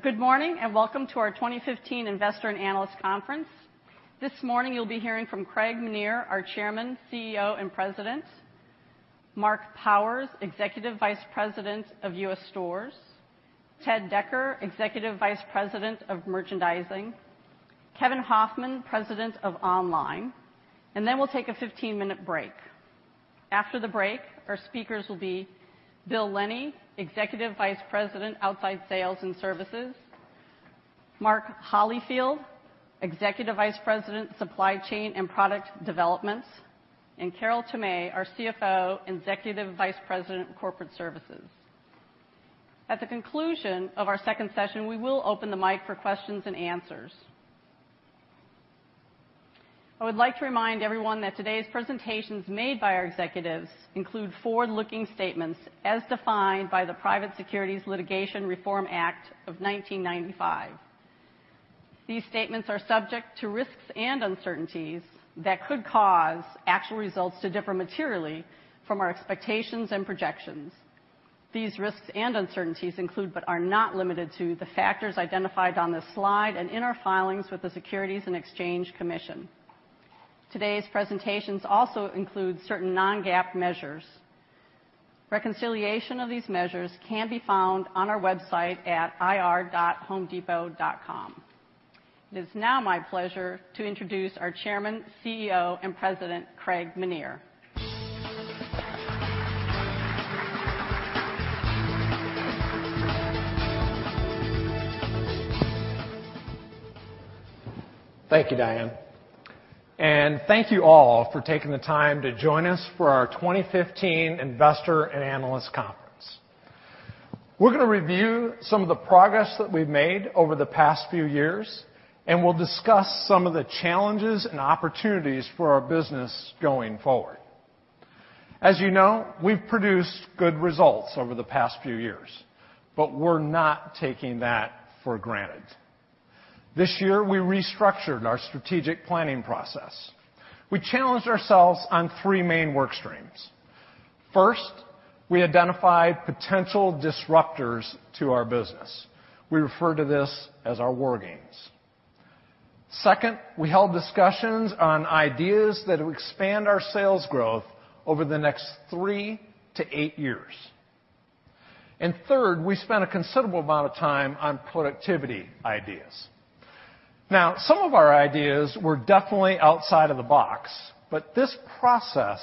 Good morning, welcome to our 2015 Investor and Analyst Conference. This morning, you'll be hearing from Craig Menear, our Chairman, CEO, and President, Mark Holifield, Executive Vice President of U.S. Stores, Ted Decker, Executive Vice President of Merchandising, Kevin Hofmann, President of Online, then we'll take a 15-minute break. After the break, our speakers will be Bill Lennie, Executive Vice President, Outside Sales and Services, Mark Holifield, Executive Vice President, Supply Chain and Product Development, Carol Tomé, our CFO, Executive Vice President, Corporate Services. At the conclusion of our second session, we will open the mic for questions and answers. I would like to remind everyone that today's presentations made by our executives include forward-looking statements as defined by the Private Securities Litigation Reform Act of 1995. These statements are subject to risks and uncertainties that could cause actual results to differ materially from our expectations and projections. These risks and uncertainties include, but are not limited to, the factors identified on this slide and in our filings with the Securities and Exchange Commission. Today's presentations also include certain non-GAAP measures. Reconciliation of these measures can be found on our website at ir.homedepot.com. It is now my pleasure to introduce our Chairman, CEO, and President, Craig Menear. Thank you, Diane. Thank you all for taking the time to join us for our 2015 Investor and Analyst Conference. We're going to review some of the progress that we've made over the past few years, we'll discuss some of the challenges and opportunities for our business going forward. As you know, we've produced good results over the past few years, we're not taking that for granted. This year, we restructured our strategic planning process. We challenged ourselves on three main work streams. First, we identified potential disruptors to our business. We refer to this as our war games. Second, we held discussions on ideas that would expand our sales growth over the next three to eight years. Third, we spent a considerable amount of time on productivity ideas. Now, some of our ideas were definitely outside of the box, this process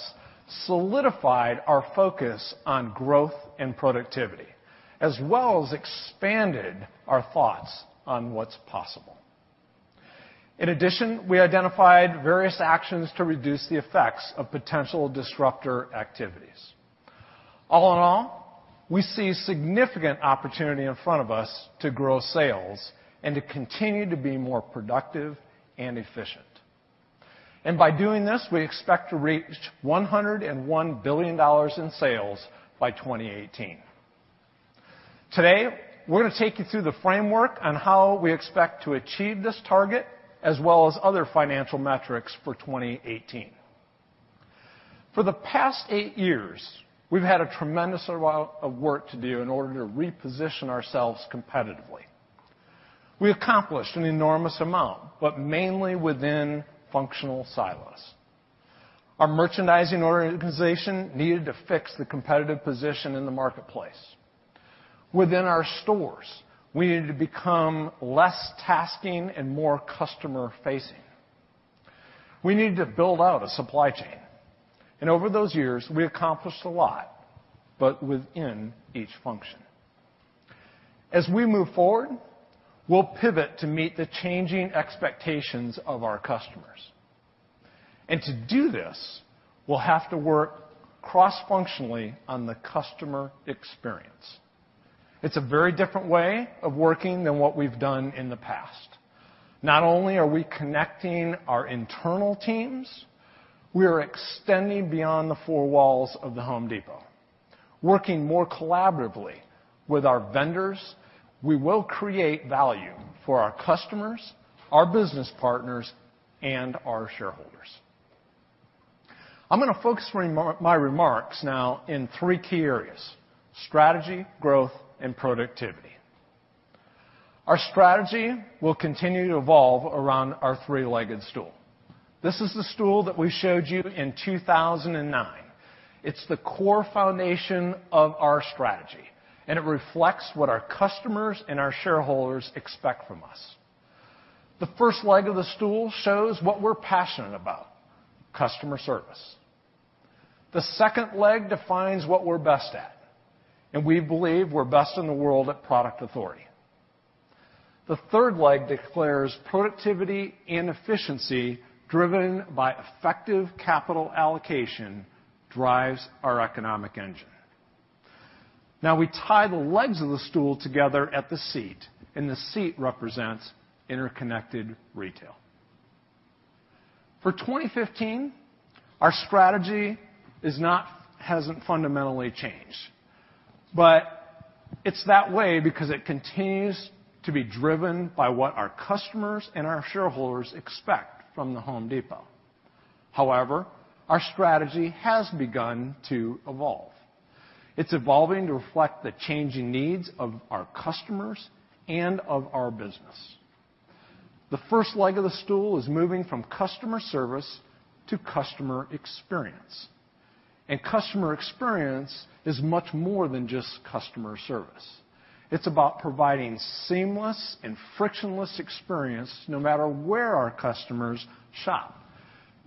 solidified our focus on growth and productivity, as well as expanded our thoughts on what's possible. In addition, we identified various actions to reduce the effects of potential disruptor activities. All in all, we see significant opportunity in front of us to grow sales and to continue to be more productive and efficient. By doing this, we expect to reach $101 billion in sales by 2018. Today, we're going to take you through the framework on how we expect to achieve this target, as well as other financial metrics for 2018. For the past eight years, we've had a tremendous amount of work to do in order to reposition ourselves competitively. We accomplished an enormous amount, mainly within functional silos. Our merchandising organization needed to fix the competitive position in the marketplace. Within our stores, we needed to become less tasking and more customer-facing. We needed to build out a supply chain. Over those years, we accomplished a lot, but within each function. As we move forward, we'll pivot to meet the changing expectations of our customers. To do this, we'll have to work cross-functionally on the customer experience. It's a very different way of working than what we've done in the past. Not only are we connecting our internal teams, we are extending beyond the four walls of The Home Depot. Working more collaboratively with our vendors, we will create value for our customers, our business partners, and our shareholders. I'm going to focus my remarks now in three key areas: strategy, growth, and productivity. Our strategy will continue to evolve around our three-legged stool. This is the stool that we showed you in 2009. It's the core foundation of our strategy, it reflects what our customers and our shareholders expect from us. The first leg of the stool shows what we're passionate about, customer service. The second leg defines what we're best at, and we believe we're best in the world at product authority. The third leg declares productivity and efficiency driven by effective capital allocation drives our economic engine. Now we tie the legs of the stool together at the seat, the seat represents interconnected retail. For 2015, our strategy hasn't fundamentally changed, it's that way because it continues to be driven by what our customers and our shareholders expect from The Home Depot. However, our strategy has begun to evolve. It's evolving to reflect the changing needs of our customers and of our business. The first leg of the stool is moving from customer service to customer experience. Customer experience is much more than just customer service. It's about providing seamless and frictionless experience, no matter where our customers shop,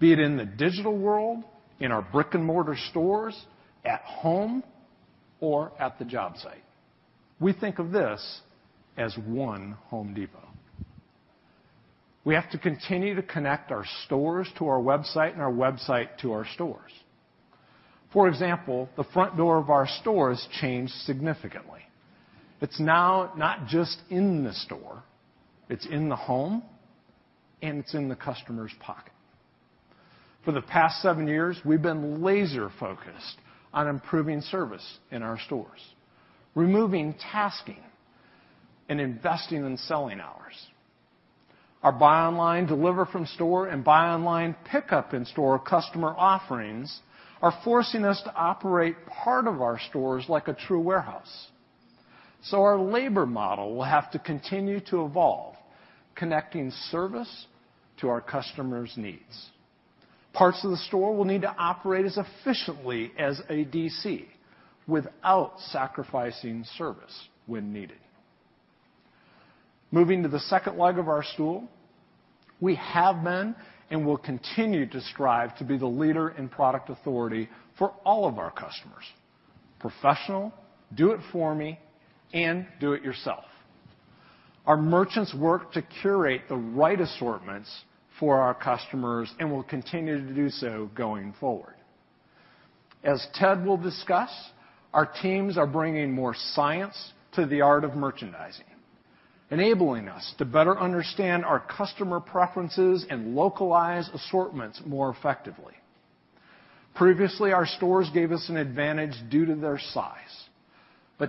be it in the digital world, in our brick-and-mortar stores, at home, or at the job site. We think of this as one Home Depot. We have to continue to connect our stores to our website and our website to our stores. For example, the front door of our stores changed significantly. It's now not just in the store, it's in the home, and it's in the customer's pocket. For the past seven years, we've been laser focused on improving service in our stores, removing tasking and investing in selling hours. Our buy online, deliver from store, and buy online, pickup in-store customer offerings are forcing us to operate part of our stores like a true warehouse. Our labor model will have to continue to evolve, connecting service to our customers' needs. Parts of the store will need to operate as efficiently as a DC without sacrificing service when needed. Moving to the second leg of our stool, we have been and will continue to strive to be the leader in product authority for all of our customers, professional, do it for me, and do it yourself. Our merchants work to curate the right assortments for our customers, will continue to do so going forward. As Ted will discuss, our teams are bringing more science to the art of merchandising, enabling us to better understand our customer preferences and localize assortments more effectively. Previously, our stores gave us an advantage due to their size,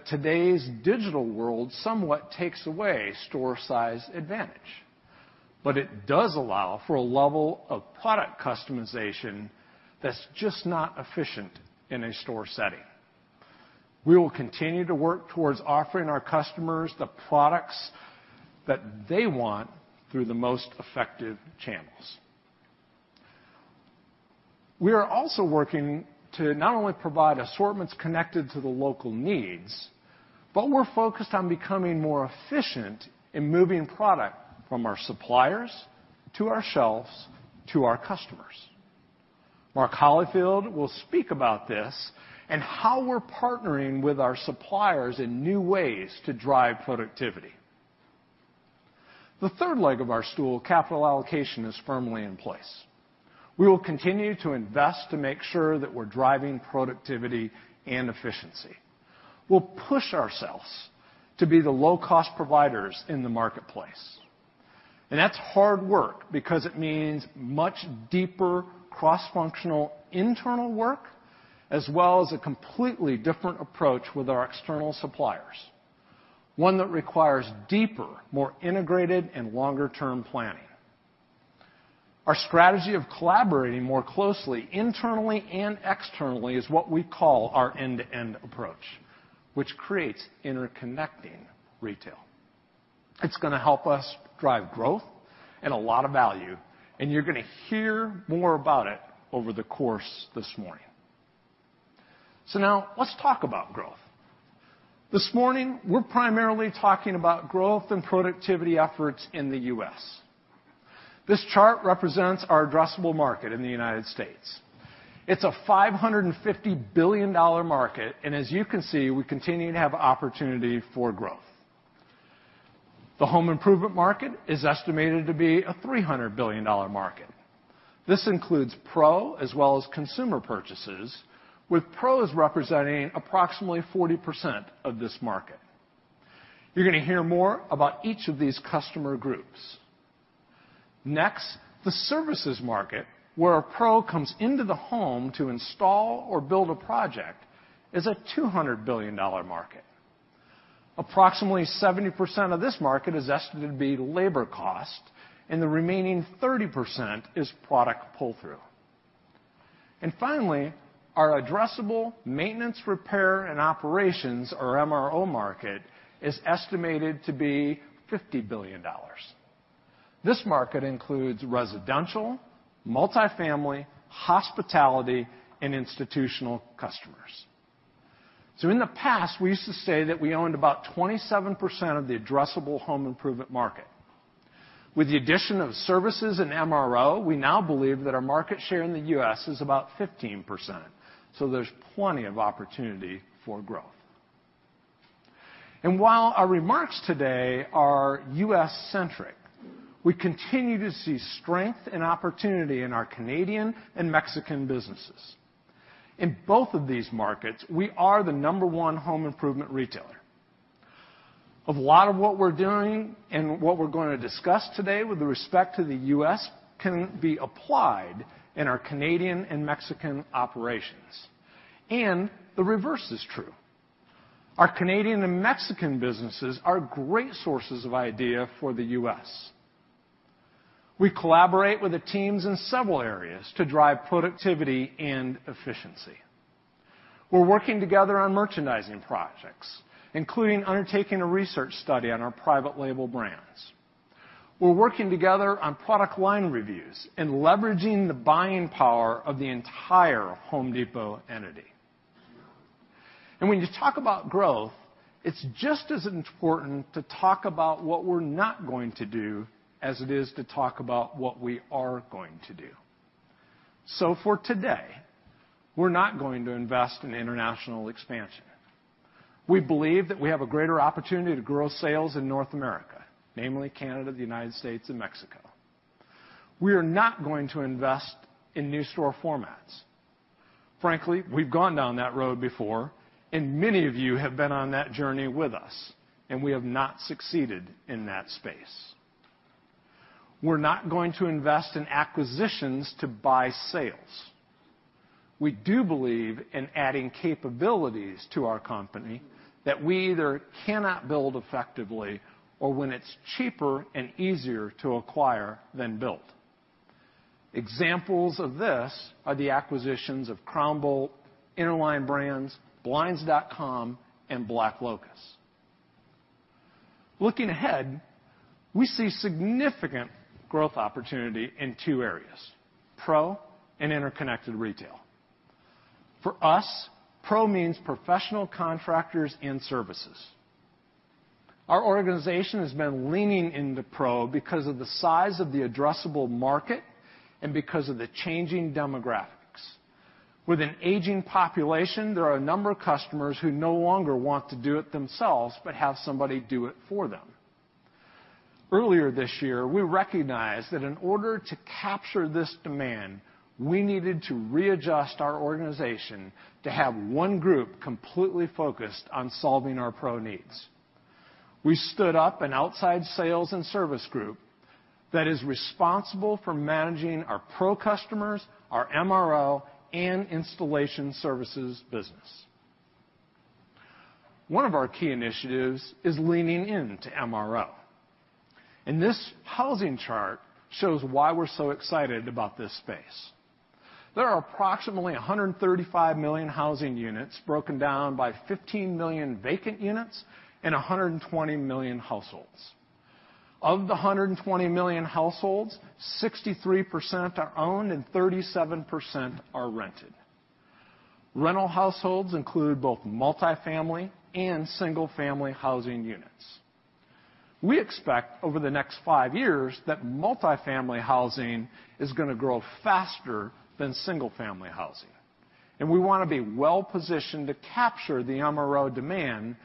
today's digital world somewhat takes away store size advantage. It does allow for a level of product customization that's just not efficient in a store setting. We will continue to work towards offering our customers the products that they want through the most effective channels. We are also working to not only provide assortments connected to the local needs, but we're focused on becoming more efficient in moving product from our suppliers to our shelves to our customers. Mark Holifield will speak about this and how we're partnering with our suppliers in new ways to drive productivity. The third leg of our stool, capital allocation, is firmly in place. We will continue to invest to make sure that we're driving productivity and efficiency. We'll push ourselves to be the low-cost providers in the marketplace. That's hard work because it means much deeper cross-functional internal work, as well as a completely different approach with our external suppliers, one that requires deeper, more integrated, and longer-term planning. Our strategy of collaborating more closely internally and externally is what we call our end-to-end approach, which creates interconnecting retail. It's gonna help us drive growth and a lot of value, and you're gonna hear more about it over the course this morning. Now let's talk about growth. This morning, we're primarily talking about growth and productivity efforts in the U.S. This chart represents our addressable market in the United States. It's a $550 billion market, and as you can see, we continue to have opportunity for growth. The home improvement market is estimated to be a $300 billion market. This includes pro as well as consumer purchases, with pros representing approximately 40% of this market. You're gonna hear more about each of these customer groups. Next, the services market, where a pro comes into the home to install or build a project, is a $200 billion market. Approximately 70% of this market is estimated to be labor cost, and the remaining 30% is product pull-through. Finally, our addressable maintenance, repair, and operations, or MRO market, is estimated to be $50 billion. This market includes residential, multifamily, hospitality, and institutional customers. In the past, we used to say that we owned about 27% of the addressable home improvement market. With the addition of services and MRO, we now believe that our market share in the U.S. is about 15%, so there's plenty of opportunity for growth. While our remarks today are U.S.-centric, we continue to see strength and opportunity in our Canadian and Mexican businesses. In both of these markets, we are the number one home improvement retailer. A lot of what we're doing and what we're gonna discuss today with respect to the U.S. can be applied in our Canadian and Mexican operations. The reverse is true. Our Canadian and Mexican businesses are great sources of idea for the U.S. We collaborate with the teams in several areas to drive productivity and efficiency. We're working together on merchandising projects, including undertaking a research study on our private label brands. We're working together on product line reviews and leveraging the buying power of the entire Home Depot entity. When you talk about growth, it's just as important to talk about what we're not going to do as it is to talk about what we are going to do. For today, we're not going to invest in international expansion. We believe that we have a greater opportunity to grow sales in North America, namely Canada, the U.S., and Mexico. We are not going to invest in new store formats. Frankly, we've gone down that road before, and many of you have been on that journey with us, and we have not succeeded in that space. We are not going to invest in acquisitions to buy sales. We do believe in adding capabilities to our company that we either cannot build effectively or when it is cheaper and easier to acquire than build. Examples of this are the acquisitions of Crown Bolt, Interline Brands, Blinds.com, and BlackLocus. Looking ahead, we see significant growth opportunity in two areas, pro and interconnected retail. For us, pro means professional contractors and services. Our organization has been leaning into pro because of the size of the addressable market and because of the changing demographics. With an aging population, there are a number of customers who no longer want to do it themselves but have somebody do it for them. Earlier this year, we recognized that in order to capture this demand, we needed to readjust our organization to have one group completely focused on solving our pro needs. We stood up an outside sales and service group that is responsible for managing our pro customers, our MRO, and installation services business. One of our key initiatives is leaning into MRO, and this housing chart shows why we are so excited about this space. There are approximately 135 million housing units broken down by 15 million vacant units and 120 million households. Of the 120 million households, 63% are owned and 37% are rented. Rental households include both multi-family and single-family housing units. We expect over the next five years that multi-family housing is going to grow faster than single-family housing, and we want to be well-positioned to capture the MRO demand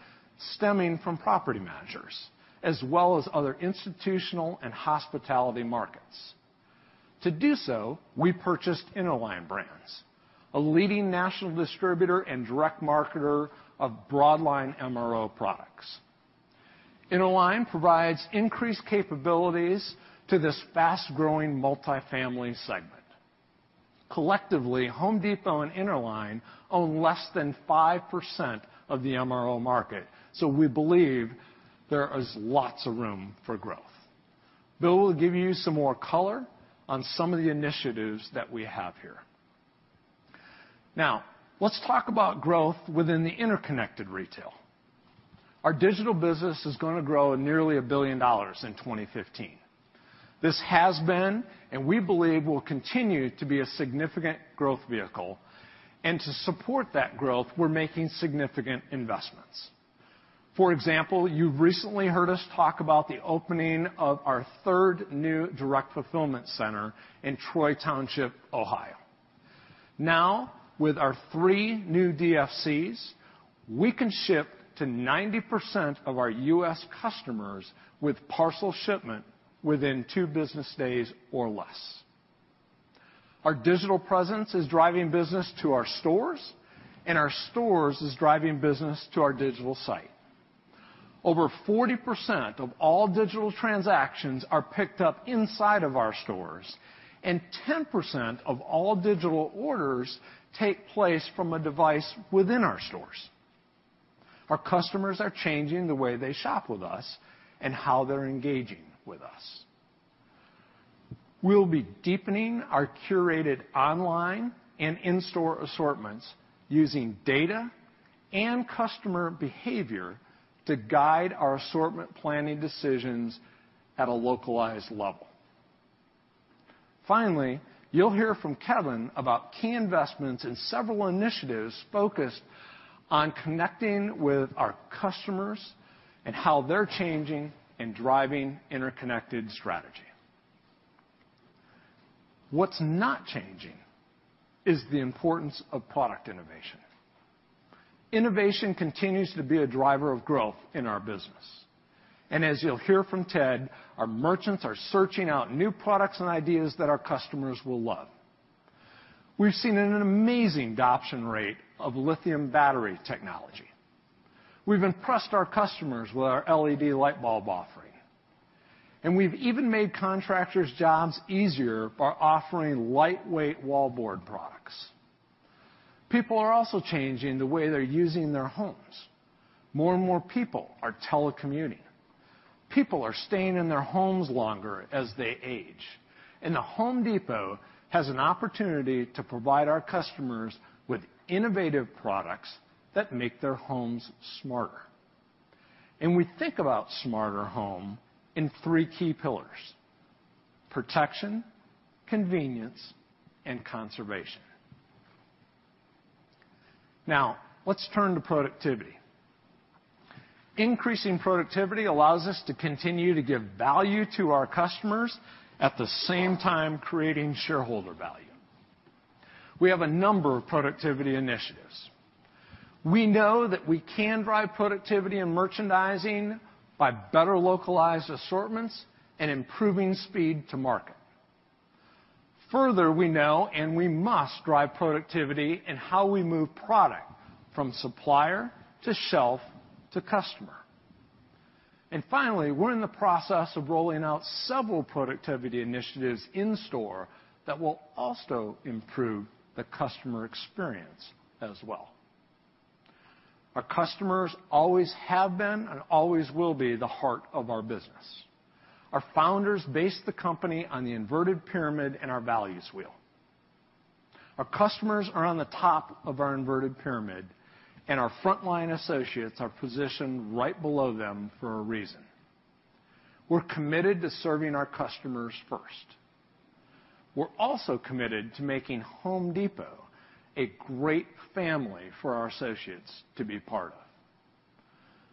stemming from property managers, as well as other institutional and hospitality markets. To do so, we purchased Interline Brands, a leading national distributor and direct marketer of broad line MRO products. Interline provides increased capabilities to this fast-growing multi-family segment. Collectively, Home Depot and Interline own less than 5% of the MRO market, so we believe there is lots of room for growth. Bill will give you some more color on some of the initiatives that we have here. Now, let us talk about growth within the interconnected retail. Our digital business is going to grow nearly $1 billion in 2015. This has been, and we believe will continue to be, a significant growth vehicle. To support that growth, we're making significant investments. For example, you've recently heard us talk about the opening of our third new direct fulfillment center in Troy Township, Ohio. Now, with our three new DFCs, we can ship to 90% of our U.S. customers with parcel shipment within two business days or less. Our digital presence is driving business to our stores, and our stores is driving business to our digital site. Over 40% of all digital transactions are picked up inside of our stores, and 10% of all digital orders take place from a device within our stores. Our customers are changing the way they shop with us and how they're engaging with us. We'll be deepening our curated online and in-store assortments using data and customer behavior to guide our assortment planning decisions at a localized level. You'll hear from Kevin about key investments in several initiatives focused on connecting with our customers and how they're changing and driving interconnected strategy. What's not changing is the importance of product innovation. Innovation continues to be a driver of growth in our business, and as you'll hear from Ted, our merchants are searching out new products and ideas that our customers will love. We've seen an amazing adoption rate of lithium battery technology. We've impressed our customers with our LED light bulb offering. We've even made contractors' jobs easier by offering lightweight wallboard products. People are also changing the way they're using their homes. More and more people are telecommuting. People are staying in their homes longer as they age. The Home Depot has an opportunity to provide our customers with innovative products that make their homes smarter. We think about smarter home in three key pillars: protection, convenience, and conservation. Now, let's turn to productivity. Increasing productivity allows us to continue to give value to our customers, at the same time creating shareholder value. We have a number of productivity initiatives. We know that we can drive productivity in merchandising by better localized assortments and improving speed to market. Further, we know, we must drive productivity in how we move product from supplier to shelf to customer. Finally, we're in the process of rolling out several productivity initiatives in store that will also improve the customer experience as well. Our customers always have been and always will be the heart of our business. Our founders based the company on the inverted pyramid and our values wheel. Our customers are on the top of our inverted pyramid, and our frontline associates are positioned right below them for a reason. We're committed to serving our customers first. We're also committed to making The Home Depot a great family for our associates to be part of.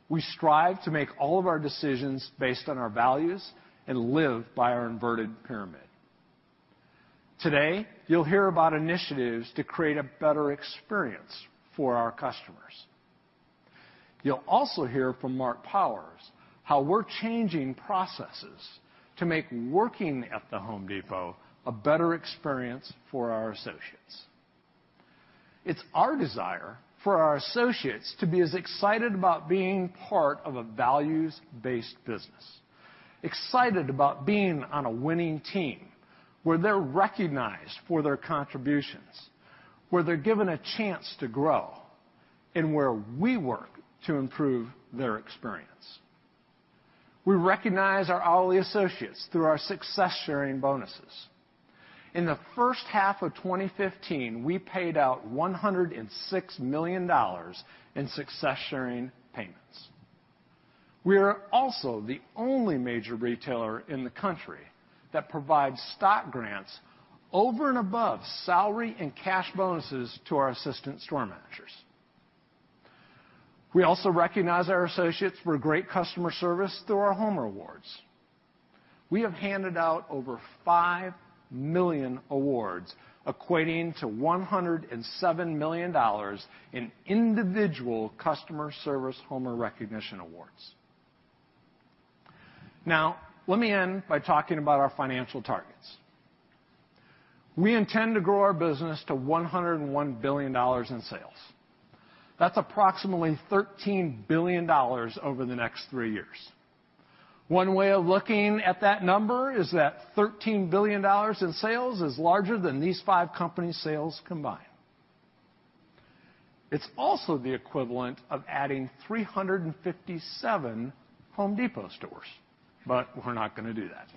We strive to make all of our decisions based on our values and live by our inverted pyramid. Today, you'll hear about initiatives to create a better experience for our customers. You'll also hear from Mark Holifield how we're changing processes to make working at The Home Depot a better experience for our associates. It's our desire for our associates to be as excited about being part of a values-based business, excited about being on a winning team, where they're recognized for their contributions, where they're given a chance to grow, and where we work to improve their experience. We recognize our hourly associates through our success-sharing bonuses. In the first half of 2015, we paid out $106 million in success-sharing payments. We are also the only major retailer in the country that provides stock grants over and above salary and cash bonuses to our assistant store managers. We also recognize our associates for great customer service through our Homer Awards. We have handed out over 5 million awards, equating to $107 million in individual customer service Homer recognition awards. Now, let me end by talking about our financial targets. We intend to grow our business to $101 billion in sales. That's approximately $13 billion over the next three years. One way of looking at that number is that $13 billion in sales is larger than these five companies' sales combined. It's also the equivalent of adding 357 The Home Depot stores, but we're not going to do that.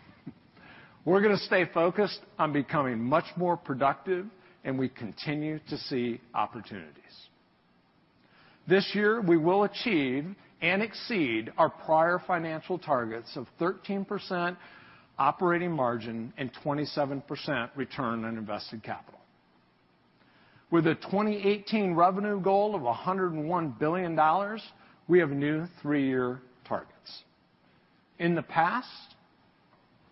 We're going to stay focused on becoming much more productive. We continue to see opportunities. This year, we will achieve and exceed our prior financial targets of 13% operating margin and 27% return on invested capital. With a 2018 revenue goal of $101 billion, we have new three-year targets. In the past,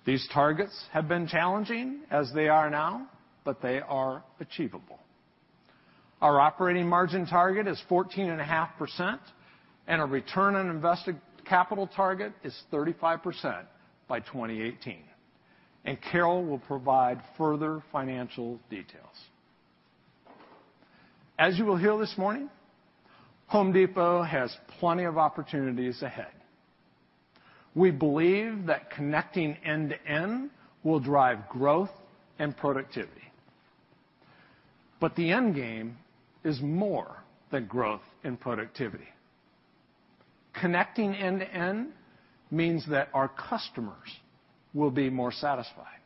these targets have been challenging, as they are now. They are achievable. Our operating margin target is 14.5%. Our return on invested capital target is 35% by 2018. Carol will provide further financial details. As you will hear this morning, The Home Depot has plenty of opportunities ahead. We believe that connecting end to end will drive growth and productivity. The end game is more than growth and productivity. Connecting end to end means that our customers will be more satisfied,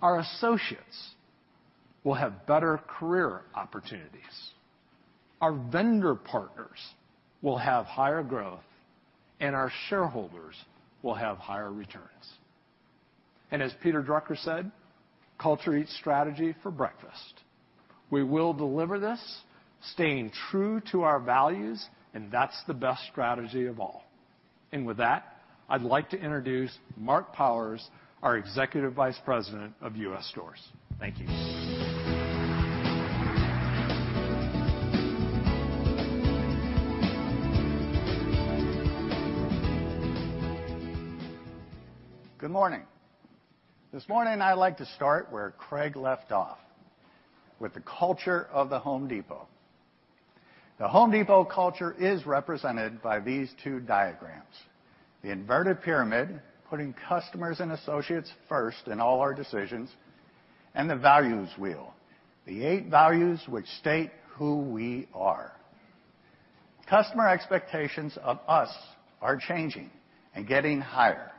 our associates will have better career opportunities, our vendor partners will have higher growth, and our shareholders will have higher returns. As Peter Drucker said, "Culture eats strategy for breakfast." We will deliver this staying true to our values. That's the best strategy of all. With that, I'd like to introduce Mark Holifield, our Executive Vice President of U.S. Stores. Thank you. Good morning. This morning, I'd like to start where Craig left off, with the culture of The Home Depot. The Home Depot culture is represented by these two diagrams. The inverted pyramid, putting customers and associates first in all our decisions, and the values wheel, the eight values which state who we are. Customer expectations of us are changing and getting higher.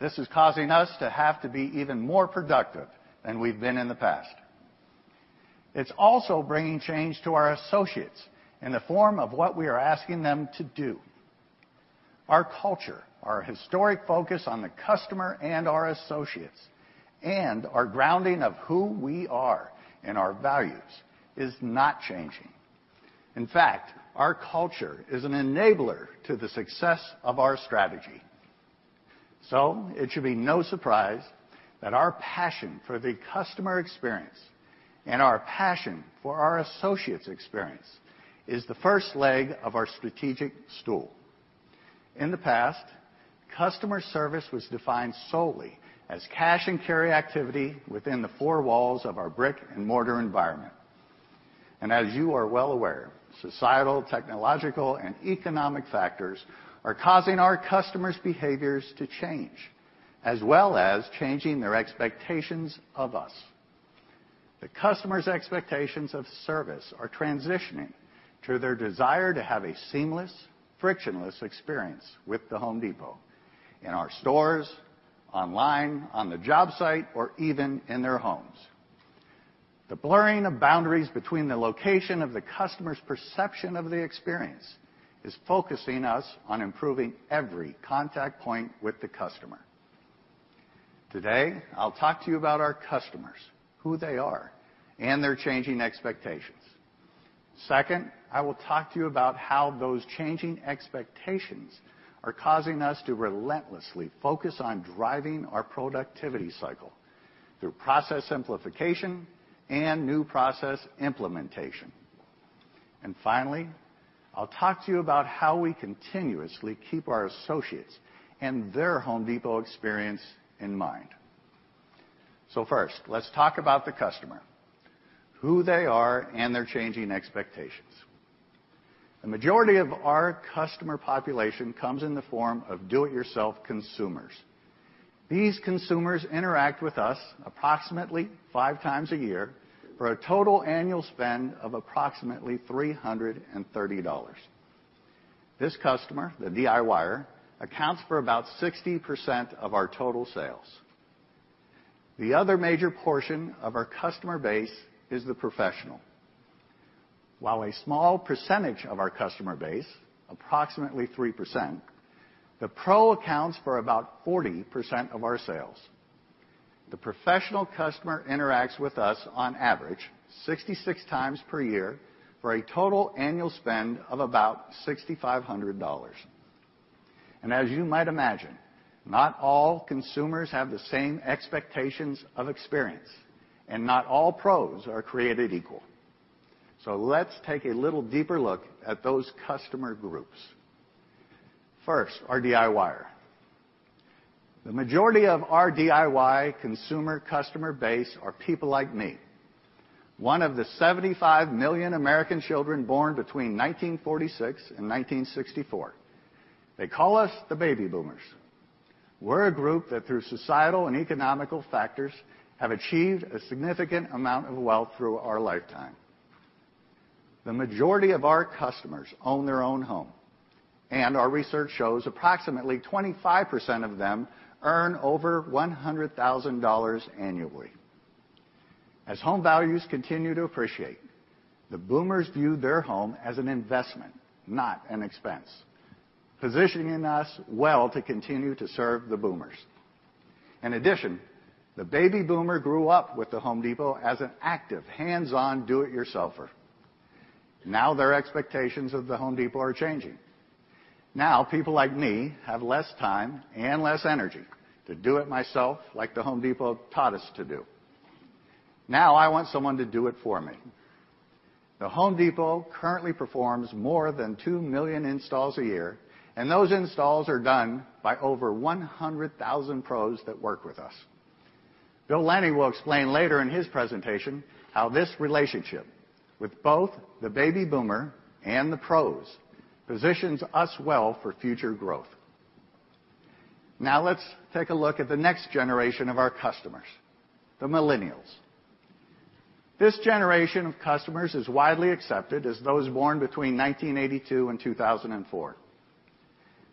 This is causing us to have to be even more productive than we've been in the past. It's also bringing change to our associates in the form of what we are asking them to do. Our culture, our historic focus on the customer and our associates, and our grounding of who we are and our values is not changing. In fact, our culture is an enabler to the success of our strategy. It should be no surprise that our passion for the customer experience and our passion for our associates' experience is the first leg of our strategic stool. In the past, customer service was defined solely as cash-and-carry activity within the four walls of our brick-and-mortar environment. As you are well aware, societal, technological, and economic factors are causing our customers' behaviors to change, as well as changing their expectations of us. The customer's expectations of service are transitioning to their desire to have a seamless, frictionless experience with The Home Depot in our stores, online, on the job site, or even in their homes. The blurring of boundaries between the location of the customer's perception of the experience is focusing us on improving every contact point with the customer. Today, I'll talk to you about our customers, who they are, and their changing expectations. Second, I will talk to you about how those changing expectations are causing us to relentlessly focus on driving our productivity cycle through process simplification and new process implementation. Finally, I'll talk to you about how we continuously keep our associates and their Home Depot experience in mind. First, let's talk about the customer, who they are, and their changing expectations. The majority of our customer population comes in the form of do-it-yourself consumers. These consumers interact with us approximately 5 times a year for a total annual spend of approximately $330. This customer, the DIYer, accounts for about 60% of our total sales. The other major portion of our customer base is the professional. While a small percentage of our customer base, approximately 3%, the pro accounts for about 40% of our sales. The professional customer interacts with us on average 66 times per year for a total annual spend of about $6,500. As you might imagine, not all consumers have the same expectations of experience, and not all pros are created equal. Let's take a little deeper look at those customer groups. First, our DIYer. The majority of our DIY consumer customer base are people like me, one of the 75 million American children born between 1946 and 1964. They call us the Baby Boomers. We're a group that, through societal and economical factors, have achieved a significant amount of wealth through our lifetime. The majority of our customers own their own home, and our research shows approximately 25% of them earn over $100,000 annually. As home values continue to appreciate, the Baby Boomers view their home as an investment, not an expense, positioning us well to continue to serve the Baby Boomers. In addition, the Baby Boomer grew up with The Home Depot as an active, hands-on do-it-yourselfer. Now, their expectations of The Home Depot are changing. Now, people like me have less time and less energy to do it myself like The Home Depot taught us to do. Now, I want someone to do it for me. The Home Depot currently performs more than 2 million installs a year, and those installs are done by over 100,000 pros that work with us. Bill Lennie will explain later in his presentation how this relationship with both the Baby Boomer and the pros positions us well for future growth. Now, let's take a look at the next generation of our customers, the Millennials. This generation of customers is widely accepted as those born between 1982 and 2004.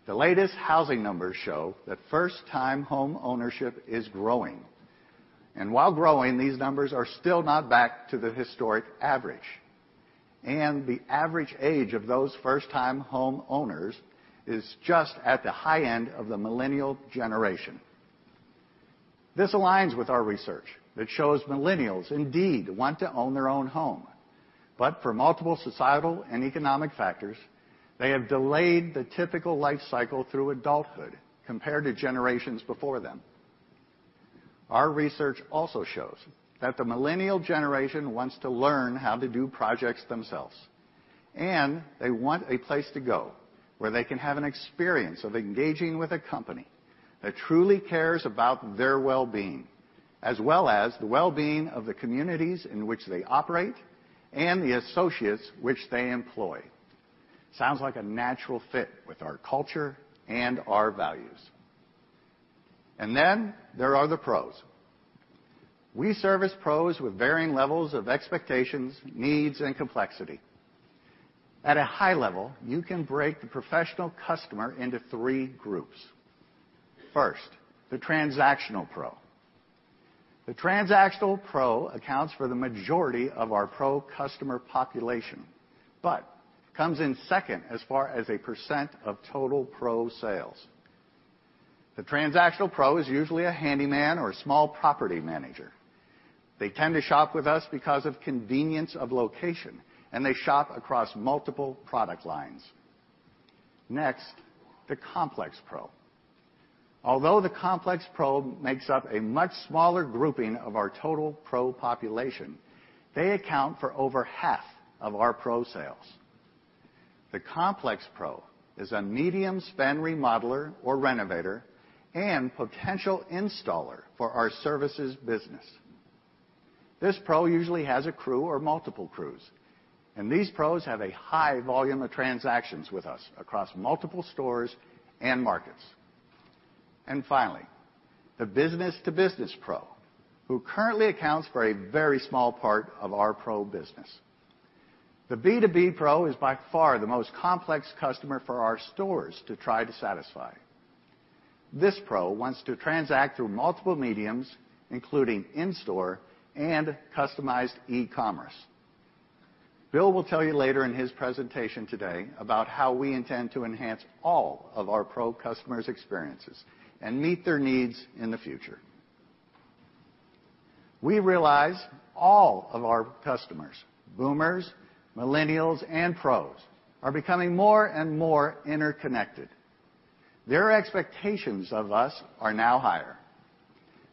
The latest housing numbers show that first-time home ownership is growing. While growing, these numbers are still not back to the historic average. The average age of those first-time homeowners is just at the high end of the Millennial generation. This aligns with our research that shows Millennials indeed want to own their own home. For multiple societal and economic factors, they have delayed the typical life cycle through adulthood compared to generations before them. Our research also shows that the Millennial generation wants to learn how to do projects themselves, and they want a place to go where they can have an experience of engaging with a company that truly cares about their well-being as well as the well-being of the communities in which they operate and the associates which they employ. Sounds like a natural fit with our culture and our values. There are the pros. We service pros with varying levels of expectations, needs, and complexity. At a high level, you can break the professional customer into three groups. First, the transactional pro. The transactional pro accounts for the majority of our pro customer population, but comes in second as far as a % of total pro sales. The transactional pro is usually a handyman or a small property manager. They tend to shop with us because of convenience of location, and they shop across multiple product lines. Next, the complex pro. Although the complex pro makes up a much smaller grouping of our total pro population, they account for over half of our pro sales. The complex pro is a medium-spend remodeler or renovator and potential installer for our services business. This pro usually has a crew or multiple crews, and these pros have a high volume of transactions with us across multiple stores and markets. Finally, the B2B pro, who currently accounts for a very small part of our pro business. The B2B pro is by far the most complex customer for our stores to try to satisfy. This pro wants to transact through multiple mediums, including in-store and customized e-commerce. Bill will tell you later in his presentation today about how we intend to enhance all of our pro customers' experiences and meet their needs in the future. We realize all of our customers, Boomers, Millennials, and pros, are becoming more and more interconnected. Their expectations of us are now higher.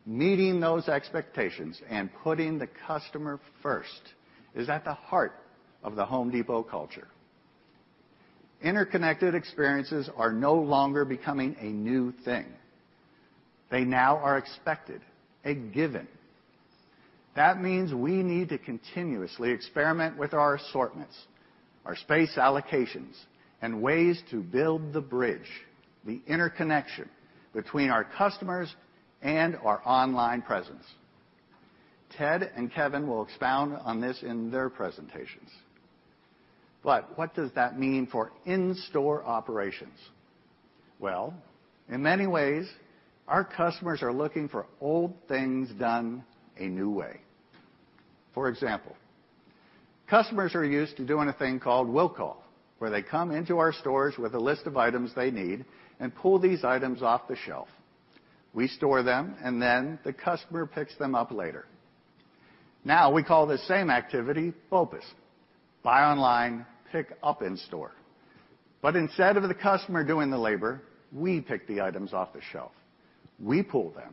Meeting those expectations and putting the customer first is at the heart of The Home Depot culture. Interconnected experiences are no longer becoming a new thing. They now are expected, a given. That means we need to continuously experiment with our assortments, our space allocations, and ways to build the bridge, the interconnection between our customers and our online presence. Ted and Kevin will expound on this in their presentations. What does that mean for in-store operations? Well, in many ways, our customers are looking for old things done a new way. For example, customers are used to doing a thing called will call, where they come into our stores with a list of items they need and pull these items off the shelf. We store them, then the customer picks them up later. Now, we call this same activity BOPUS, buy online, pick up in store. Instead of the customer doing the labor, we pick the items off the shelf. We pull them,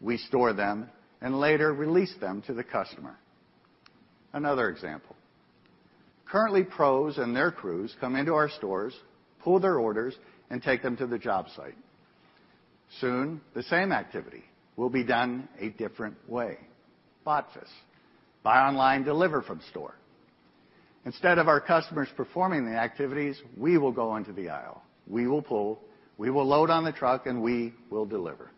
we store them, later release them to the customer. Another example. Currently, pros and their crews come into our stores, pull their orders, and take them to the job site. Soon, the same activity will be done a different way. BODFS, buy online, deliver from store. Instead of our customers performing the activities, we will go into the aisle, we will pull, we will load on the truck, and we will deliver.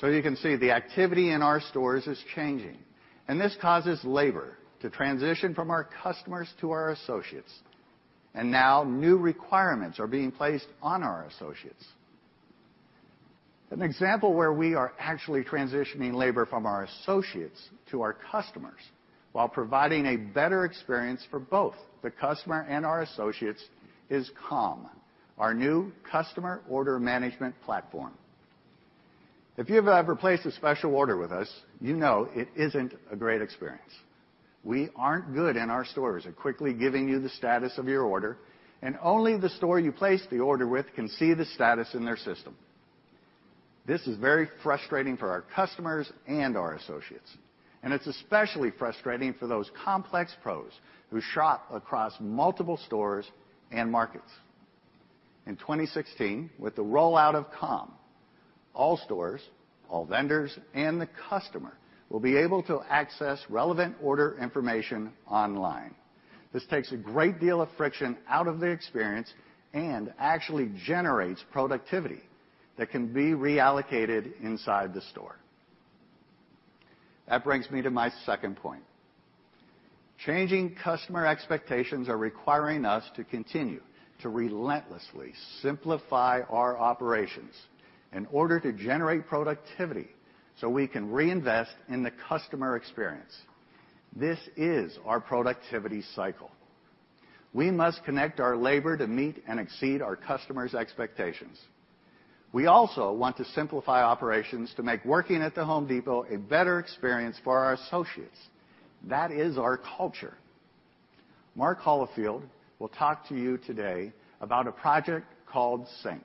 You can see the activity in our stores is changing, this causes labor to transition from our customers to our associates. Now new requirements are being placed on our associates. An example where we are actually transitioning labor from our associates to our customers while providing a better experience for both the customer and our associates is COM, our new customer order management platform. If you have ever placed a special order with us, you know it isn't a great experience. We aren't good in our stores at quickly giving you the status of your order, and only the store you placed the order with can see the status in their system. This is very frustrating for our customers and our associates, and it's especially frustrating for those complex pros who shop across multiple stores and markets. In 2016, with the rollout of COM, all stores, all vendors, and the customer will be able to access relevant order information online. This takes a great deal of friction out of the experience and actually generates productivity that can be reallocated inside the store. That brings me to my second point. Changing customer expectations are requiring us to continue to relentlessly simplify our operations in order to generate productivity so we can reinvest in the customer experience. This is our productivity cycle. We must connect our labor to meet and exceed our customers' expectations. We also want to simplify operations to make working at The Home Depot a better experience for our associates. That is our culture. Mark Holifield will talk to you today about a project called Sync.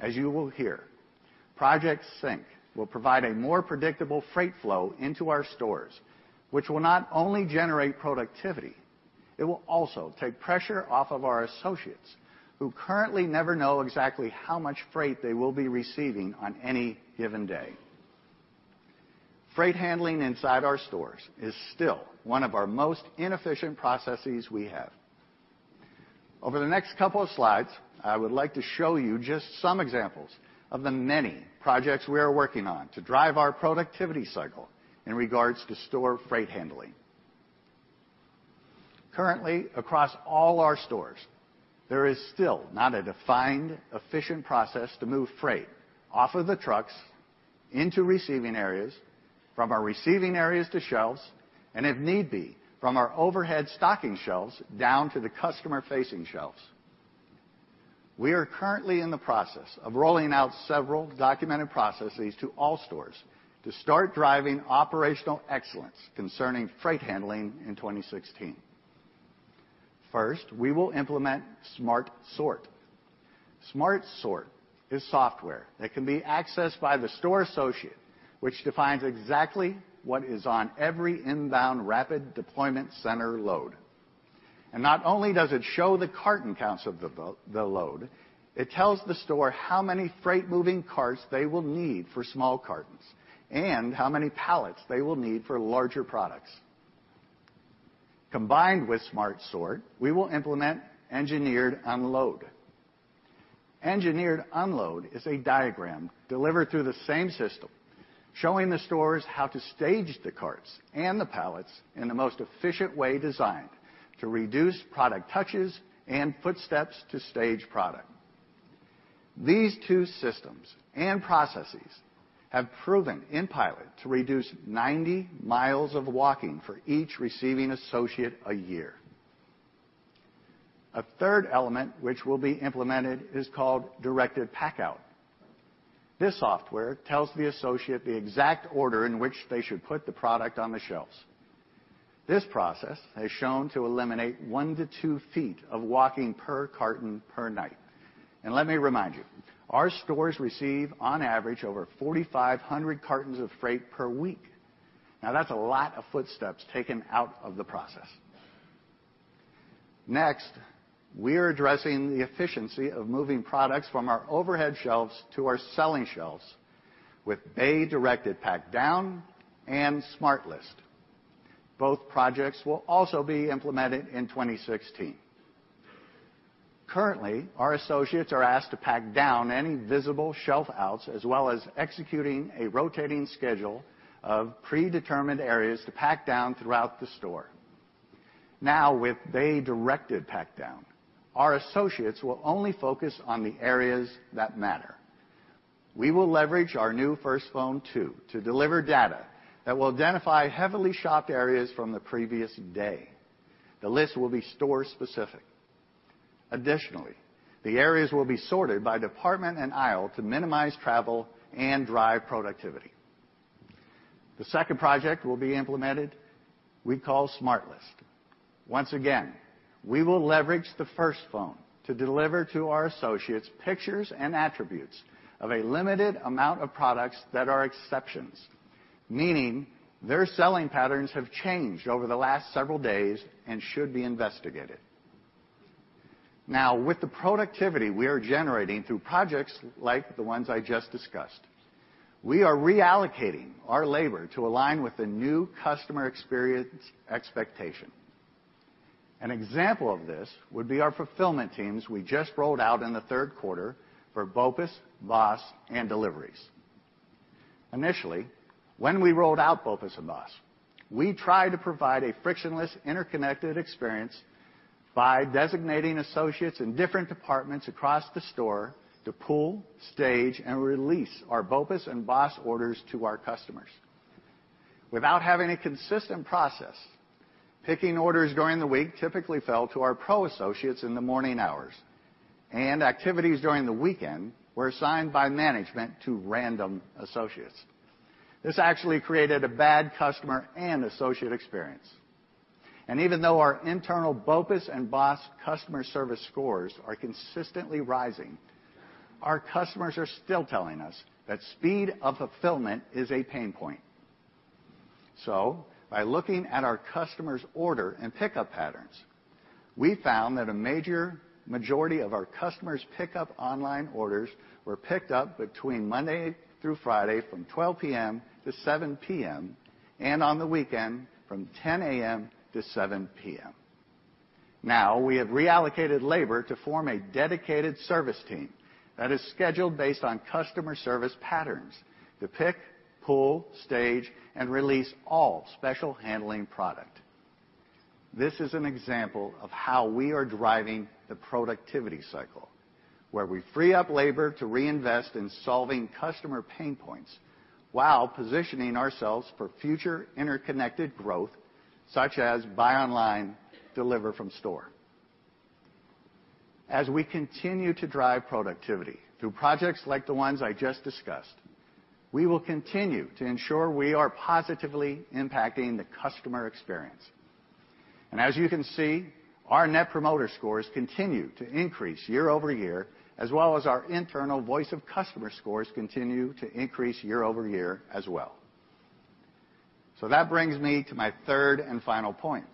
As you will hear, Project Sync will provide a more predictable freight flow into our stores, which will not only generate productivity. It will also take pressure off of our associates who currently never know exactly how much freight they will be receiving on any given day. Freight handling inside our stores is still one of our most inefficient processes we have. Over the next couple of slides, I would like to show you just some examples of the many projects we are working on to drive our productivity cycle in regards to store freight handling. Currently, across all our stores, there is still not a defined efficient process to move freight off of the trucks into receiving areas, from our receiving areas to shelves, and if need be, from our overhead stocking shelves down to the customer-facing shelves. We are currently in the process of rolling out several documented processes to all stores to start driving operational excellence concerning freight handling in 2016. We will implement Smart Sort. Smart Sort is software that can be accessed by the store associate which defines exactly what is on every inbound rapid deployment center load. Not only does it show the carton counts of the load, it tells the store how many freight moving carts they will need for small cartons and how many pallets they will need for larger products. Combined with Smart Sort, we will implement Engineered Unload. Engineered Unload is a diagram delivered through the same system, showing the stores how to stage the carts and the pallets in the most efficient way designed to reduce product touches and footsteps to stage product. These two systems and processes have proven in pilot to reduce 90 miles of walking for each receiving associate a year. A third element which will be implemented is called Directed Packout. This software tells the associate the exact order in which they should put the product on the shelves. This process has shown to eliminate one to two feet of walking per carton per night. Let me remind you, our stores receive on average over 4,500 cartons of freight per week. That's a lot of footsteps taken out of the process. Next, we are addressing the efficiency of moving products from our overhead shelves to our selling shelves with Bay Directed Packdown and Smart List. Both projects will also be implemented in 2016. Currently, our associates are asked to pack down any visible shelf outs, as well as executing a rotating schedule of predetermined areas to pack down throughout the store. With Bay Directed Packdown, our associates will only focus on the areas that matter. We will leverage our new First Phone 2 to deliver data that will identify heavily shopped areas from the previous day. The list will be store specific. Additionally, the areas will be sorted by department and aisle to minimize travel and drive productivity. The second project will be implemented, we call Smart List. Once again, we will leverage the First Phone to deliver to our associates pictures and attributes of a limited amount of products that are exceptions, meaning their selling patterns have changed over the last several days and should be investigated. With the productivity we are generating through projects like the ones I just discussed, we are reallocating our labor to align with the new customer experience expectation. An example of this would be our fulfillment teams we just rolled out in the third quarter for BOPUS, BOSS, and deliveries. Initially, when we rolled out BOPUS and BOSS, we tried to provide a frictionless interconnected experience by designating associates in different departments across the store to pull, stage, and release our BOPUS and BOSS orders to our customers. Without having a consistent process, picking orders during the week typically fell to our pro associates in the morning hours, and activities during the weekend were assigned by management to random associates. This actually created a bad customer and associate experience. Even though our internal BOPUS and BOSS customer service scores are consistently rising, our customers are still telling us that speed of fulfillment is a pain point. By looking at our customer's order and pickup patterns, we found that a major majority of our customers' pickup online orders were picked up between Monday through Friday from 12:00 P.M. to 7:00 P.M., and on the weekend from 10:00 A.M. to 7:00 P.M. We have reallocated labor to form a dedicated service team that is scheduled based on customer service patterns to pick, pull, stage, and release all special handling product. This is an example of how we are driving the productivity cycle, where we free up labor to reinvest in solving customer pain points while positioning ourselves for future interconnected growth, such as buy online, deliver from store. As we continue to drive productivity through projects like the ones I just discussed, we will continue to ensure we are positively impacting the customer experience. As you can see, our Net Promoter Scores continue to increase year-over-year, as well as our internal Voice of the Customer scores continue to increase year-over-year as well. That brings me to my third and final point.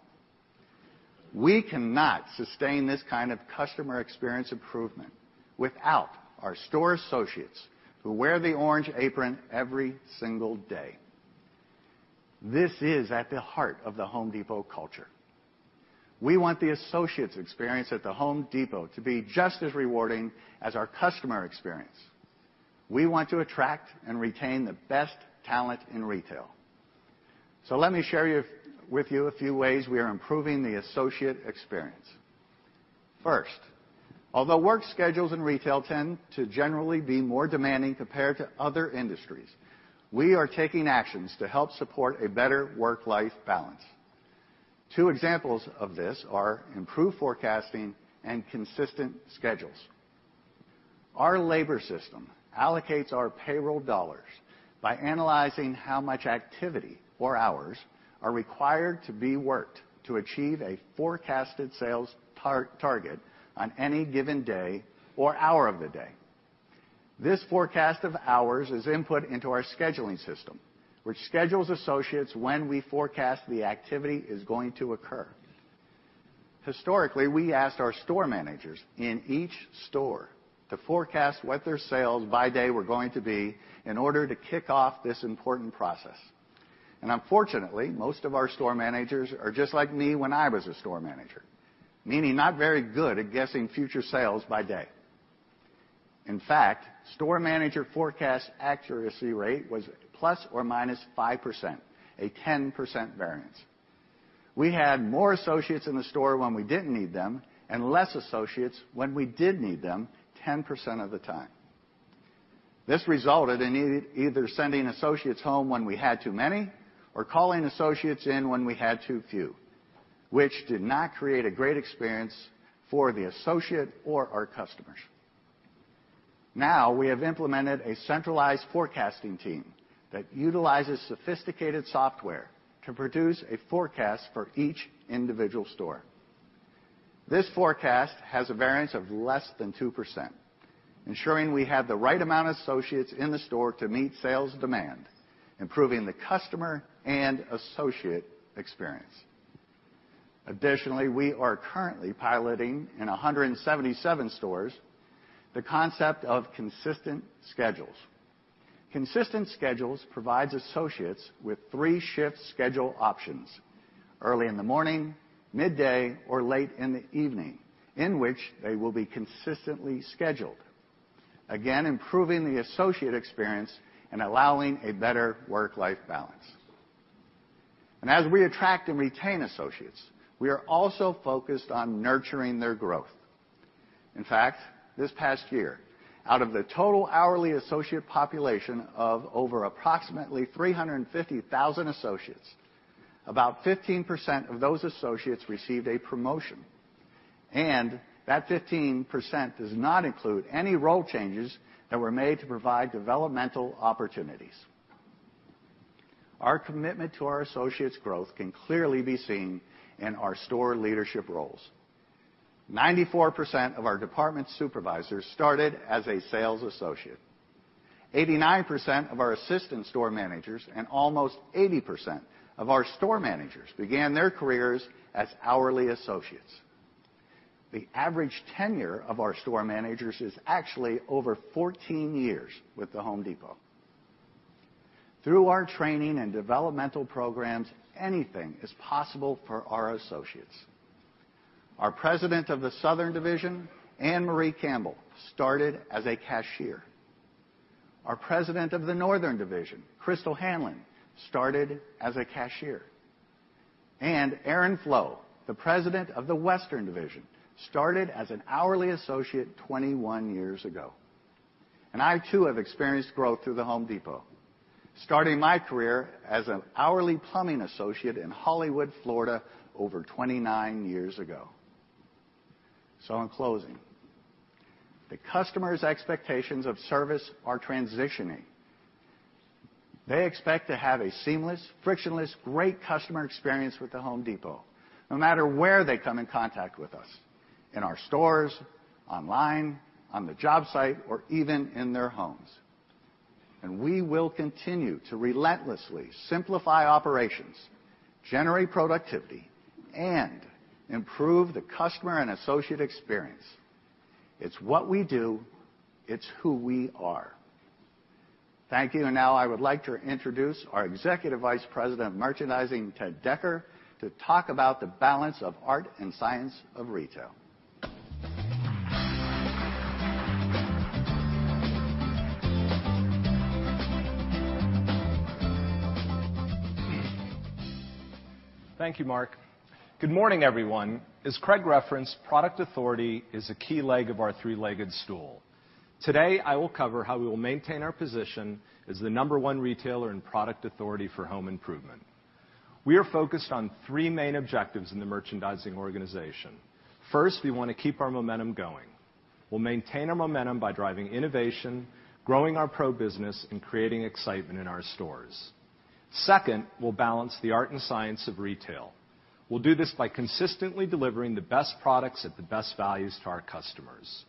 We cannot sustain this kind of customer experience improvement without our store associates who wear the orange apron every single day. This is at the heart of The Home Depot culture. We want the associates' experience at The Home Depot to be just as rewarding as our customer experience. We want to attract and retain the best talent in retail. Let me share with you a few ways we are improving the associate experience. First, although work schedules in retail tend to generally be more demanding compared to other industries, we are taking actions to help support a better work-life balance. Two examples of this are improved forecasting and consistent schedules. Our labor system allocates our payroll dollars by analyzing how much activity or hours are required to be worked to achieve a forecasted sales target on any given day or hour of the day. This forecast of hours is input into our scheduling system, which schedules associates when we forecast the activity is going to occur. Historically, we asked our store managers in each store to forecast what their sales by day were going to be in order to kick off this important process. Unfortunately, most of our store managers are just like me when I was a store manager, meaning not very good at guessing future sales by day. In fact, store manager forecast accuracy rate was ±5%, a 10% variance. We had more associates in the store when we didn't need them and less associates when we did need them 10% of the time. This resulted in either sending associates home when we had too many or calling associates in when we had too few, which did not create a great experience for the associate or our customers. Now we have implemented a centralized forecasting team that utilizes sophisticated software to produce a forecast for each individual store. This forecast has a variance of less than 2%, ensuring we have the right amount of associates in the store to meet sales demand, improving the customer and associate experience. Additionally, we are currently piloting in 177 stores the concept of consistent schedules. Consistent schedules provides associates with three shift schedule options: early in the morning, midday, or late in the evening, in which they will be consistently scheduled, again, improving the associate experience and allowing a better work-life balance. As we attract and retain associates, we are also focused on nurturing their growth. In fact, this past year, out of the total hourly associate population of over approximately 350,000 associates, about 15% of those associates received a promotion. That 15% does not include any role changes that were made to provide developmental opportunities. Our commitment to our associates' growth can clearly be seen in our store leadership roles. 94% of our department supervisors started as a sales associate. 89% of our assistant store managers and almost 80% of our store managers began their careers as hourly associates. The average tenure of our store managers is actually over 14 years with The Home Depot. Through our training and developmental programs, anything is possible for our associates. Our president of the Southern Division, Ann-Marie Campbell, started as a cashier. Our president of the Northern Division, Crystal Hanlon, started as a cashier. Aaron Flowe, the president of the Western Division, started as an hourly associate 21 years ago. I too have experienced growth through The Home Depot, starting my career as an hourly plumbing associate in Hollywood, Florida, over 29 years ago. In closing, the customer's expectations of service are transitioning. They expect to have a seamless, frictionless, great customer experience with The Home Depot, no matter where they come in contact with us, in our stores, online, on the job site, or even in their homes. We will continue to relentlessly simplify operations, generate productivity, and improve the customer and associate experience. It's what we do. It's who we are. Thank you. Now I would like to introduce our Executive Vice President of Merchandising, Ted Decker, to talk about the balance of art and science of retail. Thank you, Mark. Good morning, everyone. As Craig referenced, product authority is a key leg of our three-legged stool. Today, I will cover how we will maintain our position as the number one retailer in product authority for home improvement. We are focused on three main objectives in the merchandising organization. First, we want to keep our momentum going. We'll maintain our momentum by driving innovation, growing our pro business, and creating excitement in our stores. Second, we'll balance the art and science of retail. We'll do this by consistently delivering the best products at the best values to our customers.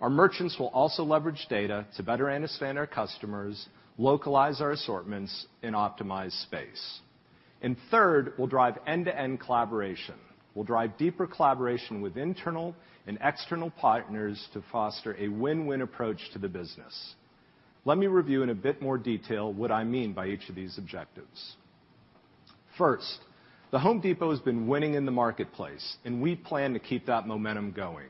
Our merchants will also leverage data to better understand our customers, localize our assortments, and optimize space. Third, we'll drive end-to-end collaboration. We'll drive deeper collaboration with internal and external partners to foster a win-win approach to the business. Let me review in a bit more detail what I mean by each of these objectives. First, The Home Depot has been winning in the marketplace, and we plan to keep that momentum going.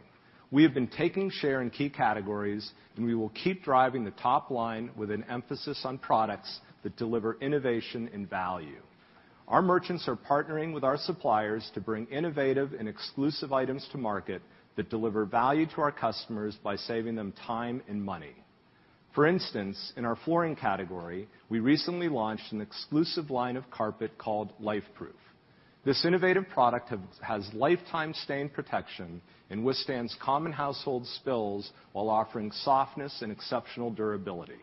We have been taking share in key categories, and we will keep driving the top line with an emphasis on products that deliver innovation and value. Our merchants are partnering with our suppliers to bring innovative and exclusive items to market that deliver value to our customers by saving them time and money. For instance, in our flooring category, we recently launched an exclusive line of carpet called LifeProof. This innovative product has lifetime stain protection and withstands common household spills while offering softness and exceptional durability.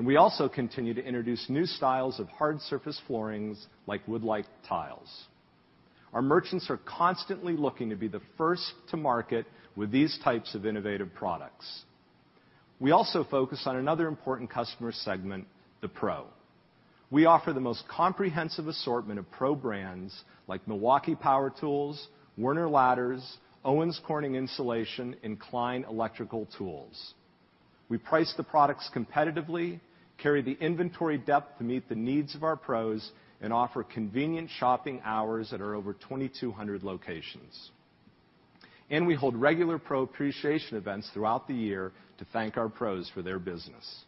We also continue to introduce new styles of hard surface floorings like wood-like tiles. Our merchants are constantly looking to be the first to market with these types of innovative products. We also focus on another important customer segment, the pro. We offer the most comprehensive assortment of pro brands like Milwaukee Power Tools, Werner Ladders, Owens Corning Insulation, and Klein Tools. We price the products competitively, carry the inventory depth to meet the needs of our pros, and offer convenient shopping hours at our over 2,200 locations. We hold regular pro appreciation events throughout the year to thank our pros for their business.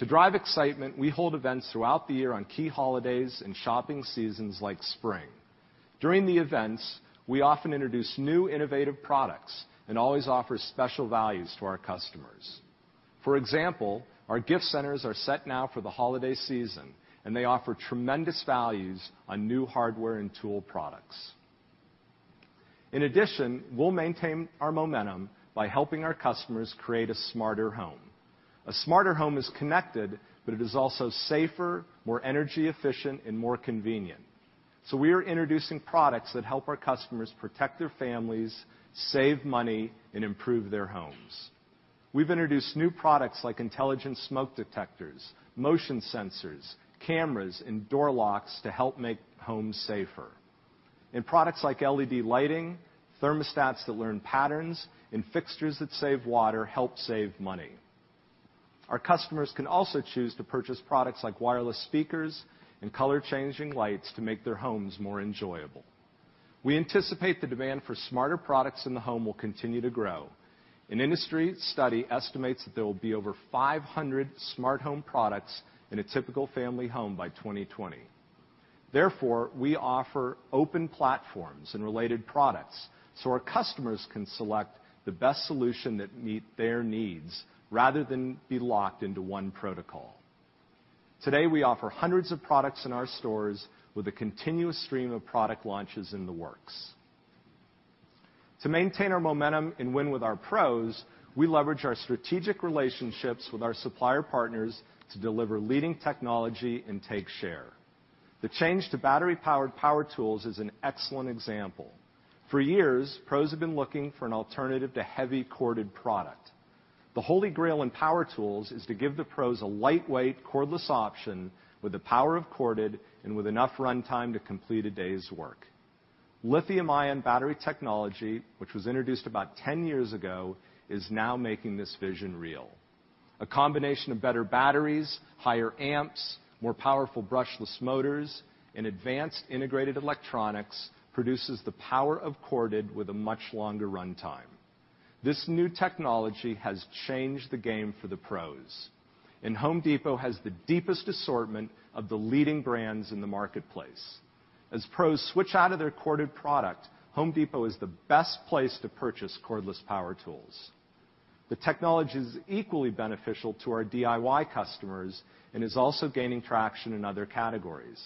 To drive excitement, we hold events throughout the year on key holidays and shopping seasons like spring. During the events, we often introduce new innovative products and always offer special values to our customers. For example, our gift centers are set now for the holiday season, and they offer tremendous values on new hardware and tool products. In addition, we'll maintain our momentum by helping our customers create a smarter home. A smarter home is connected, but it is also safer, more energy efficient, and more convenient. We are introducing products that help our customers protect their families, save money, and improve their homes. We've introduced new products like intelligent smoke detectors, motion sensors, cameras, and door locks to help make homes safer. Products like LED lighting, thermostats that learn patterns, and fixtures that save water help save money. Our customers can also choose to purchase products like wireless speakers and color-changing lights to make their homes more enjoyable. We anticipate the demand for smarter products in the home will continue to grow. An industry study estimates that there will be over 500 smart home products in a typical family home by 2020. Therefore, we offer open platforms and related products our customers can select the best solution that meet their needs rather than be locked into one protocol. Today, we offer hundreds of products in our stores with a continuous stream of product launches in the works. To maintain our momentum and win with our pros, we leverage our strategic relationships with our supplier partners to deliver leading technology and take share. The change to battery-powered power tools is an excellent example. For years, pros have been looking for an alternative to heavy corded product. The holy grail in power tools is to give the pros a lightweight cordless option with the power of corded and with enough runtime to complete a day's work. Lithium-ion battery technology, which was introduced about 10 years ago, is now making this vision real. A combination of better batteries, higher amps, more powerful brushless motors, and advanced integrated electronics produces the power of corded with a much longer runtime. This new technology has changed the game for the pros, The Home Depot has the deepest assortment of the leading brands in the marketplace. As pros switch out of their corded product, The Home Depot is the best place to purchase cordless power tools. The technology is equally beneficial to our DIY customers and is also gaining traction in other categories.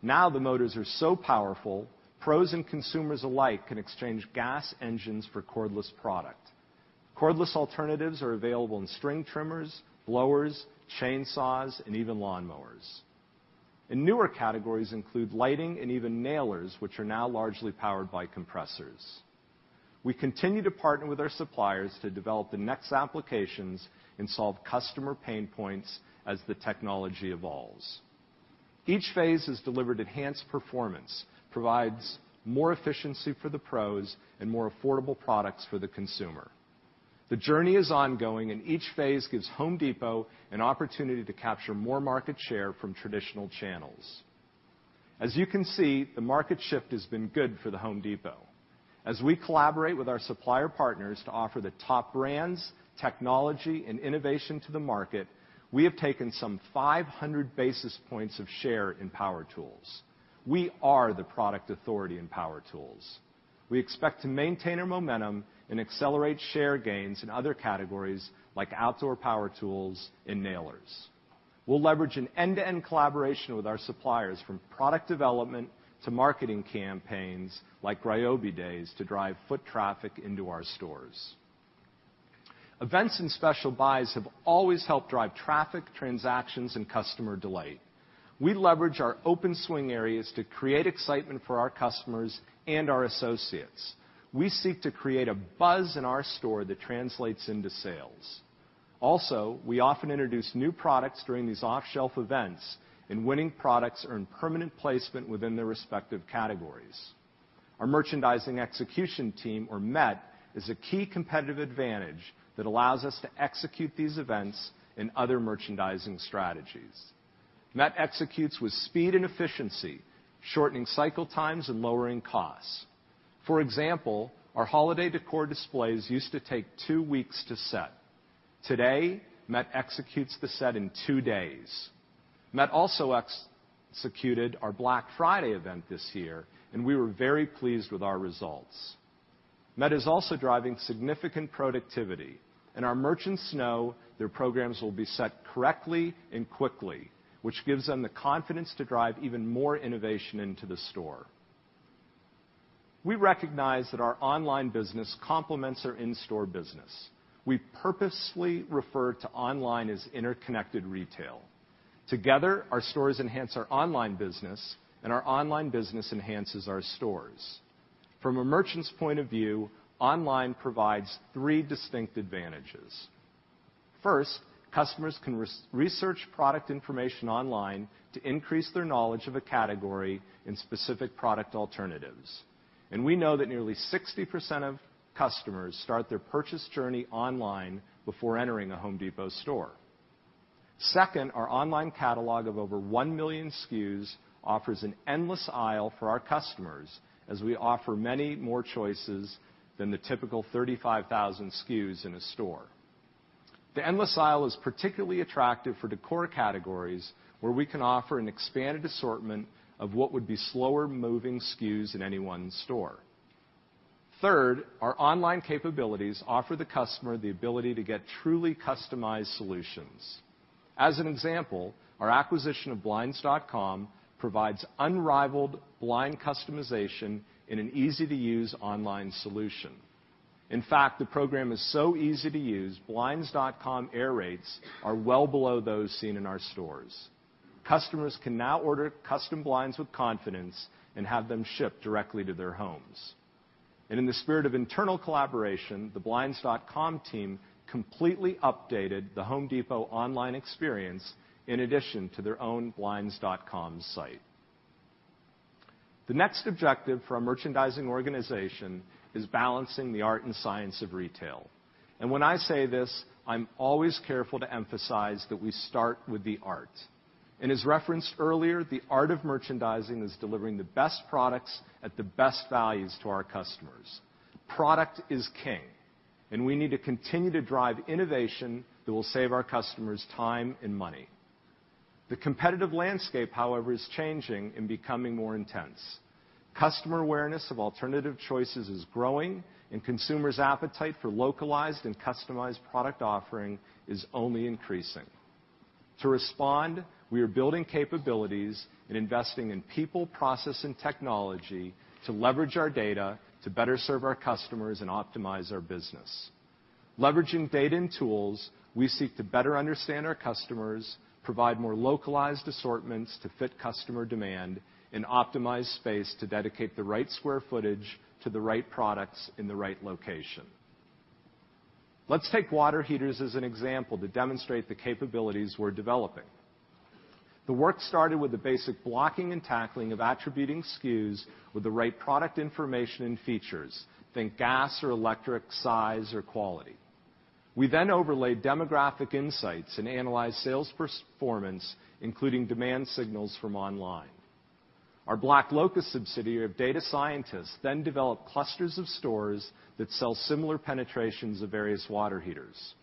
Now the motors are so powerful, pros and consumers alike can exchange gas engines for cordless product. Cordless alternatives are available in string trimmers, blowers, chainsaws, and even lawnmowers. Newer categories include lighting and even nailers, which are now largely powered by compressors. We continue to partner with our suppliers to develop the next applications and solve customer pain points as the technology evolves. Each phase has delivered enhanced performance, provides more efficiency for the pros, and more affordable products for the consumer. The journey is ongoing, each phase gives The Home Depot an opportunity to capture more market share from traditional channels. As you can see, the market shift has been good for The Home Depot. As we collaborate with our supplier partners to offer the top brands, technology, and innovation to the market, we have taken some 500 basis points of share in power tools. We are the product authority in power tools. We expect to maintain our momentum and accelerate share gains in other categories like outdoor power tools and nailers. We'll leverage an end-to-end collaboration with our suppliers, from product development to marketing campaigns like Ryobi Days to drive foot traffic into our stores. Events and special buys have always helped drive traffic, transactions, and customer delight. We leverage our open swing areas to create excitement for our customers and our associates. We seek to create a buzz in our store that translates into sales. We often introduce new products during these off-shelf events, and winning products earn permanent placement within their respective categories. Our Merchandising Execution Team, or MET, is a key competitive advantage that allows us to execute these events and other merchandising strategies. MET executes with speed and efficiency, shortening cycle times and lowering costs. For example, our holiday decor displays used to take two weeks to set. Today, MET executes the set in two days. MET also executed our Black Friday event this year, and we were very pleased with our results. MET is also driving significant productivity, and our merchants know their programs will be set correctly and quickly, which gives them the confidence to drive even more innovation into the store. We recognize that our online business complements our in-store business. We purposely refer to online as interconnected retail. Together, our stores enhance our online business, and our online business enhances our stores. From a merchant's point of view, online provides three distinct advantages. First, customers can research product information online to increase their knowledge of a category and specific product alternatives. We know that nearly 60% of customers start their purchase journey online before entering a Home Depot store. Second, our online catalog of over 1 million SKUs offers an endless aisle for our customers, as we offer many more choices than the typical 35,000 SKUs in a store. The endless aisle is particularly attractive for decor categories, where we can offer an expanded assortment of what would be slower-moving SKUs in any one store. Third, our online capabilities offer the customer the ability to get truly customized solutions. As an example, our acquisition of blinds.com provides unrivaled blind customization in an easy-to-use online solution. In fact, the program is so easy to use, blinds.com error rates are well below those seen in our stores. Customers can now order custom blinds with confidence and have them shipped directly to their homes. In the spirit of internal collaboration, the blinds.com team completely updated The Home Depot online experience in addition to their own blinds.com site. The next objective for our merchandising organization is balancing the art and science of retail. When I say this, I'm always careful to emphasize that we start with the art. As referenced earlier, the art of merchandising is delivering the best products at the best values to our customers. Product is king, and we need to continue to drive innovation that will save our customers time and money. The competitive landscape, however, is changing and becoming more intense. Customer awareness of alternative choices is growing, and consumers' appetite for localized and customized product offering is only increasing. To respond, we are building capabilities and investing in people, process, and technology to leverage our data to better serve our customers and optimize our business. Leveraging data and tools, we seek to better understand our customers, provide more localized assortments to fit customer demand, and optimize space to dedicate the right square footage to the right products in the right location. Let's take water heaters as an example to demonstrate the capabilities we're developing. The work started with the basic blocking and tackling of attributing SKUs with the right product information and features. Think gas or electric size or quality. We then overlaid demographic insights and analyzed sales performance, including demand signals from online. Our BlackLocus subsidiary of data scientists then developed clusters of stores that sell similar penetrations of various water heaters.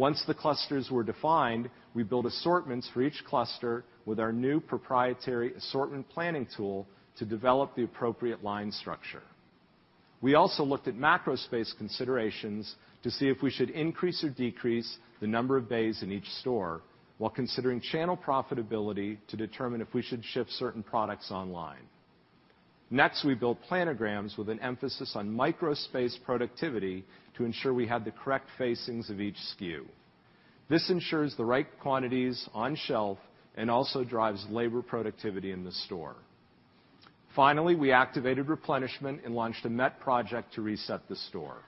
Once the clusters were defined, we built assortments for each cluster with our new proprietary assortment planning tool to develop the appropriate line structure. We also looked at macrospace considerations to see if we should increase or decrease the number of bays in each store, while considering channel profitability to determine if we should ship certain products online. Next, we built planograms with an emphasis on microspace productivity to ensure we had the correct facings of each SKU. This ensures the right quantities on shelf and also drives labor productivity in the store. Finally, we activated replenishment and launched a MET project to reset the store.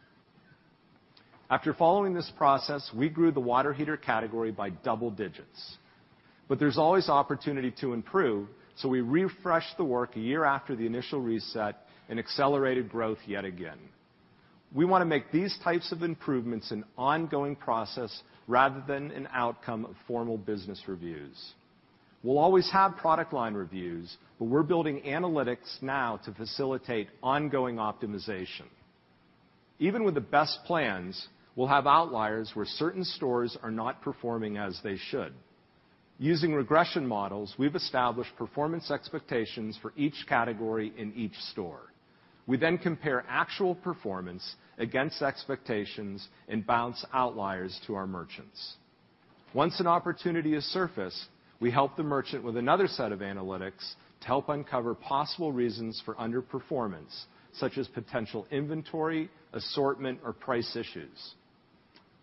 After following this process, we grew the water heater category by double digits. There's always opportunity to improve, so we refreshed the work a year after the initial reset and accelerated growth yet again. We want to make these types of improvements an ongoing process rather than an outcome of formal business reviews. We'll always have product line reviews, but we're building analytics now to facilitate ongoing optimization. Even with the best plans, we'll have outliers where certain stores are not performing as they should. Using regression models, we've established performance expectations for each category in each store. We then compare actual performance against expectations and bounce outliers to our merchants. Once an opportunity is surfaced, we help the merchant with another set of analytics to help uncover possible reasons for underperformance, such as potential inventory, assortment, or price issues.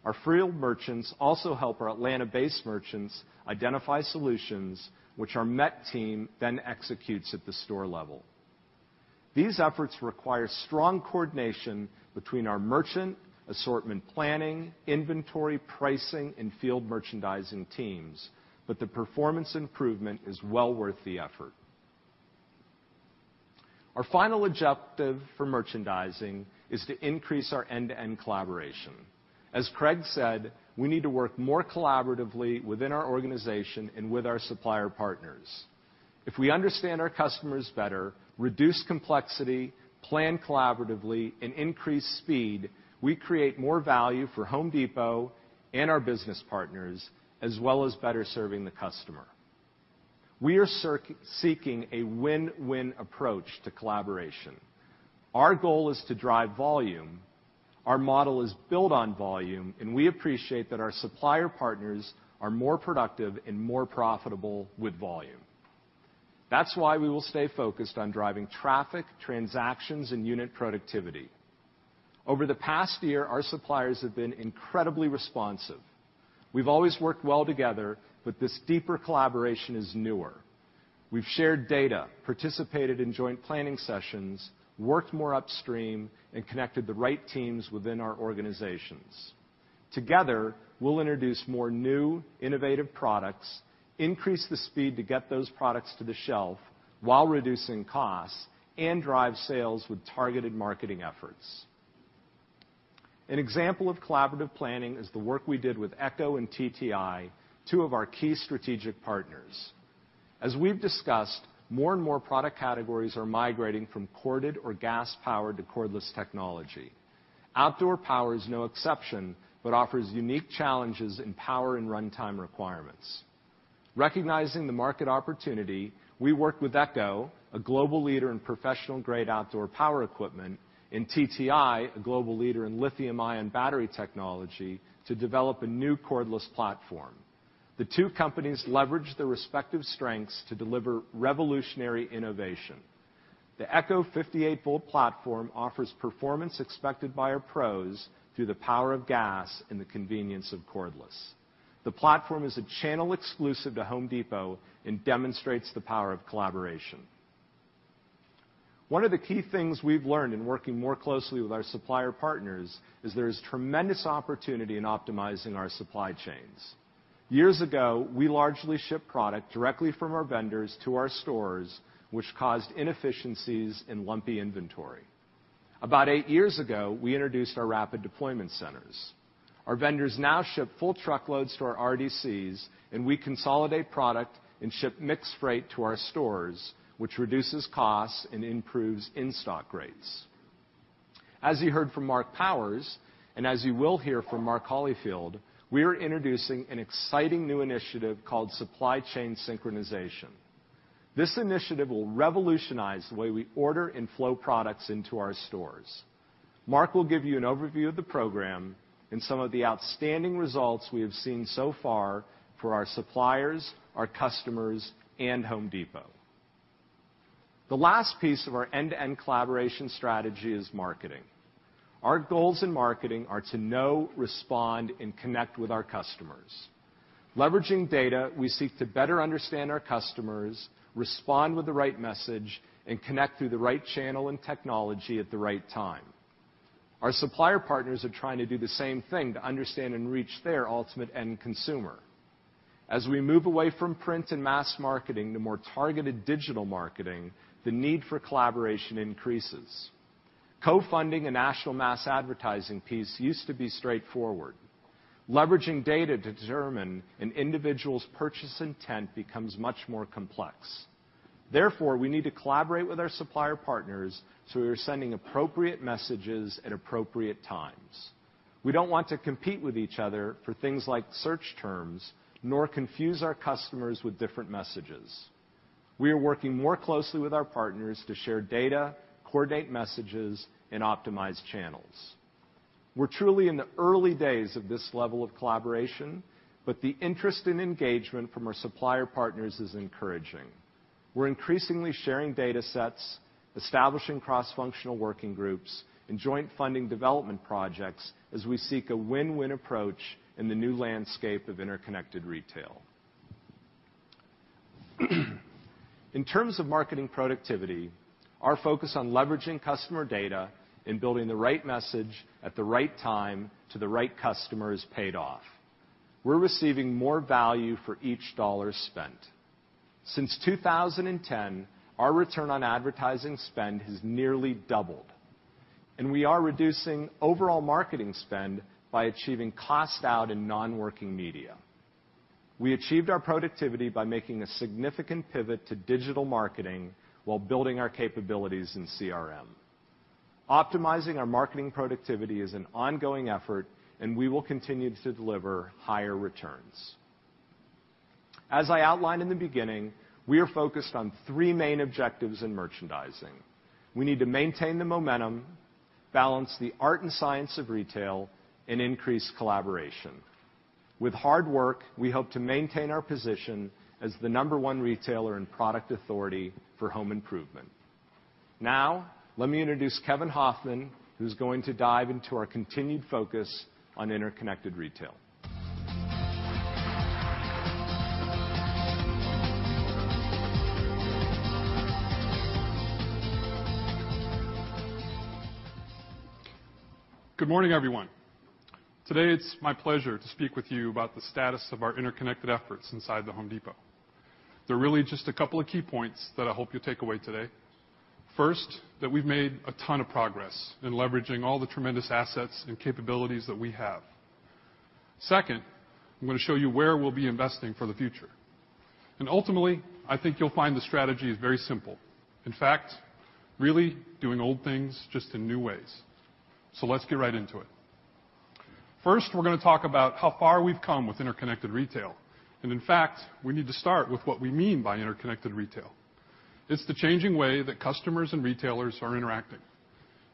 Our field merchants also help our Atlanta-based merchants identify solutions which our MET team then executes at the store level. These efforts require strong coordination between our merchant, assortment planning, inventory pricing, and field merchandising teams, but the performance improvement is well worth the effort. Our final objective for merchandising is to increase our end-to-end collaboration. As Craig said, we need to work more collaboratively within our organization and with our supplier partners. If we understand our customers better, reduce complexity, plan collaboratively, and increase speed, we create more value for The Home Depot and our business partners, as well as better serving the customer. We are seeking a win-win approach to collaboration. Our goal is to drive volume. Our model is built on volume, and we appreciate that our supplier partners are more productive and more profitable with volume. That's why we will stay focused on driving traffic, transactions, and unit productivity. Over the past year, our suppliers have been incredibly responsive. We've always worked well together, but this deeper collaboration is newer. We've shared data, participated in joint planning sessions, worked more upstream, and connected the right teams within our organizations. Together, we'll introduce more new, innovative products, increase the speed to get those products to the shelf while reducing costs, and drive sales with targeted marketing efforts. An example of collaborative planning is the work we did with ECHO and TTI, two of our key strategic partners. As we've discussed, more and more product categories are migrating from corded or gas-powered to cordless technology. Outdoor power is no exception but offers unique challenges in power and runtime requirements. Recognizing the market opportunity, we worked with ECHO, a global leader in professional-grade outdoor power equipment, and TTI, a global leader in lithium-ion battery technology, to develop a new cordless platform. The two companies leveraged their respective strengths to deliver revolutionary innovation. The ECHO 58-volt platform offers performance expected by our pros through the power of gas and the convenience of cordless. The platform is a channel exclusive to The Home Depot and demonstrates the power of collaboration. One of the key things we've learned in working more closely with our supplier partners is there is tremendous opportunity in optimizing our supply chains. Years ago, we largely shipped product directly from our vendors to our stores, which caused inefficiencies in lumpy inventory. About eight years ago, we introduced our rapid deployment centers. Our vendors now ship full truckloads to our RDCs, and we consolidate product and ship mixed freight to our stores, which reduces costs and improves in-stock rates. As you heard from Mark Holifield, and as you will hear from Mark Holifield, we are introducing an exciting new initiative called Supply Chain Synchronization. This initiative will revolutionize the way we order and flow products into our stores. Mark will give you an overview of the program and some of the outstanding results we have seen so far for our suppliers, our customers, and The Home Depot. The last piece of our end-to-end collaboration strategy is marketing. Our goals in marketing are to know, respond, and connect with our customers. Leveraging data, we seek to better understand our customers, respond with the right message, and connect through the right channel and technology at the right time. Our supplier partners are trying to do the same thing to understand and reach their ultimate end consumer. As we move away from print and mass marketing to more targeted digital marketing, the need for collaboration increases. Co-funding a national mass advertising piece used to be straightforward. Leveraging data to determine an individual's purchase intent becomes much more complex. Therefore, we need to collaborate with our supplier partners so we are sending appropriate messages at appropriate times. We don't want to compete with each other for things like search terms, nor confuse our customers with different messages. We are working more closely with our partners to share data, coordinate messages, and optimize channels. We're truly in the early days of this level of collaboration, but the interest and engagement from our supplier partners is encouraging. We're increasingly sharing data sets, establishing cross-functional working groups, and joint-funding development projects as we seek a win-win approach in the new landscape of interconnected retail. In terms of marketing productivity, our focus on leveraging customer data and building the right message at the right time to the right customer has paid off. We're receiving more value for each dollar spent. Since 2010, our return on advertising spend has nearly doubled, and we are reducing overall marketing spend by achieving cost out in non-working media. We achieved our productivity by making a significant pivot to digital marketing while building our capabilities in CRM. Optimizing our marketing productivity is an ongoing effort, and we will continue to deliver higher returns. As I outlined in the beginning, we are focused on three main objectives in merchandising. We need to maintain the momentum, balance the art and science of retail, and increase collaboration. With hard work, we hope to maintain our position as the number one retailer and product authority for home improvement. Now, let me introduce Kevin Hofmann, who's going to dive into our continued focus on interconnected retail. Good morning, everyone. Today it's my pleasure to speak with you about the status of our interconnected efforts inside The Home Depot. There are really just a couple of key points that I hope you'll take away today. First, that we've made a ton of progress in leveraging all the tremendous assets and capabilities that we have. Second, I'm going to show you where we'll be investing for the future. Ultimately, I think you'll find the strategy is very simple. In fact, really doing old things, just in new ways. Let's get right into it. First, we're going to talk about how far we've come with interconnected retail, in fact, we need to start with what we mean by interconnected retail. It's the changing way that customers and retailers are interacting.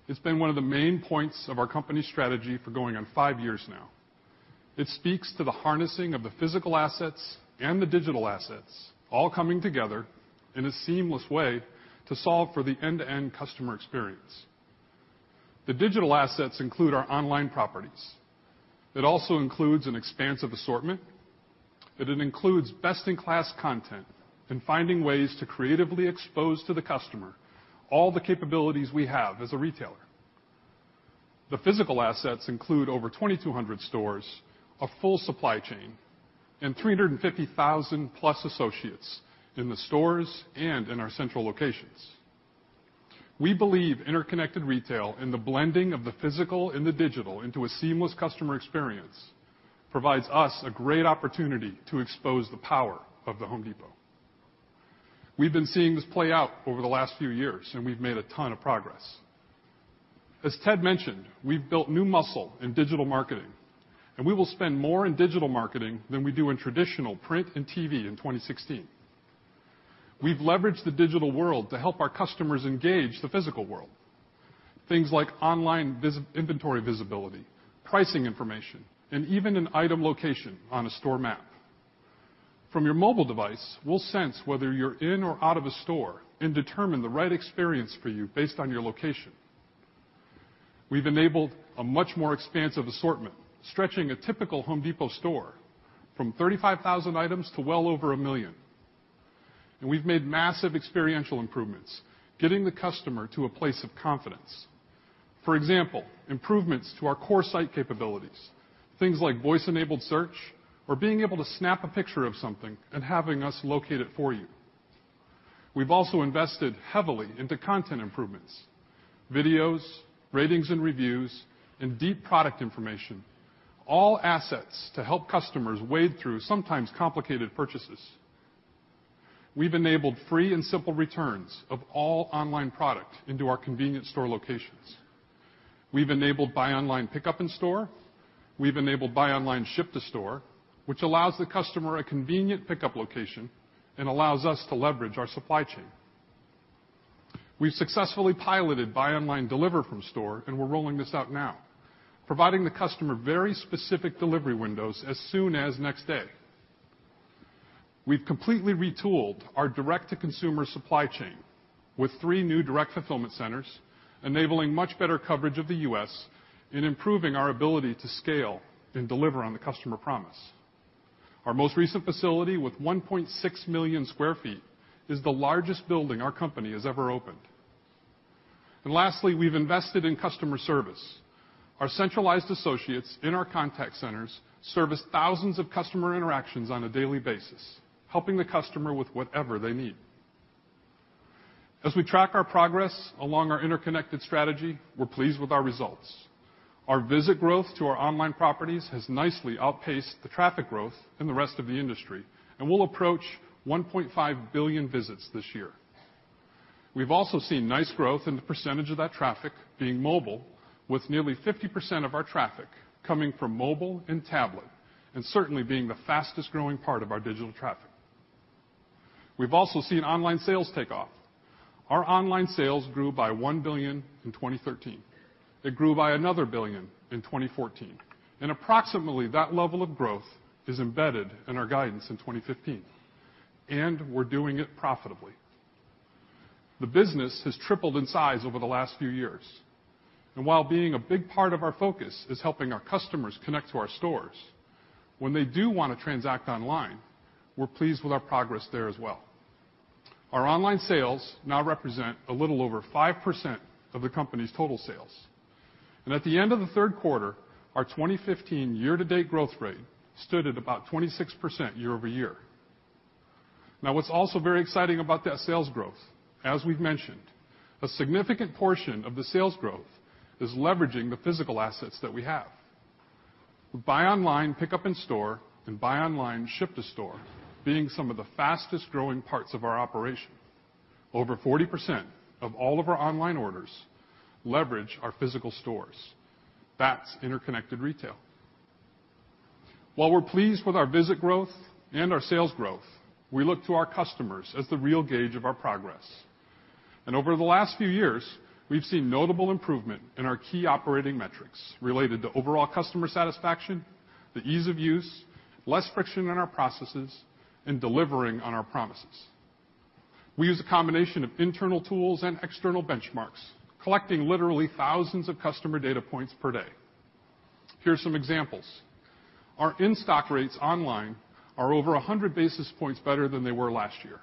It's been one of the main points of our company strategy for going on five years now. It speaks to the harnessing of the physical assets and the digital assets all coming together in a seamless way to solve for the end-to-end customer experience. The digital assets include our online properties. It also includes an expansive assortment, and it includes best-in-class content and finding ways to creatively expose to the customer all the capabilities we have as a retailer. The physical assets include over 2,200 stores, a full supply chain, and 350,000-plus associates in the stores and in our central locations. We believe interconnected retail and the blending of the physical and the digital into a seamless customer experience provides us a great opportunity to expose the power of The Home Depot. We've been seeing this play out over the last few years, we've made a ton of progress. As Ted mentioned, we've built new muscle in digital marketing, we will spend more in digital marketing than we do in traditional print and TV in 2016. We've leveraged the digital world to help our customers engage the physical world. Things like online inventory visibility, pricing information, and even an item location on a store map. From your mobile device, we'll sense whether you're in or out of a store and determine the right experience for you based on your location. We've enabled a much more expansive assortment, stretching a typical Home Depot store from 35,000 items to well over a million. We've made massive experiential improvements, getting the customer to a place of confidence. For example, improvements to our core site capabilities, things like voice-enabled search or being able to snap a picture of something and having us locate it for you. We've also invested heavily into content improvements, videos, ratings and reviews, and deep product information, all assets to help customers wade through sometimes complicated purchases. We've enabled free and simple returns of all online product into our convenience store locations. We've enabled buy online pickup in store. We've enabled buy online ship to store, which allows the customer a convenient pickup location and allows us to leverage our supply chain. We've successfully piloted buy online, deliver from store, and we're rolling this out now, providing the customer very specific delivery windows as soon as next day. We've completely retooled our direct-to-consumer supply chain with three new direct fulfillment centers, enabling much better coverage of the U.S. in improving our ability to scale and deliver on the customer promise. Our most recent facility, with 1.6 million sq ft, is the largest building our company has ever opened. Lastly, we've invested in customer service. Our centralized associates in our contact centers service thousands of customer interactions on a daily basis, helping the customer with whatever they need. As we track our progress along our interconnected strategy, we're pleased with our results. Our visit growth to our online properties has nicely outpaced the traffic growth in the rest of the industry, we'll approach 1.5 billion visits this year. We've also seen nice growth in the percentage of that traffic being mobile, with nearly 50% of our traffic coming from mobile and tablet, certainly being the fastest-growing part of our digital traffic. We've also seen online sales take off. Our online sales grew by $1 billion in 2013. It grew by another $1 billion in 2014. Approximately that level of growth is embedded in our guidance in 2015, we're doing it profitably. The business has tripled in size over the last few years, while being a big part of our focus is helping our customers connect to our stores, when they do want to transact online, we're pleased with our progress there as well. Our online sales now represent a little over 5% of the company's total sales. At the end of the third quarter, our 2015 year-to-date growth rate stood at about 26% year-over-year. What's also very exciting about that sales growth, as we've mentioned, a significant portion of the sales growth is leveraging the physical assets that we have. With buy online, pickup in store, and buy online, ship to store being some of the fastest-growing parts of our operation. Over 40% of all of our online orders leverage our physical stores. That's interconnected retail. While we're pleased with our visit growth and our sales growth, we look to our customers as the real gauge of our progress. Over the last few years, we've seen notable improvement in our key operating metrics related to overall customer satisfaction The ease of use, less friction in our processes, and delivering on our promises. We use a combination of internal tools and external benchmarks, collecting literally thousands of customer data points per day. Here are some examples. Our in-stock rates online are over 100 basis points better than they were last year.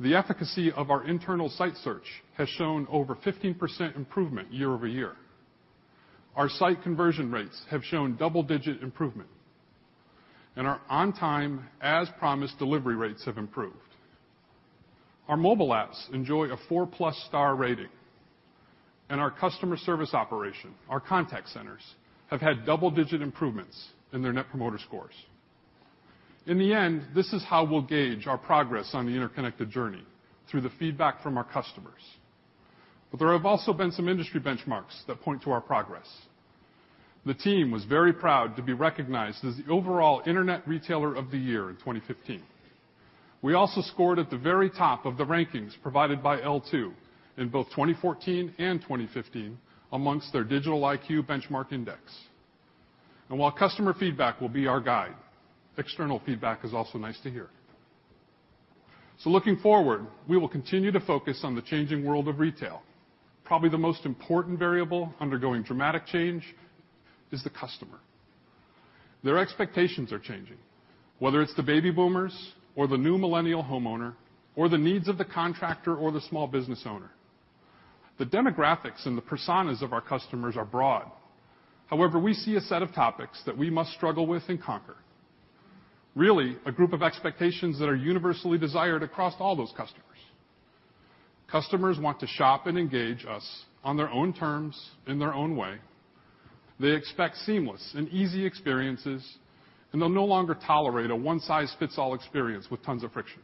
The efficacy of our internal site search has shown over 15% improvement year-over-year. Our site conversion rates have shown double-digit improvement, our on-time, as-promised delivery rates have improved. Our mobile apps enjoy a four-plus star rating, our customer service operation, our contact centers, have had double-digit improvements in their Net Promoter Scores. In the end, this is how we'll gauge our progress on the interconnected journey, through the feedback from our customers. There have also been some industry benchmarks that point to our progress. The team was very proud to be recognized as the overall Internet Retailer of the Year in 2015. We also scored at the very top of the rankings provided by L2 in both 2014 and 2015 amongst their Digital IQ Index. While customer feedback will be our guide, external feedback is also nice to hear. Looking forward, we will continue to focus on the changing world of retail. Probably the most important variable undergoing dramatic change is the customer. Their expectations are changing, whether it's the baby boomers or the new Millennial homeowner or the needs of the contractor or the small business owner. The demographics and the personas of our customers are broad. However, we see a set of topics that we must struggle with and conquer. Really, a group of expectations that are universally desired across all those customers. Customers want to shop and engage us on their own terms, in their own way. They expect seamless and easy experiences, they'll no longer tolerate a one-size-fits-all experience with tons of friction.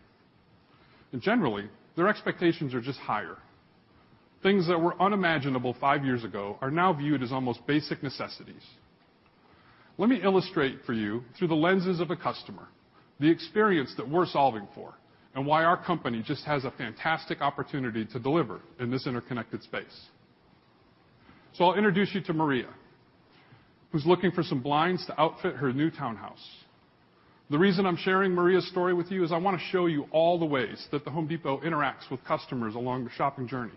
Generally, their expectations are just higher. Things that were unimaginable five years ago are now viewed as almost basic necessities. Let me illustrate for you through the lenses of a customer the experience that we're solving for and why our company just has a fantastic opportunity to deliver in this interconnected space. I'll introduce you to Maria, who's looking for some blinds to outfit her new townhouse. The reason I'm sharing Maria's story with you is I want to show you all the ways that The Home Depot interacts with customers along the shopping journey.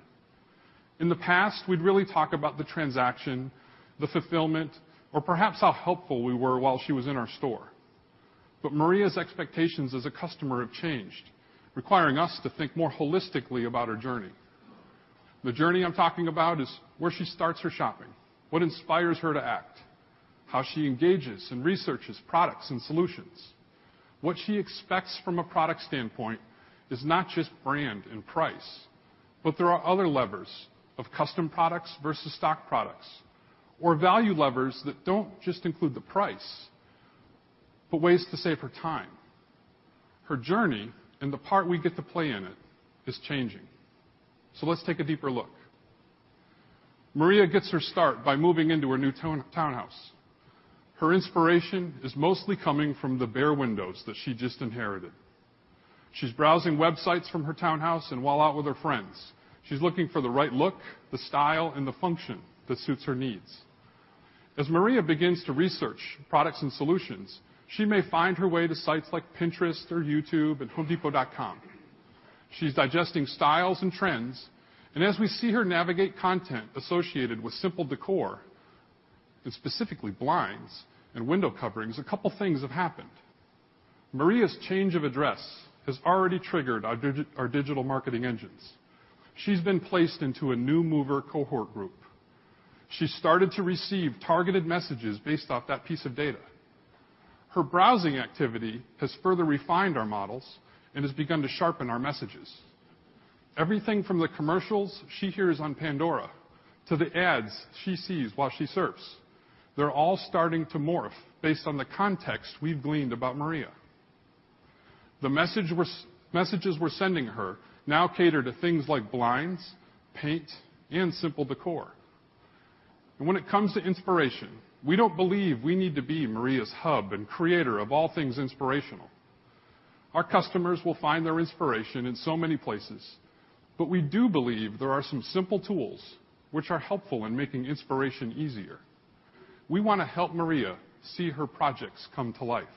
In the past, we'd really talk about the transaction, the fulfillment, or perhaps how helpful we were while she was in our store. Maria's expectations as a customer have changed, requiring us to think more holistically about her journey. The journey I'm talking about is where she starts her shopping, what inspires her to act, how she engages and researches products and solutions. What she expects from a product standpoint is not just brand and price, but there are other levers of custom products versus stock products, or value levers that don't just include the price, but ways to save her time. Her journey, and the part we get to play in it, is changing. Let's take a deeper look. Maria gets her start by moving into her new townhouse. Her inspiration is mostly coming from the bare windows that she just inherited. She's browsing websites from her townhouse and while out with her friends. She's looking for the right look, the style, and the function that suits her needs. As Maria begins to research products and solutions, she may find her way to sites like Pinterest or YouTube and homedepot.com. She's digesting styles and trends, and as we see her navigate content associated with simple decor, and specifically blinds and window coverings, a couple things have happened. Maria's change of address has already triggered our digital marketing engines. She's been placed into a new mover cohort group. She's started to receive targeted messages based off that piece of data. Her browsing activity has further refined our models and has begun to sharpen our messages. Everything from the commercials she hears on Pandora to the ads she sees while she surfs, they're all starting to morph based on the context we've gleaned about Maria. The messages we're sending her now cater to things like blinds, paint, and simple decor. When it comes to inspiration, we don't believe we need to be Maria's hub and creator of all things inspirational. Our customers will find their inspiration in so many places. We do believe there are some simple tools which are helpful in making inspiration easier. We want to help Maria see her projects come to life.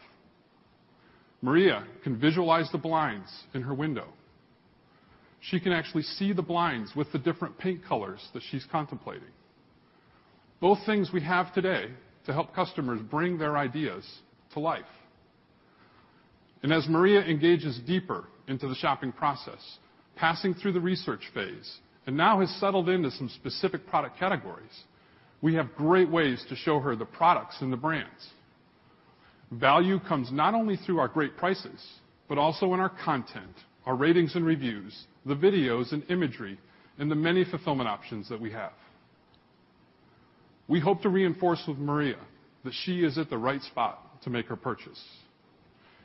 Maria can visualize the blinds in her window. She can actually see the blinds with the different paint colors that she's contemplating. Both things we have today to help customers bring their ideas to life. As Maria engages deeper into the shopping process, passing through the research phase, and now has settled into some specific product categories, we have great ways to show her the products and the brands. Value comes not only through our great prices, but also in our content, our ratings and reviews, the videos and imagery, and the many fulfillment options that we have. We hope to reinforce with Maria that she is at the right spot to make her purchase,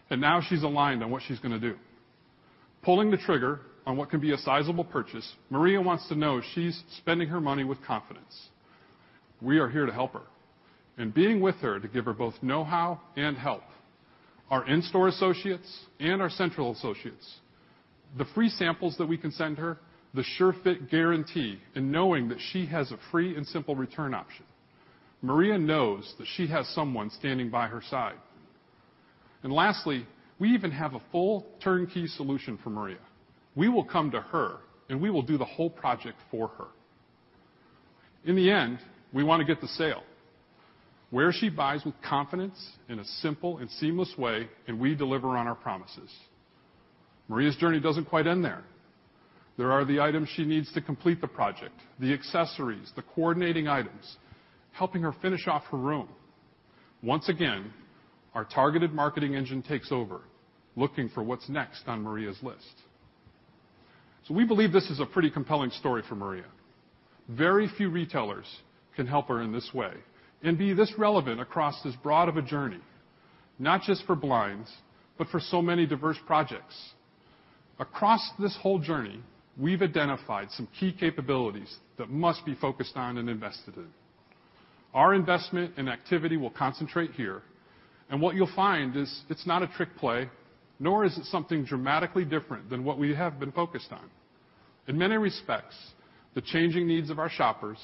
and now she's aligned on what she's going to do. Pulling the trigger on what can be a sizable purchase, Maria wants to know she's spending her money with confidence. We are here to help her, being with her to give her both know-how and help. Our in-store associates and our central associates. The free samples that we can send her, the SureFit Guarantee, and knowing that she has a free and simple return option. Maria knows that she has someone standing by her side. Lastly, we even have a full turnkey solution for Maria. We will come to her, and we will do the whole project for her. In the end, we want to get the sale, where she buys with confidence in a simple and seamless way, and we deliver on our promises. Maria's journey doesn't quite end there. There are the items she needs to complete the project, the accessories, the coordinating items, helping her finish off her room. Once again, our targeted marketing engine takes over, looking for what's next on Maria's list. We believe this is a pretty compelling story for Maria. Very few retailers can help her in this way and be this relevant across this broad of a journey, not just for blinds, but for so many diverse projects. Across this whole journey, we've identified some key capabilities that must be focused on and invested in. Our investment and activity will concentrate here, and what you'll find is it's not a trick play, nor is it something dramatically different than what we have been focused on. In many respects, the changing needs of our shoppers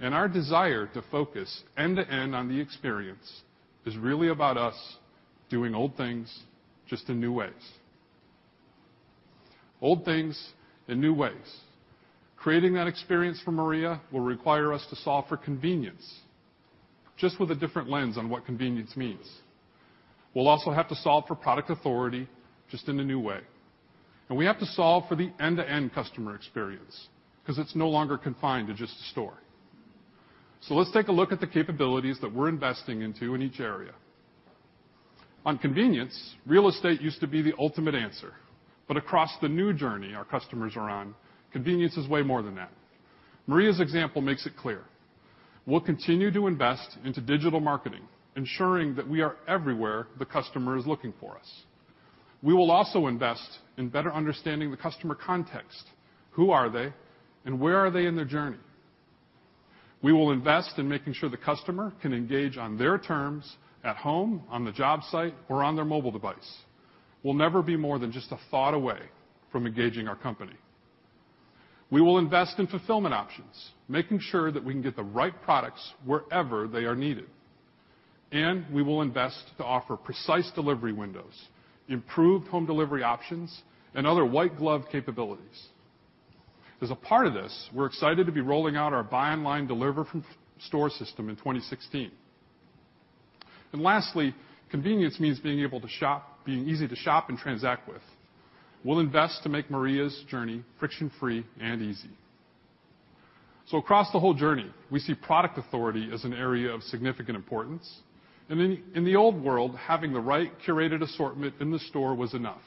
and our desire to focus end-to-end on the experience is really about us doing old things, just in new ways. Old things in new ways. Creating that experience for Maria will require us to solve for convenience, just with a different lens on what convenience means. We'll also have to solve for product authority, just in a new way. We have to solve for the end-to-end customer experience, because it's no longer confined to just a store. Let's take a look at the capabilities that we're investing into in each area. On convenience, real estate used to be the ultimate answer, across the new journey our customers are on, convenience is way more than that. Maria's example makes it clear. We'll continue to invest into digital marketing, ensuring that we are everywhere the customer is looking for us. We will also invest in better understanding the customer context, who are they, and where are they in their journey. We will invest in making sure the customer can engage on their terms at home, on the job site, or on their mobile device. We'll never be more than just a thought away from engaging our company. We will invest in fulfillment options, making sure that we can get the right products wherever they are needed. We will invest to offer precise delivery windows, improved home delivery options, and other white glove capabilities. As a part of this, we're excited to be rolling out our Buy Online, Deliver From Store system in 2016. Lastly, convenience means being easy to shop and transact with. We'll invest to make Maria's journey friction-free and easy. Across the whole journey, we see product authority as an area of significant importance. In the old world, having the right curated assortment in the store was enough.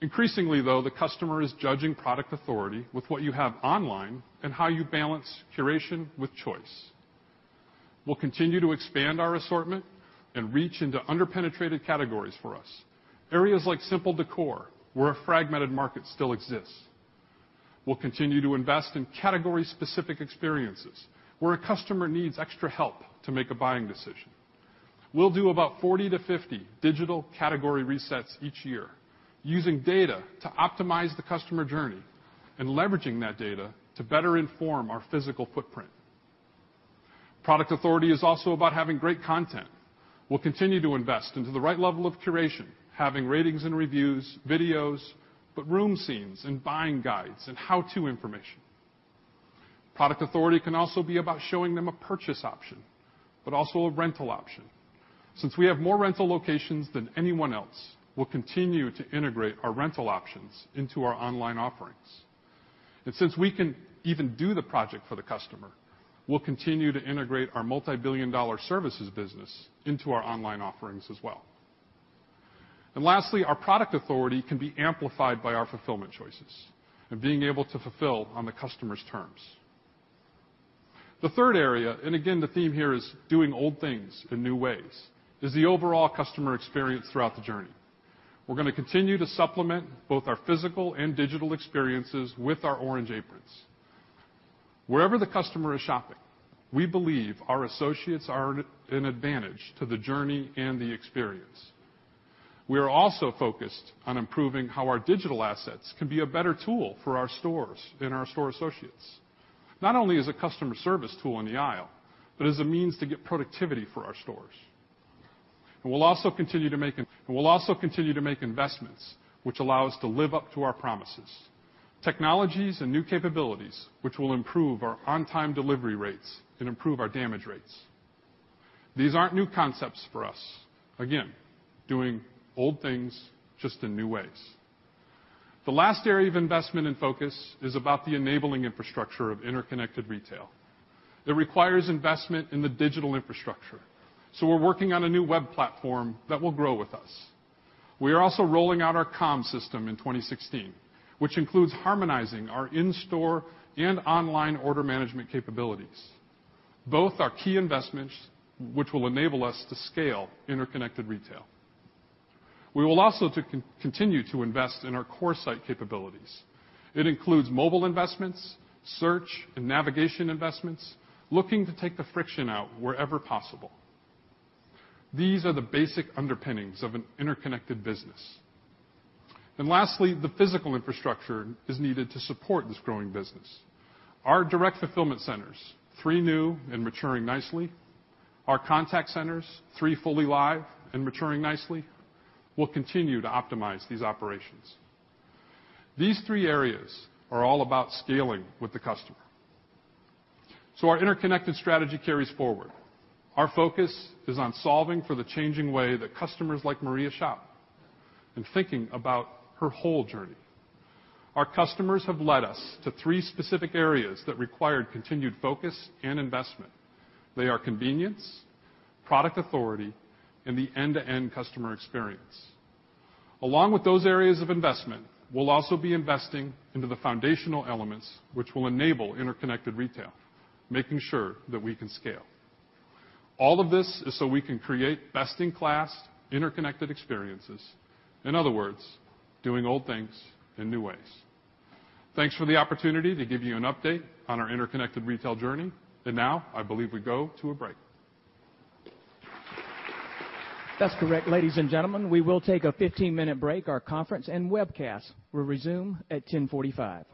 Increasingly, though, the customer is judging product authority with what you have online and how you balance curation with choice. We'll continue to expand our assortment and reach into under-penetrated categories for us. Areas like simple decor, where a fragmented market still exists. We'll continue to invest in category-specific experiences where a customer needs extra help to make a buying decision. We'll do about 40-50 digital category resets each year using data to optimize the customer journey and leveraging that data to better inform our physical footprint. Product authority is also about having great content. We'll continue to invest into the right level of curation, having ratings and reviews, videos, room scenes and buying guides and how-to information. Product authority can also be about showing them a purchase option, also a rental option. Since we have more rental locations than anyone else, we'll continue to integrate our rental options into our online offerings. Since we can even do the project for the customer, we'll continue to integrate our multibillion-dollar services business into our online offerings as well. Lastly, our product authority can be amplified by our fulfillment choices and being able to fulfill on the customer's terms. The third area, again, the theme here is doing old things in new ways, is the overall customer experience throughout the journey. We're going to continue to supplement both our physical and digital experiences with our orange aprons. Wherever the customer is shopping, we believe our associates are an advantage to the journey and the experience. We are also focused on improving how our digital assets can be a better tool for our stores and our store associates, not only as a customer service tool in the aisle, as a means to get productivity for our stores. We'll also continue to make investments which allow us to live up to our promises. Technologies and new capabilities which will improve our on-time delivery rates and improve our damage rates. These aren't new concepts for us. Again, doing old things, just in new ways. The last area of investment and focus is about the enabling infrastructure of interconnected retail. It requires investment in the digital infrastructure. We're working on a new web platform that will grow with us. We are also rolling out our COM system in 2016, which includes harmonizing our in-store and online order management capabilities. Both are key investments which will enable us to scale interconnected retail. We will also continue to invest in our core site capabilities. It includes mobile investments, search, and navigation investments, looking to take the friction out wherever possible. These are the basic underpinnings of an interconnected business. Lastly, the physical infrastructure is needed to support this growing business. Our direct fulfillment centers, three new and maturing nicely. Our contact centers, three fully live and maturing nicely. We'll continue to optimize these operations. These three areas are all about scaling with the customer. Our interconnected strategy carries forward. Our focus is on solving for the changing way that customers like Maria shop and thinking about her whole journey. Our customers have led us to three specific areas that required continued focus and investment. They are convenience, product authority, and the end-to-end customer experience. Along with those areas of investment, we'll also be investing into the foundational elements which will enable interconnected retail, making sure that we can scale. All of this is so we can create best-in-class interconnected experiences. In other words, doing old things in new ways. Thanks for the opportunity to give you an update on our interconnected retail journey. Now, I believe we go to a break. That's correct, ladies and gentlemen. We will take a 15-minute break. Our conference and webcast will resume at 10:45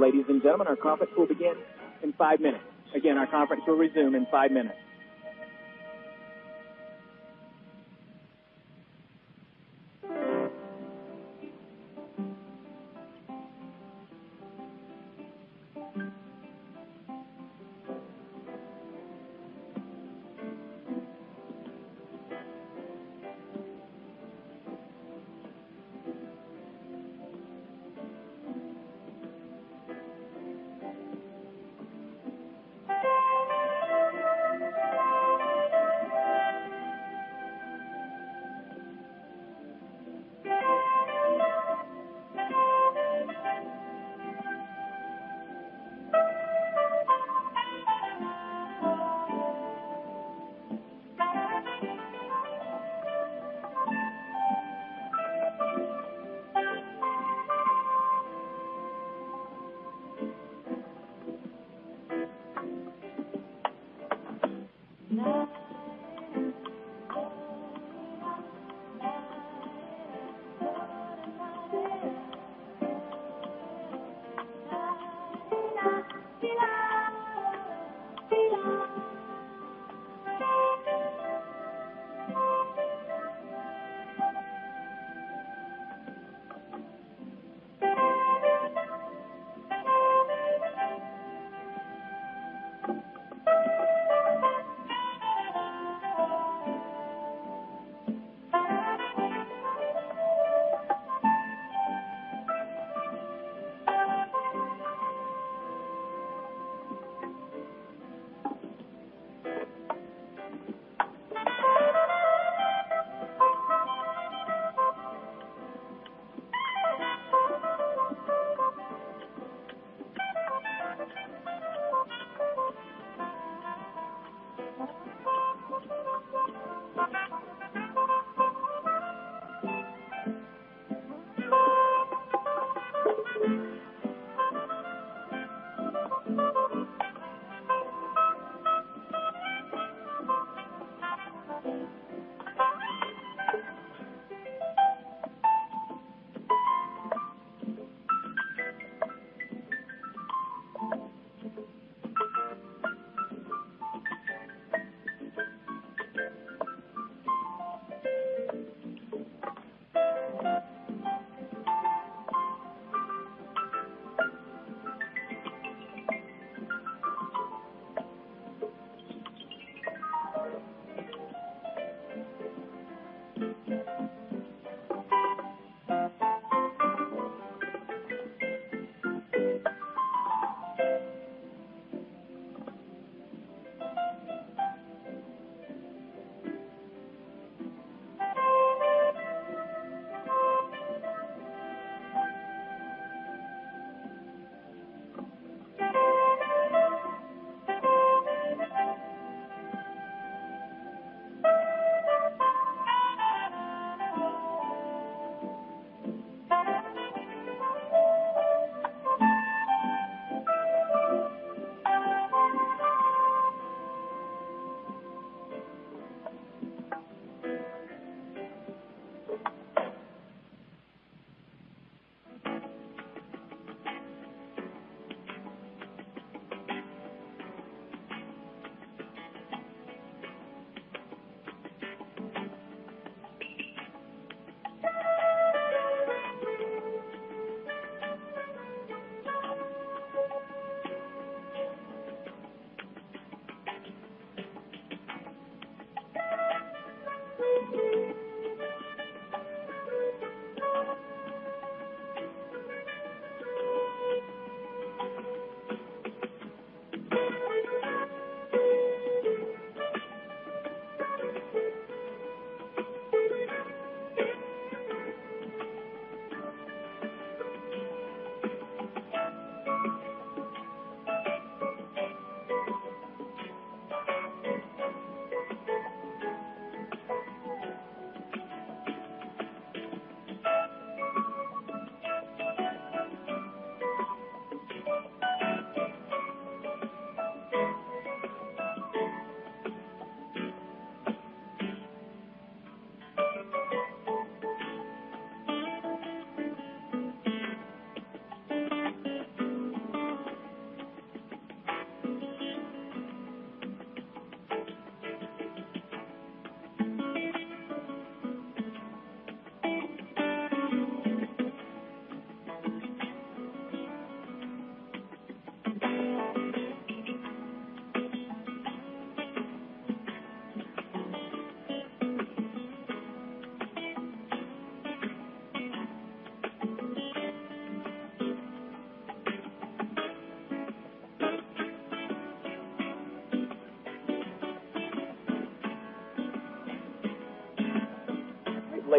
A.M. Ladies and gentlemen, our conference will begin in five minutes. Again, our conference will resume in five minutes.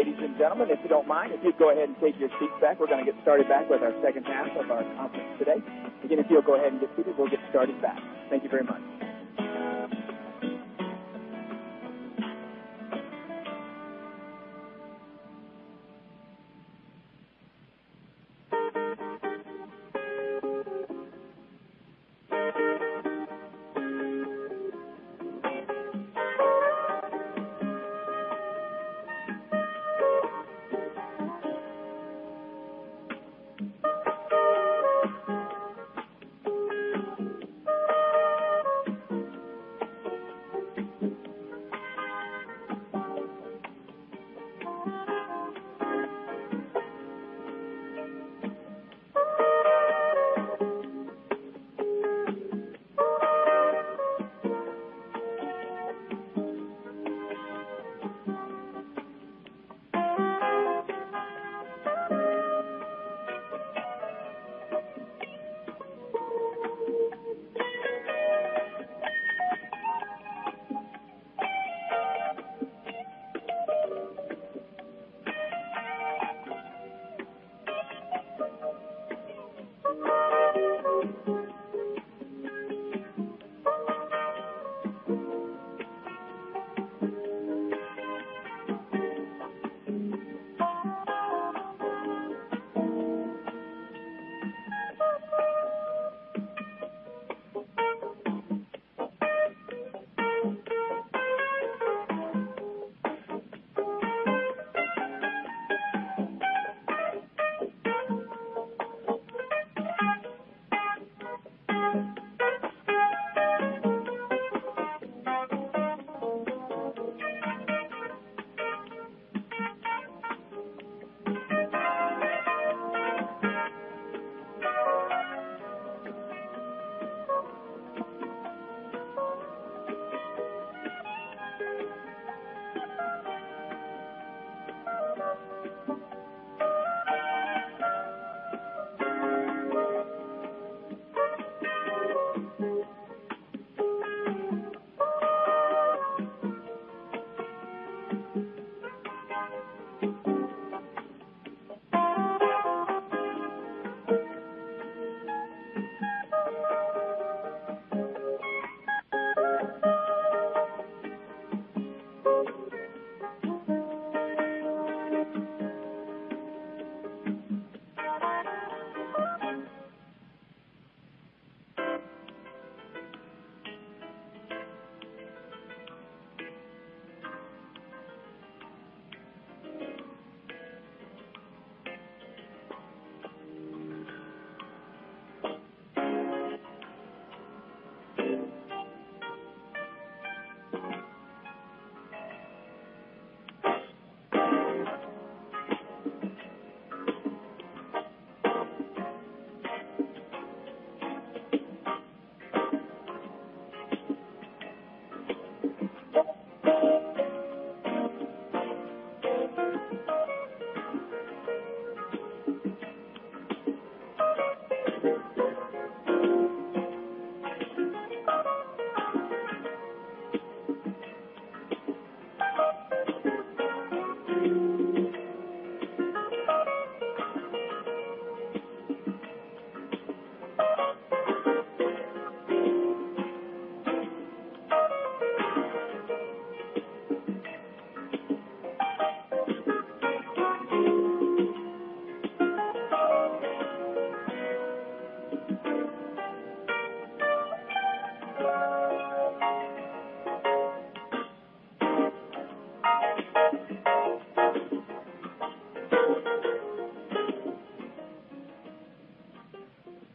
Ladies and gentlemen, if you don't mind, if you'd go ahead and take your seats back, we're going to get started back with our second half of our conference today. Again, if you'll go ahead and get seated, we'll get started back. Thank you very much.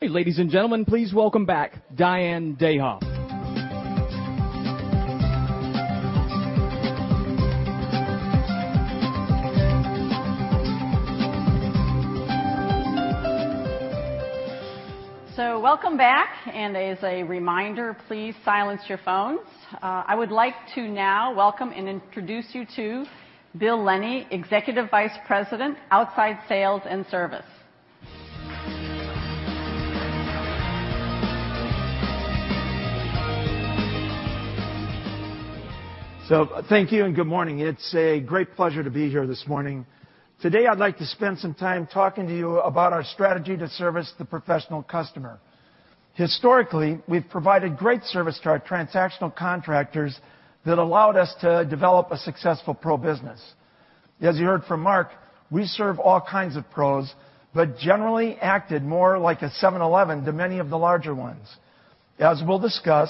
Ladies and gentlemen, please welcome back Diane Dayhoff. Welcome back, and as a reminder, please silence your phones. I would like to now welcome and introduce you to Bill Lennie, Executive Vice President, Outside Sales and Service. Thank you and good morning. It's a great pleasure to be here this morning. Today, I'd like to spend some time talking to you about our strategy to service the professional customer. Historically, we've provided great service to our transactional contractors that allowed us to develop a successful pro business. As you heard from Mark, we serve all kinds of pros, but generally acted more like a 7-Eleven to many of the larger ones. As we'll discuss,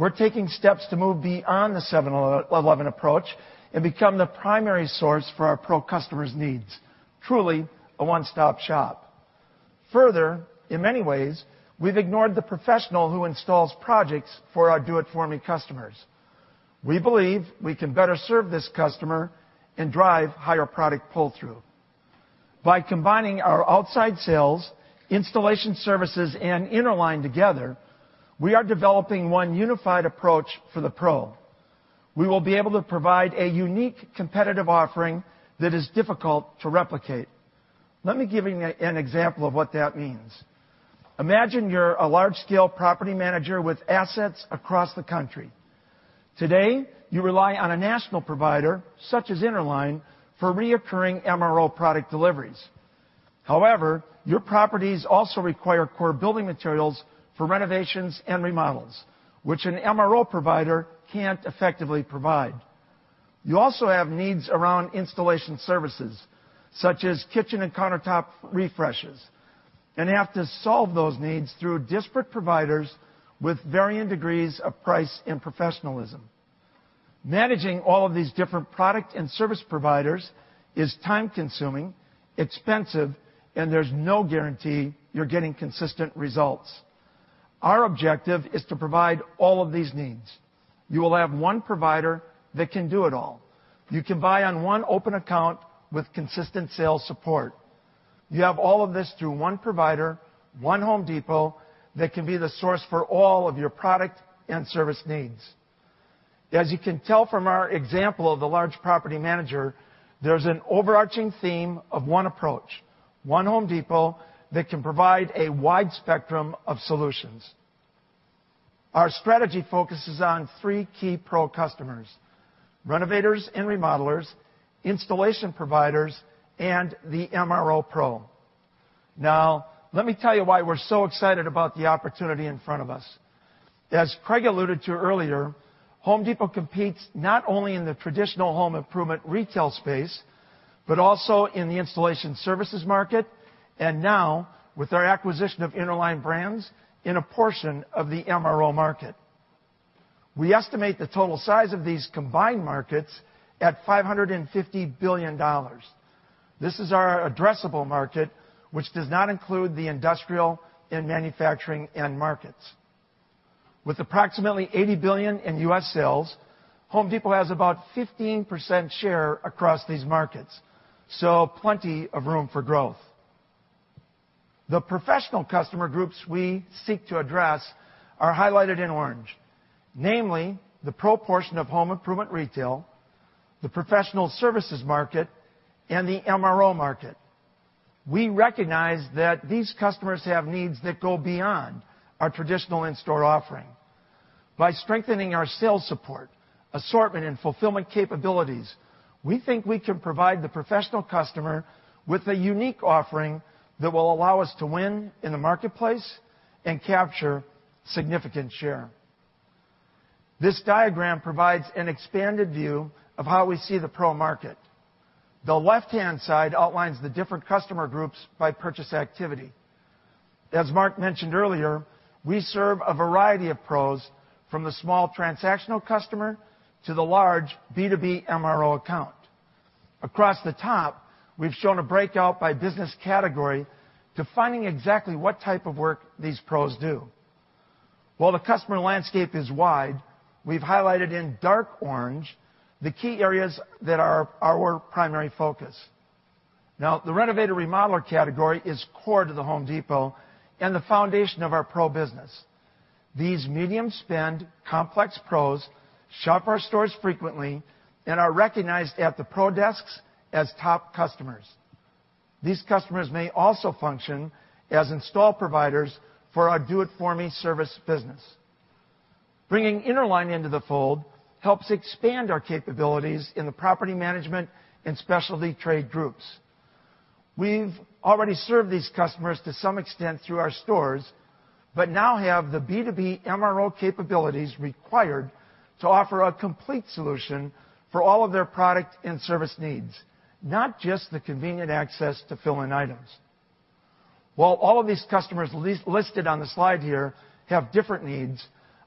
we're taking steps to move beyond the 7-Eleven approach and become the primary source for our pro customers' needs. Truly, a one-stop shop. Further, in many ways, we've ignored the professional who installs projects for our do-it-for-me customers. We believe we can better serve this customer and drive higher product pull-through. By combining our outside sales, installation services, and Interline together, we are developing one unified approach for the pro. We will be able to provide a unique competitive offering that is difficult to replicate. Let me give you an example of what that means. Imagine you're a large-scale property manager with assets across the country. Today, you rely on a national provider, such as Interline, for reoccurring MRO product deliveries. However, your properties also require core building materials for renovations and remodels, which an MRO provider can't effectively provide. You also have needs around installation services, such as kitchen and countertop refreshes, and have to solve those needs through disparate providers with varying degrees of price and professionalism. Managing all of these different product and service providers is time-consuming, expensive, and there's no guarantee you're getting consistent results. Our objective is to provide all of these needs. You will have one provider that can do it all. You can buy on one open account with consistent sales support. You have all of this through one provider, one The Home Depot, that can be the source for all of your product and service needs. As you can tell from our example of the large property manager, there's an overarching theme of one approach, one The Home Depot that can provide a wide spectrum of solutions. Our strategy focuses on three key pro customers, renovators and remodelers, installation providers, and the MRO pro. Now, let me tell you why we're so excited about the opportunity in front of us. As Craig alluded to earlier, The Home Depot competes not only in the traditional home improvement retail space, but also in the installation services market, and now, with our acquisition of Interline Brands, in a portion of the MRO market. We estimate the total size of these combined markets at $550 billion. This is our addressable market, which does not include the industrial and manufacturing end markets. With approximately $80 billion in U.S. sales, The Home Depot has about 15% share across these markets, so plenty of room for growth. The professional customer groups we seek to address are highlighted in orange, namely the Pro portion of home improvement retail, the professional services market, and the MRO market. We recognize that these customers have needs that go beyond our traditional in-store offering. By strengthening our sales support, assortment, and fulfillment capabilities, we think we can provide the professional customer with a unique offering that will allow us to win in the marketplace and capture significant share. This diagram provides an expanded view of how we see the Pro market. The left-hand side outlines the different customer groups by purchase activity. As Mark mentioned earlier, we serve a variety of Pros from the small transactional customer to the large B2B MRO account. Across the top, we've shown a breakout by business category defining exactly what type of work these Pros do. While the customer landscape is wide, we've highlighted in dark orange the key areas that are our primary focus. The renovator/remodeler category is core to The Home Depot and the foundation of our Pro business. These medium-spend complex Pros shop our stores frequently and are recognized at the Pro desks as top customers. These customers may also function as install providers for our Do It For Me service business. Bringing Interline into the fold helps expand our capabilities in the property management and specialty trade groups. We've already served these customers to some extent through our stores, now have the B2B MRO capabilities required to offer a complete solution for all of their product and service needs, not just the convenient access to fill-in items. All of these customers listed on the slide here have different needs,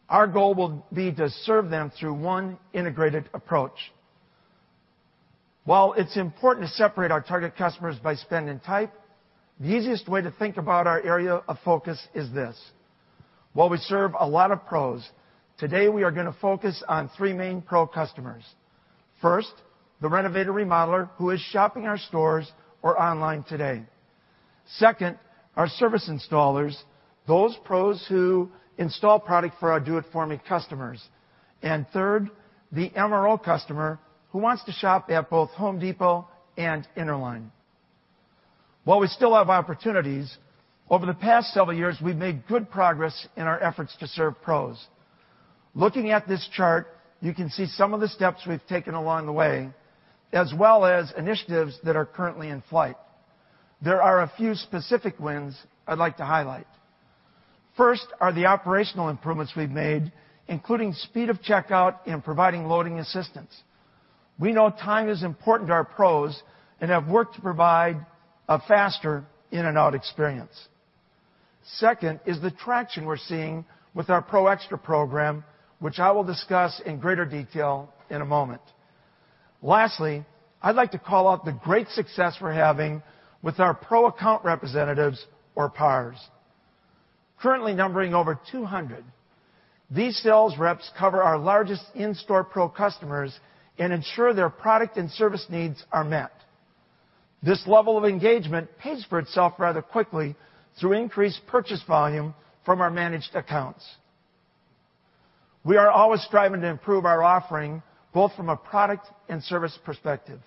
our goal will be to serve them through one integrated approach. It's important to separate our target customers by spend and type, the easiest way to think about our area of focus is this. We serve a lot of Pros, today we are going to focus on three main Pro customers. First, the renovator/remodeler who is shopping our stores or online today. Second, our service installers, those Pros who install product for our Do It For Me customers. Third, the MRO customer who wants to shop at both The Home Depot and Interline. We still have opportunities, over the past several years, we've made good progress in our efforts to serve Pros. Looking at this chart, you can see some of the steps we've taken along the way, as well as initiatives that are currently in flight. There are a few specific wins I'd like to highlight. First are the operational improvements we've made, including speed of checkout and providing loading assistance. We know time is important to our Pros and have worked to provide a faster in-and-out experience. Second is the traction we're seeing with our Pro Xtra program, which I will discuss in greater detail in a moment. Lastly, I'd like to call out the great success we're having with our Pro Account Representatives or PARs. Currently numbering over 200, these sales reps cover our largest in-store Pro customers and ensure their product and service needs are met. This level of engagement pays for itself rather quickly through increased purchase volume from our managed accounts. We are always striving to improve our offering both from a product and service perspective.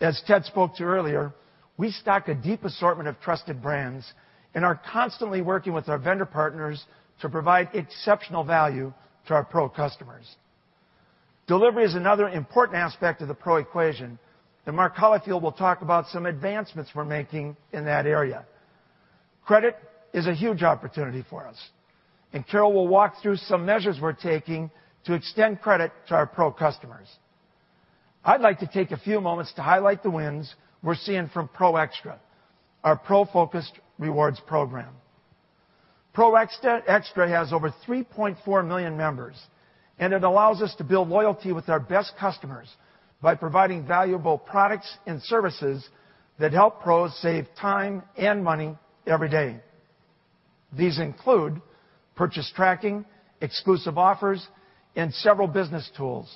As Ted spoke to earlier, we stock a deep assortment of trusted brands and are constantly working with our vendor partners to provide exceptional value to our Pro customers. Delivery is another important aspect of the Pro equation, and Mark Holifield will talk about some advancements we're making in that area. Credit is a huge opportunity for us, and Carol will walk through some measures we're taking to extend credit to our Pro customers. I'd like to take a few moments to highlight the wins we're seeing from Pro Xtra, our Pro-focused rewards program. Pro Xtra has over 3.4 million members. It allows us to build loyalty with our best customers by providing valuable products and services that help Pros save time and money every day. These include purchase tracking, exclusive offers, and several business tools.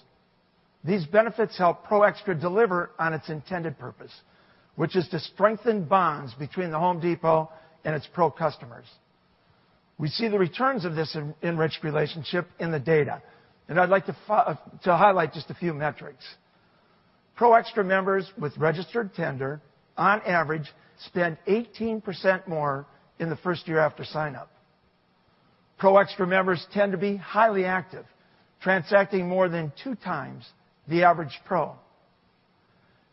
These benefits help Pro Xtra deliver on its intended purpose, which is to strengthen bonds between The Home Depot and its Pro customers. We see the returns of this enriched relationship in the data, and I'd like to highlight just a few metrics. Pro Xtra members with registered tender, on average, spend 18% more in the first year after sign-up. Pro Xtra members tend to be highly active, transacting more than two times the average Pro.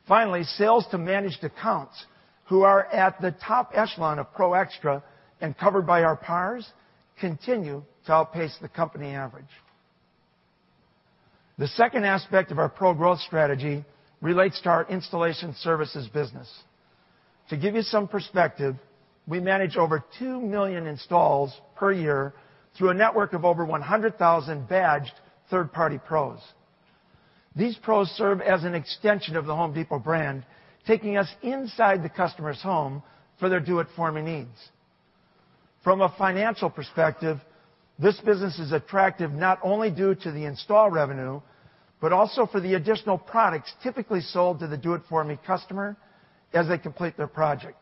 Finally, sales to managed accounts who are at the top echelon of Pro Xtra and covered by our PARs continue to outpace the company average. The second aspect of our Pro growth strategy relates to our installation services business. To give you some perspective, we manage over 2 million installs per year through a network of over 100,000 badged third-party Pros. These Pros serve as an extension of The Home Depot brand, taking us inside the customer's home for their do-it-for-me needs. From a financial perspective, this business is attractive not only due to the install revenue, but also for the additional products typically sold to the do-it-for-me customer as they complete their project.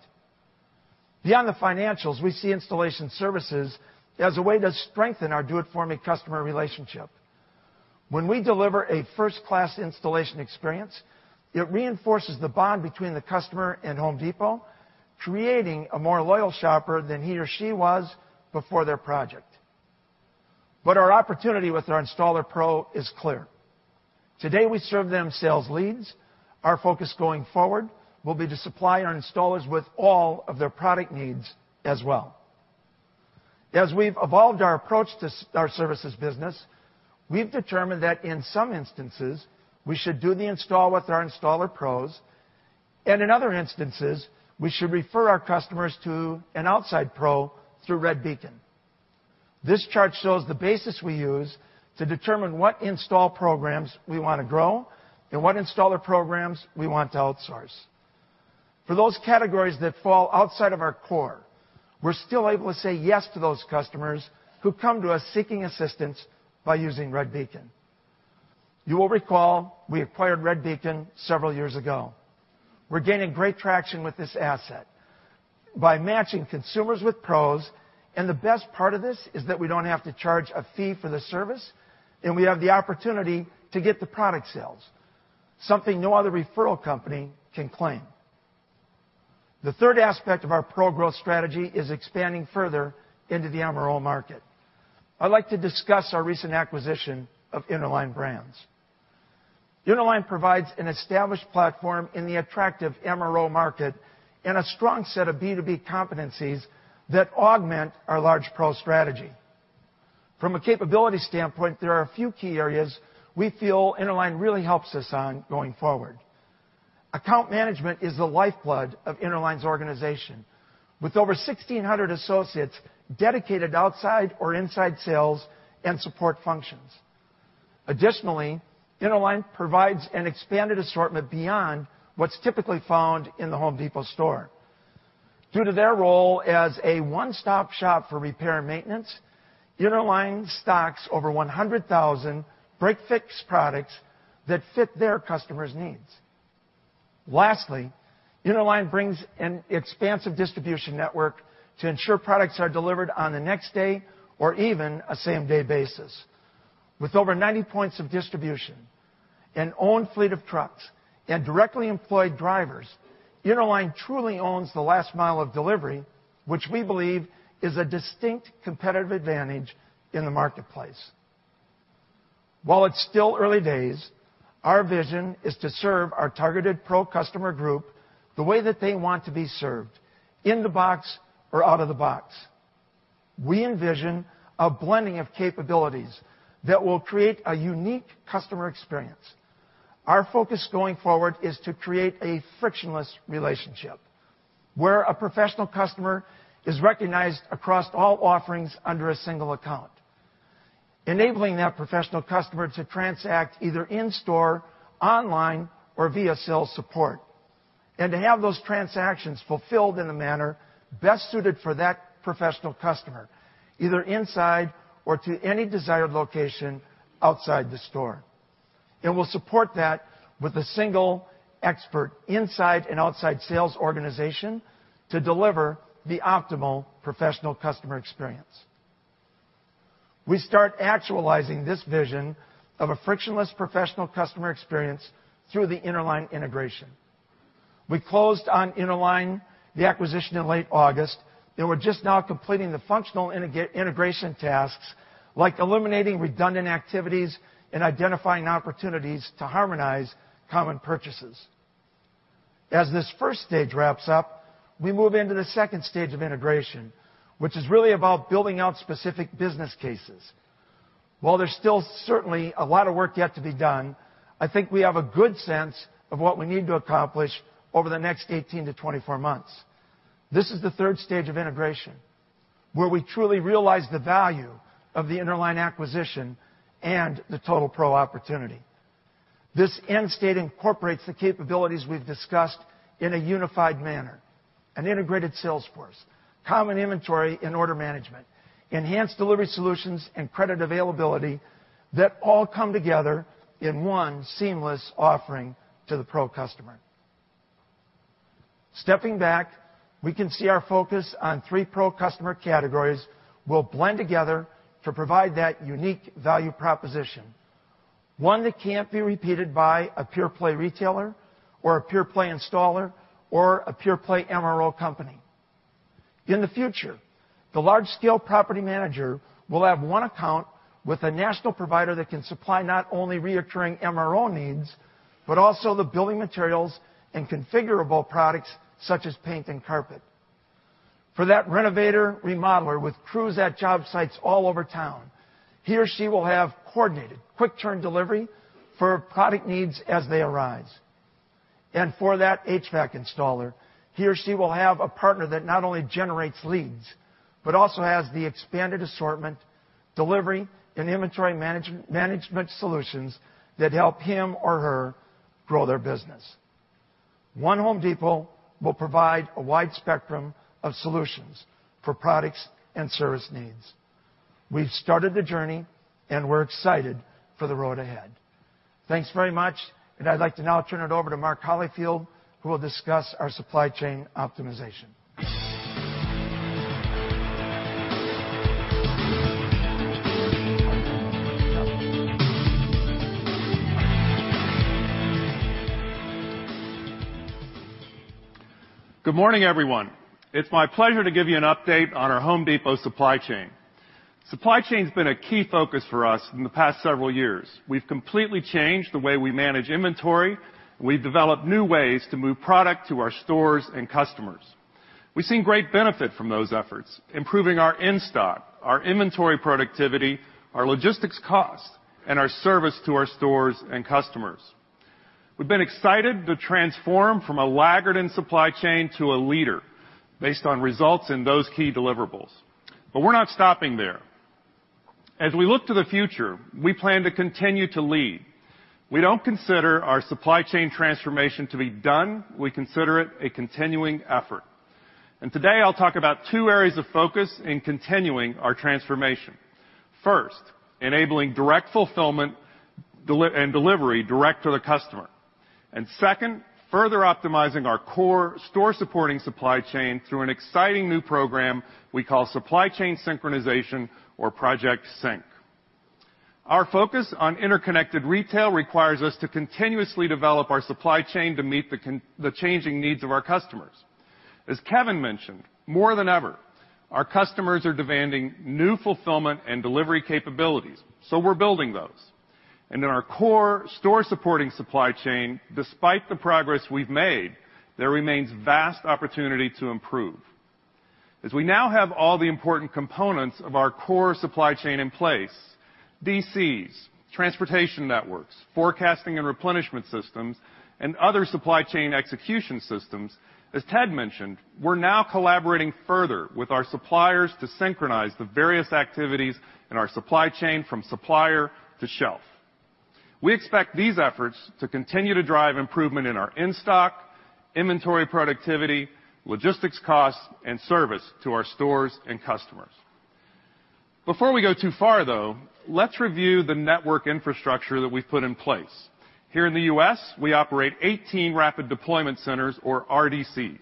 Beyond the financials, we see installation services as a way to strengthen our do-it-for-me customer relationship. When we deliver a first-class installation experience, it reinforces the bond between the customer and The Home Depot, creating a more loyal shopper than he or she was before their project. Our opportunity with our installer Pro is clear. Today, we serve them sales leads. Our focus going forward will be to supply our installers with all of their product needs as well. As we've evolved our approach to our services business, we've determined that in some instances, we should do the install with our installer Pros, and in other instances, we should refer our customers to an outside Pro through Redbeacon. This chart shows the basis we use to determine what install programs we want to grow and what installer programs we want to outsource. For those categories that fall outside of our core, we're still able to say yes to those customers who come to us seeking assistance by using Redbeacon. You will recall we acquired Redbeacon several years ago. We're gaining great traction with this asset by matching consumers with pros, and the best part of this is that we don't have to charge a fee for the service, and we have the opportunity to get the product sales, something no other referral company can claim. The third aspect of our pro growth strategy is expanding further into the MRO market. I'd like to discuss our recent acquisition of Interline Brands. Interline provides an established platform in the attractive MRO market and a strong set of B2B competencies that augment our large pro strategy. From a capability standpoint, there are a few key areas we feel Interline really helps us on going forward. Account management is the lifeblood of Interline's organization, with over 1,600 associates dedicated outside or inside sales and support functions. Additionally, Interline provides an expanded assortment beyond what's typically found in The Home Depot store. Due to their role as a one-stop shop for repair and maintenance, Interline stocks over 100,000 break-fix products that fit their customers' needs. Lastly, Interline brings an expansive distribution network to ensure products are delivered on the next day or even a same-day basis. With over 90 points of distribution, an owned fleet of trucks, and directly employed drivers, Interline truly owns the last mile of delivery, which we believe is a distinct competitive advantage in the marketplace. While it's still early days, our vision is to serve our targeted pro customer group the way that they want to be served, in the box or out of the box. We envision a blending of capabilities that will create a unique customer experience. Our focus going forward is to create a frictionless relationship where a professional customer is recognized across all offerings under a single account, enabling that professional customer to transact either in store, online, or via sales support, and to have those transactions fulfilled in the manner best suited for that professional customer, either inside or to any desired location outside the store. It will support that with a single expert inside and outside sales organization to deliver the optimal professional customer experience. We start actualizing this vision of a frictionless professional customer experience through the Interline integration. We closed on Interline, the acquisition, in late August, and we're just now completing the functional integration tasks like eliminating redundant activities and identifying opportunities to harmonize common purchases. As this stage 1 wraps up, we move into the stage 2 of integration, which is really about building out specific business cases. While there's still certainly a lot of work yet to be done, I think we have a good sense of what we need to accomplish over the next 18 to 24 months. This is the stage 3 of integration, where we truly realize the value of the Interline acquisition and the Total Pro opportunity. This end state incorporates the capabilities we've discussed in a unified manner. An integrated sales force, common inventory and order management, enhanced delivery solutions, and credit availability that all come together in one seamless offering to the Pro customer. Stepping back, we can see our focus on three Pro customer categories will blend together to provide that unique value proposition. One that can't be repeated by a pure-play retailer or a pure-play installer or a pure-play MRO company. In the future, the large-scale property manager will have one account with a national provider that can supply not only recurring MRO needs, but also the building materials and configurable products such as paint and carpet. For that renovator/remodeler with crews at job sites all over town, he or she will have coordinated quick turn delivery for product needs as they arise. For that HVAC installer, he or she will have a partner that not only generates leads but also has the expanded assortment, delivery, and inventory management solutions that help him or her grow their business. One Home Depot will provide a wide spectrum of solutions for products and service needs. We've started the journey, and we're excited for the road ahead. Thanks very much, I'd like to now turn it over to Mark Holifield, who will discuss our supply chain optimization. Good morning, everyone. It's my pleasure to give you an update on our The Home Depot supply chain. Supply chain's been a key focus for us in the past several years. We've completely changed the way we manage inventory. We've developed new ways to move product to our stores and customers. We've seen great benefit from those efforts, improving our in-stock, our inventory productivity, our logistics cost, and our service to our stores and customers. We've been excited to transform from a laggard in supply chain to a leader based on results in those key deliverables. We're not stopping there. As we look to the future, we plan to continue to lead. We don't consider our supply chain transformation to be done. We consider it a continuing effort. Today, I'll talk about two areas of focus in continuing our transformation. First, enabling direct fulfillment and delivery direct to the customer. Second, further optimizing our core store supporting supply chain through an exciting new program we call Supply Chain Synchronization or Project Sync. Our focus on interconnected retail requires us to continuously develop our supply chain to meet the changing needs of our customers. As Kevin mentioned, more than ever, our customers are demanding new fulfillment and delivery capabilities, we're building those. In our core store supporting supply chain, despite the progress we've made, there remains vast opportunity to improve. As we now have all the important components of our core supply chain in place, DCs, transportation networks, forecasting and replenishment systems, and other supply chain execution systems, as Ted mentioned, we're now collaborating further with our suppliers to synchronize the various activities in our supply chain from supplier to shelf. We expect these efforts to continue to drive improvement in our in-stock inventory productivity, logistics costs, and service to our stores and customers. Before we go too far, though, let's review the network infrastructure that we've put in place. Here in the U.S., we operate 18 rapid deployment centers or RDCs.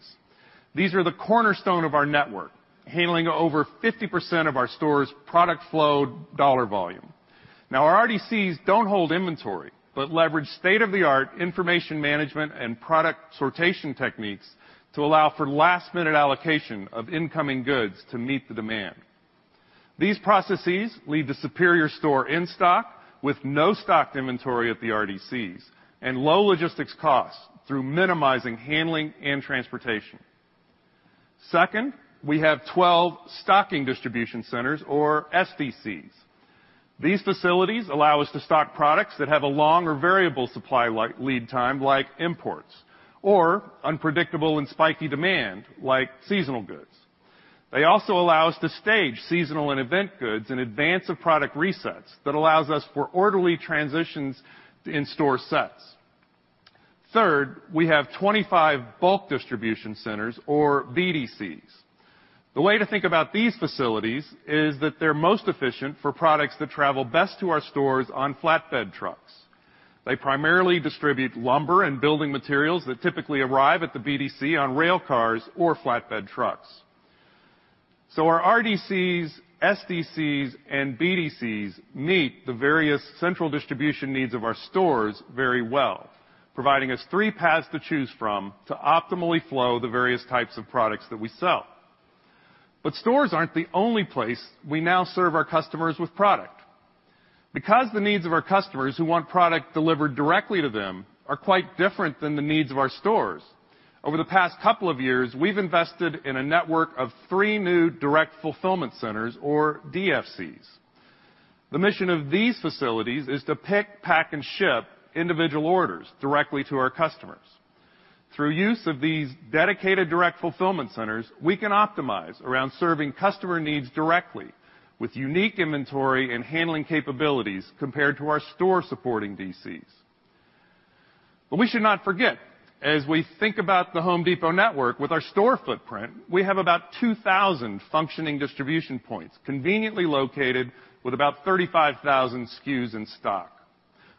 These are the cornerstone of our network, handling over 50% of our stores' product flow dollar volume. Now, our RDCs don't hold inventory, but leverage state-of-the-art information management and product sortation techniques to allow for last-minute allocation of incoming goods to meet the demand. These processes lead to superior store in-stock with no stocked inventory at the RDCs and low logistics costs through minimizing handling and transportation. Second, we have 12 stocking distribution centers or SDCs. These facilities allow us to stock products that have a long or variable supply lead time, like imports or unpredictable and spiky demand like seasonal goods. They also allow us to stage seasonal and event goods in advance of product resets that allows us for orderly transitions in store sets. Third, we have 25 bulk distribution centers or BDCs. The way to think about these facilities is that they're most efficient for products that travel best to our stores on flatbed trucks. They primarily distribute lumber and building materials that typically arrive at the BDC on rail cars or flatbed trucks. Our RDCs, SDCs, and BDCs meet the various central distribution needs of our stores very well, providing us three paths to choose from to optimally flow the various types of products that we sell. Stores aren't the only place we now serve our customers with product. Because the needs of our customers who want product delivered directly to them are quite different than the needs of our stores. Over the past couple of years, we've invested in a network of three new direct fulfillment centers, or DFCs. The mission of these facilities is to pick, pack, and ship individual orders directly to our customers. Through use of these dedicated direct fulfillment centers, we can optimize around serving customer needs directly with unique inventory and handling capabilities compared to our store-supporting DCs. We should not forget, as we think about The Home Depot network with our store footprint, we have about 2,000 functioning distribution points conveniently located with about 35,000 SKUs in stock.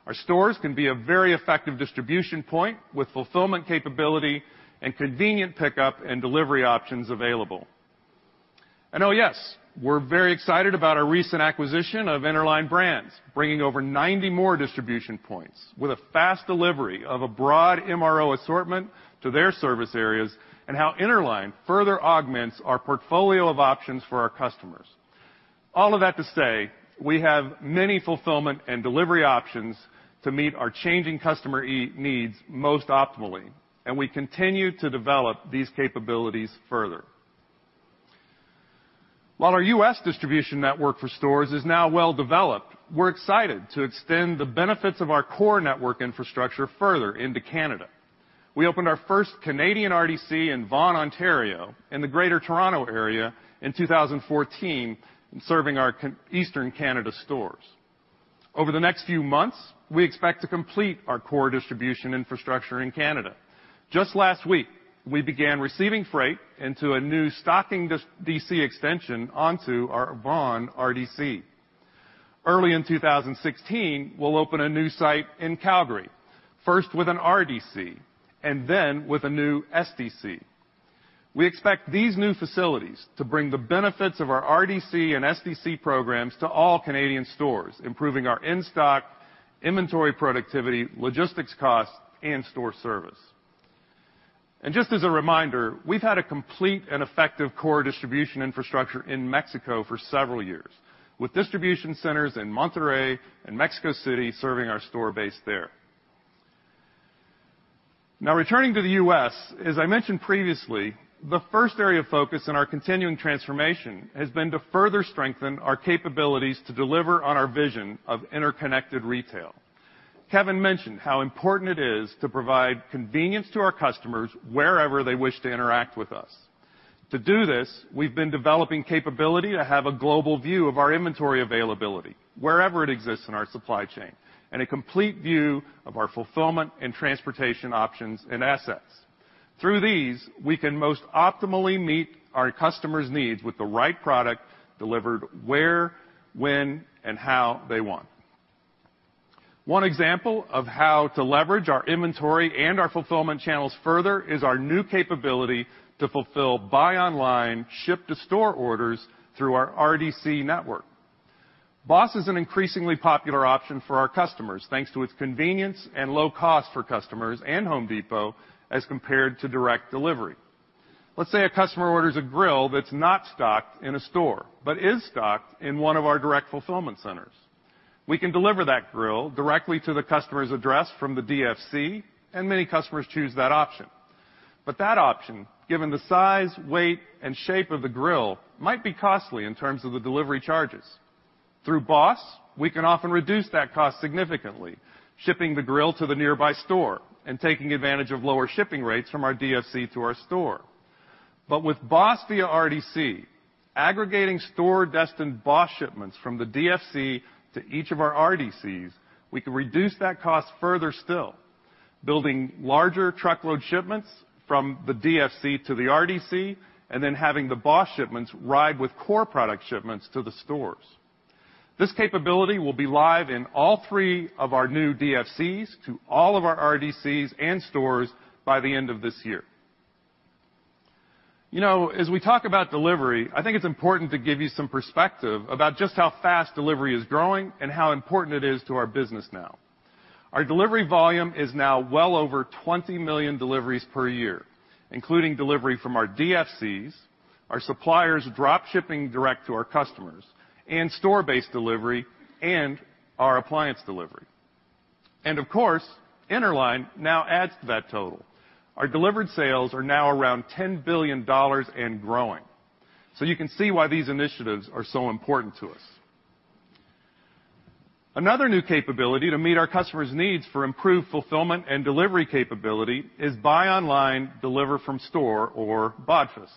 Our stores can be a very effective distribution point with fulfillment capability and convenient pickup and delivery options available. Oh, yes, we're very excited about our recent acquisition of Interline Brands, bringing over 90 more distribution points with a fast delivery of a broad MRO assortment to their service areas and how Interline further augments our portfolio of options for our customers. All of that to say, we have many fulfillment and delivery options to meet our changing customer needs most optimally, and we continue to develop these capabilities further. While our U.S. distribution network for stores is now well developed, we're excited to extend the benefits of our core network infrastructure further into Canada. We opened our first Canadian RDC in Vaughan, Ontario in the greater Toronto area in 2014, serving our Eastern Canada stores. Over the next few months, we expect to complete our core distribution infrastructure in Canada. Just last week, we began receiving freight into a new stocking DC extension onto our Vaughan RDC. Early in 2016, we'll open a new site in Calgary, first with an RDC and then with a new SDC. We expect these new facilities to bring the benefits of our RDC and SDC programs to all Canadian stores, improving our in-stock inventory productivity, logistics costs, and store service. Just as a reminder, we've had a complete and effective core distribution infrastructure in Mexico for several years, with distribution centers in Monterrey and Mexico City serving our store base there. Returning to the U.S., as I mentioned previously, the first area of focus in our continuing transformation has been to further strengthen our capabilities to deliver on our vision of interconnected retail. Kevin mentioned how important it is to provide convenience to our customers wherever they wish to interact with us. To do this, we've been developing capability to have a global view of our inventory availability wherever it exists in our supply chain and a complete view of our fulfillment and transportation options and assets. Through these, we can most optimally meet our customers' needs with the right product delivered where, when, and how they want. One example of how to leverage our inventory and our fulfillment channels further is our new capability to fulfill buy online, ship to store orders through our RDC network. BOSS is an increasingly popular option for our customers, thanks to its convenience and low cost for customers and The Home Depot as compared to direct delivery. Let's say a customer orders a grill that's not stocked in a store but is stocked in one of our direct fulfillment centers. We can deliver that grill directly to the customer's address from the DFC. Many customers choose that option. That option, given the size, weight, and shape of the grill, might be costly in terms of the delivery charges. Through BOSS, we can often reduce that cost significantly, shipping the grill to the nearby store and taking advantage of lower shipping rates from our DFC to our store. With BOSS via RDC, aggregating store-destined BOSS shipments from the DFC to each of our RDCs, we can reduce that cost further still, building larger truckload shipments from the DFC to the RDC and then having the BOSS shipments ride with core product shipments to the stores. This capability will be live in all three of our new DFCs to all of our RDCs and stores by the end of this year. As we talk about delivery, I think it's important to give you some perspective about just how fast delivery is growing and how important it is to our business now. Our delivery volume is now well over 20 million deliveries per year, including delivery from our DFCs, our suppliers drop shipping direct to our customers, and store-based delivery and our appliance delivery. Of course, Interline now adds to that total. Our delivered sales are now around $10 billion and growing. You can see why these initiatives are so important to us. Another new capability to meet our customers' needs for improved fulfillment and delivery capability is buy online, deliver from store or BODFS.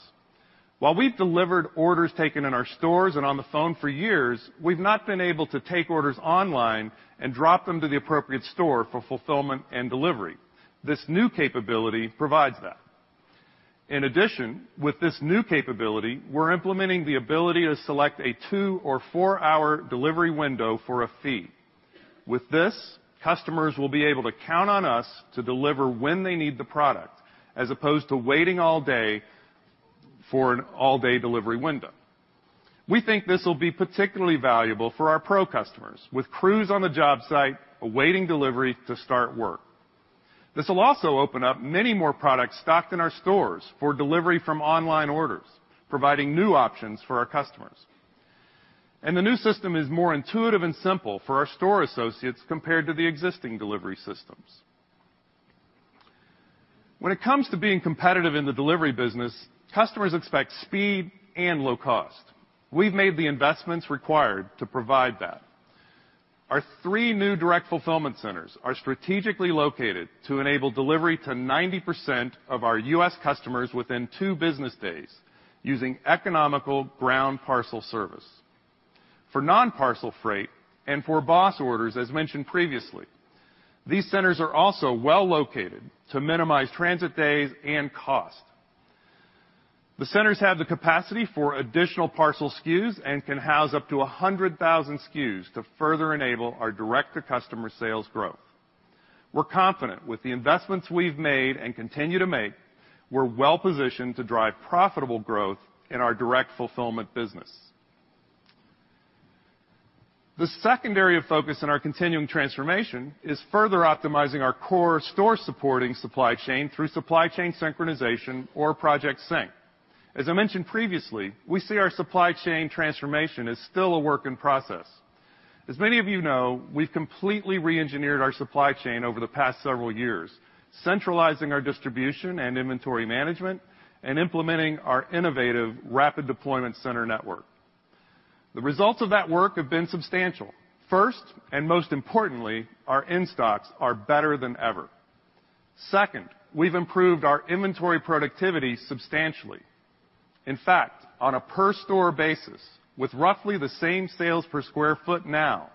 While we've delivered orders taken in our stores and on the phone for years, we've not been able to take orders online and drop them to the appropriate store for fulfillment and delivery. This new capability provides that. In addition, with this new capability, we're implementing the ability to select a two or four-hour delivery window for a fee. With this, customers will be able to count on us to deliver when they need the product, as opposed to waiting all day for an all-day delivery window. We think this will be particularly valuable for our pro customers with crews on the job site awaiting delivery to start work. This will also open up many more products stocked in our stores for delivery from online orders, providing new options for our customers. The new system is more intuitive and simple for our store associates compared to the existing delivery systems. When it comes to being competitive in the delivery business, customers expect speed and low cost. We've made the investments required to provide that. Our three new direct fulfillment centers are strategically located to enable delivery to 90% of our U.S. customers within two business days using economical ground parcel service. For non-parcel freight and for BOSS orders, as mentioned previously, these centers are also well located to minimize transit days and cost. The centers have the capacity for additional parcel SKUs and can house up to 100,000 SKUs to further enable our direct-to-customer sales growth. We're confident with the investments we've made and continue to make, we're well-positioned to drive profitable growth in our direct fulfillment business. The secondary focus in our continuing transformation is further optimizing our core store supporting supply chain through Supply Chain Synchronization or Project Sync. As I mentioned previously, we see our supply chain transformation as still a work in process. As many of you know, we've completely re-engineered our supply chain over the past several years, centralizing our distribution and inventory management and implementing our innovative rapid deployment center network. The results of that work have been substantial. First, and most importantly, our in-stocks are better than ever. Second, we've improved our inventory productivity substantially. In fact, on a per store basis, with roughly the same sales per square foot now,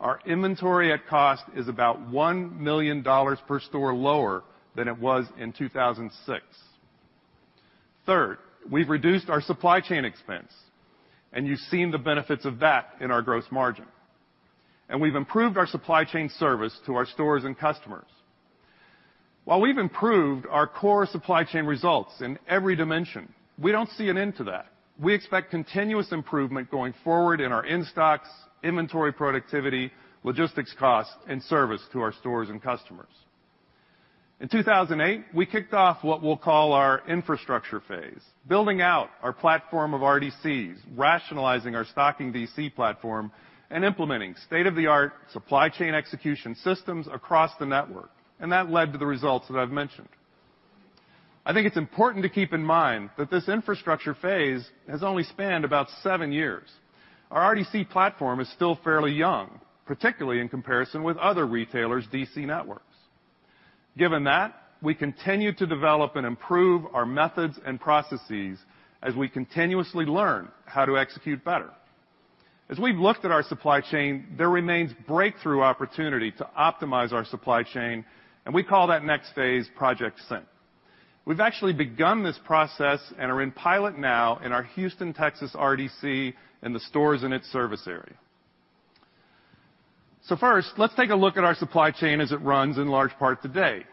our inventory at cost is about $1 million per store lower than it was in 2006. Third, we've reduced our supply chain expense, and you've seen the benefits of that in our gross margin. We've improved our supply chain service to our stores and customers. While we've improved our core supply chain results in every dimension, we don't see an end to that. We expect continuous improvement going forward in our in-stocks, inventory productivity, logistics cost, and service to our stores and customers. In 2008, we kicked off what we'll call our infrastructure phase, building out our platform of RDCs, rationalizing our stocking DC platform, and implementing state-of-the-art supply chain execution systems across the network, and that led to the results that I've mentioned. I think it's important to keep in mind that this infrastructure phase has only spanned about seven years. Our RDC platform is still fairly young, particularly in comparison with other retailers' DC networks. Given that, we continue to develop and improve our methods and processes as we continuously learn how to execute better. As we've looked at our supply chain, there remains breakthrough opportunity to optimize our supply chain, and we call that next phase Project Sync. We've actually begun this process and are in pilot now in our Houston, Texas, RDC and the stores in its service area. First, let's take a look at our supply chain as it runs in large part today.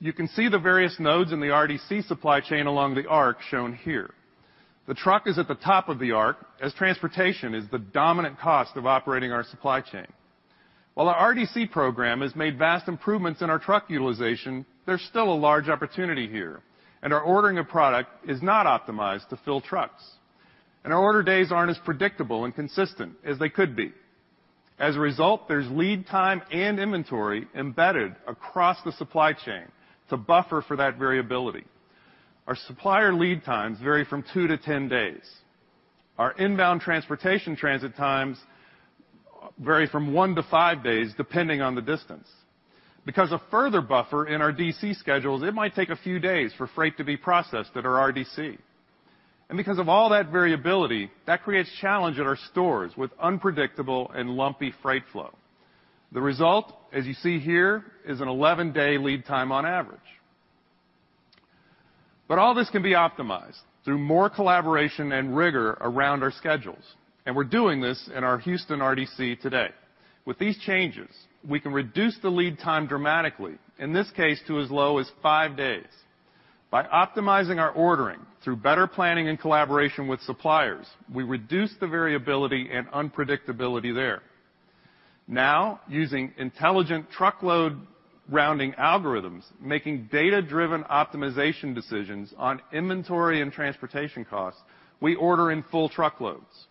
You can see the various nodes in the RDC supply chain along the arc shown here. The truck is at the top of the arc, as transportation is the dominant cost of operating our supply chain. While our RDC program has made vast improvements in our truck utilization, there's still a large opportunity here, our ordering of product is not optimized to fill trucks. Our order days aren't as predictable and consistent as they could be. As a result, there's lead time and inventory embedded across the supply chain to buffer for that variability. Our supplier lead times vary from two to 10 days. Our inbound transportation transit times vary from 1 to 5 days, depending on the distance. Because of further buffer in our DC schedules, it might take a few days for freight to be processed at our RDC. Because of all that variability, that creates challenge at our stores with unpredictable and lumpy freight flow. The result, as you see here, is an 11-day lead time on average. All this can be optimized through more collaboration and rigor around our schedules, and we're doing this in our Houston RDC today. With these changes, we can reduce the lead time dramatically, in this case, to as low as five days. By optimizing our ordering through better planning and collaboration with suppliers, we reduce the variability and unpredictability there. Using intelligent truckload rounding algorithms, making data-driven optimization decisions on inventory and transportation costs, we order in full truckloads.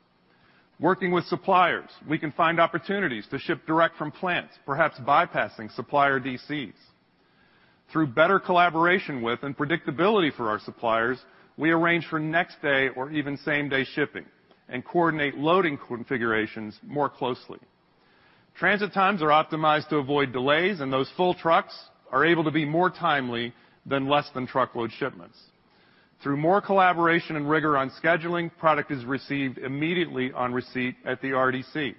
Working with suppliers, we can find opportunities to ship direct from plants, perhaps bypassing supplier DCs. Through better collaboration with and predictability for our suppliers, we arrange for next-day or even same-day shipping and coordinate loading configurations more closely. Transit times are optimized to avoid delays, and those full trucks are able to be more timely than less than truckload shipments. Through more collaboration and rigor on scheduling, product is received immediately on receipt at the RDC.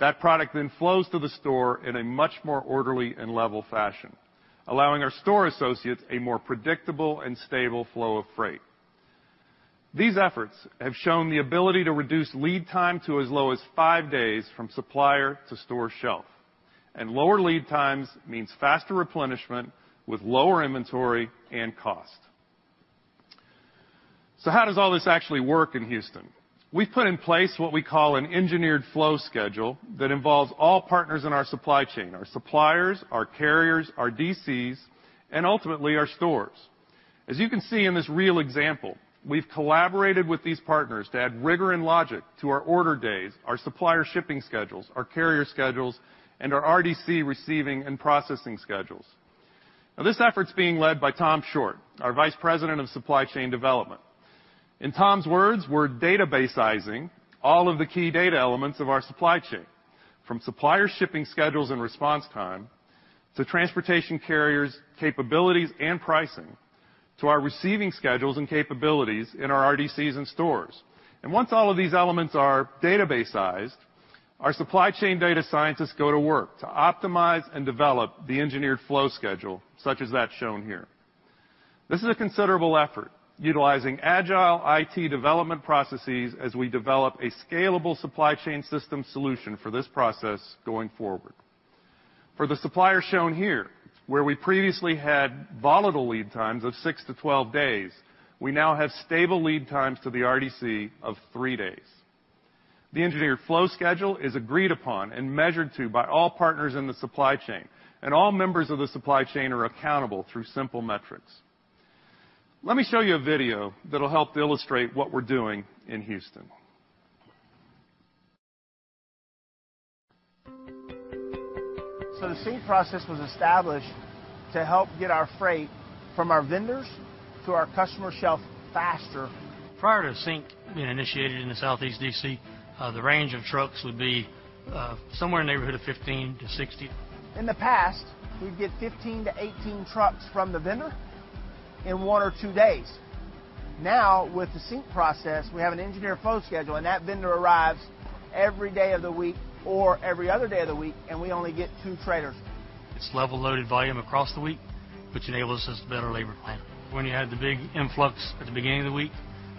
That product then flows to the store in a much more orderly and level fashion, allowing our store associates a more predictable and stable flow of freight. These efforts have shown the ability to reduce lead time to as low as five days from supplier to store shelf. Lower lead times means faster replenishment with lower inventory and cost. How does all this actually work in Houston? We've put in place what we call an Engineered Flow Schedule that involves all partners in our supply chain, our suppliers, our carriers, our DCs, and ultimately, our stores. As you can see in this real example, we've collaborated with these partners to add rigor and logic to our order days, our supplier shipping schedules, our carrier schedules, and our RDC receiving and processing schedules. This effort's being led by Tom Short, our Vice President of Supply Chain Development. In Tom's words, we're databasizing all of the key data elements of our supply chain, from supplier shipping schedules and response time, to transportation carriers' capabilities and pricing, to our receiving schedules and capabilities in our RDCs and stores. Once all of these elements are databasized, our supply chain data scientists go to work to optimize and develop the Engineered Flow Schedule, such as that shown here. This is a considerable effort utilizing agile IT development processes as we develop a scalable supply chain system solution for this process going forward. For the supplier shown here, where we previously had volatile lead times of 6 to 12 days, we now have stable lead times to the RDC of three days. The Engineered Flow Schedule is agreed upon and measured to by all partners in the supply chain. All members of the supply chain are accountable through simple metrics. Let me show you a video that'll help illustrate what we're doing in Houston. The Sync process was established to help get our freight from our vendors to our customer shelf faster. Prior to Sync being initiated in the Southeast DC, the range of trucks would be somewhere in the neighborhood of 15-60. In the past, we'd get 15-18 trucks from the vendor in one or two days. Now, with the Sync process, we have an engineered flow schedule, that vendor arrives every day of the week or every other day of the week, we only get two trailers. It's level-loaded volume across the week, which enables us to better labor plan. When you had the big influx at the beginning of the week,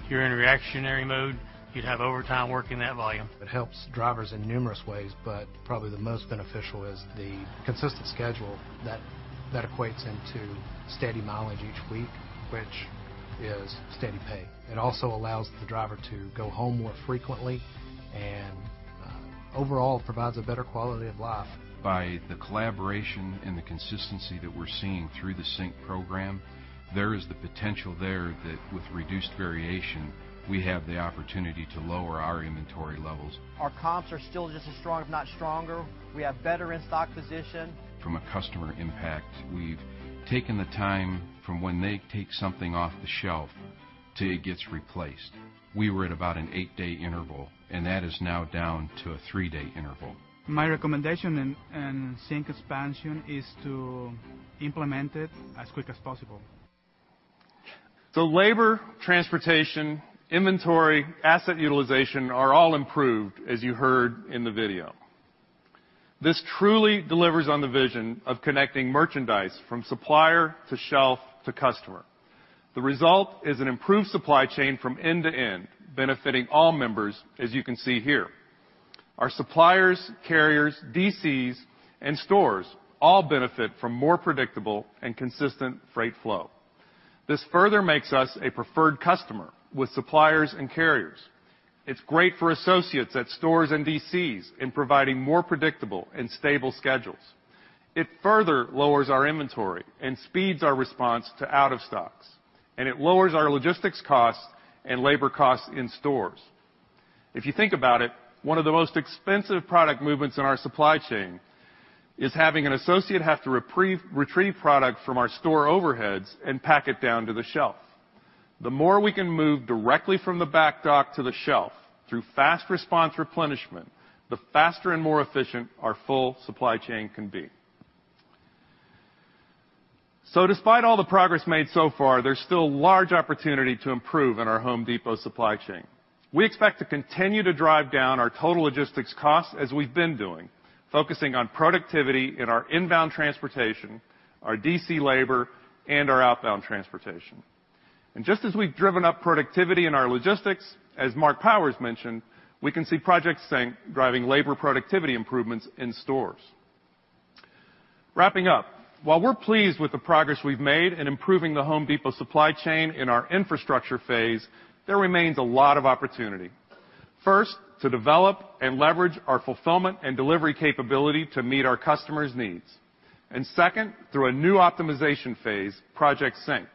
you're in reactionary mode, you'd have overtime working that volume. It helps drivers in numerous ways, but probably the most beneficial is the consistent schedule that equates into steady mileage each week, which is steady pay. It also allows the driver to go home more frequently and, overall, provides a better quality of life. By the collaboration and the consistency that we're seeing through the Sync program, there is the potential there that with reduced variation, we have the opportunity to lower our inventory levels. Our comps are still just as strong, if not stronger. We have better in-stock position. From a customer impact, we've taken the time from when they take something off the shelf till it gets replaced. We were at about an eight-day interval, and that is now down to a three-day interval. My recommendation in Sync expansion is to implement it as quick as possible. Labor, transportation, inventory, asset utilization are all improved, as you heard in the video. This truly delivers on the vision of connecting merchandise from supplier to shelf to customer. The result is an improved supply chain from end to end, benefiting all members, as you can see here. Our suppliers, carriers, DCs, and stores all benefit from more predictable and consistent freight flow. This further makes us a preferred customer with suppliers and carriers. It's great for associates at stores and DCs in providing more predictable and stable schedules. It further lowers our inventory and speeds our response to out of stocks, and it lowers our logistics costs and labor costs in stores. If you think about it, one of the most expensive product movements in our supply chain is having an associate have to retrieve product from our store overheads and pack it down to the shelf. The more we can move directly from the back dock to the shelf through fast response replenishment, the faster and more efficient our full supply chain can be. Despite all the progress made so far, there's still large opportunity to improve in our Home Depot supply chain. We expect to continue to drive down our total logistics cost as we've been doing, focusing on productivity in our inbound transportation, our DCs labor, and our outbound transportation. Just as we've driven up productivity in our logistics, as Marc Powers mentioned, we can see Project Sync driving labor productivity improvements in stores. Wrapping up, while we're pleased with the progress we've made in improving The Home Depot supply chain in our infrastructure phase, there remains a lot of opportunity. First, to develop and leverage our fulfillment and delivery capability to meet our customers' needs. Second, through a new optimization phase, Project Sync.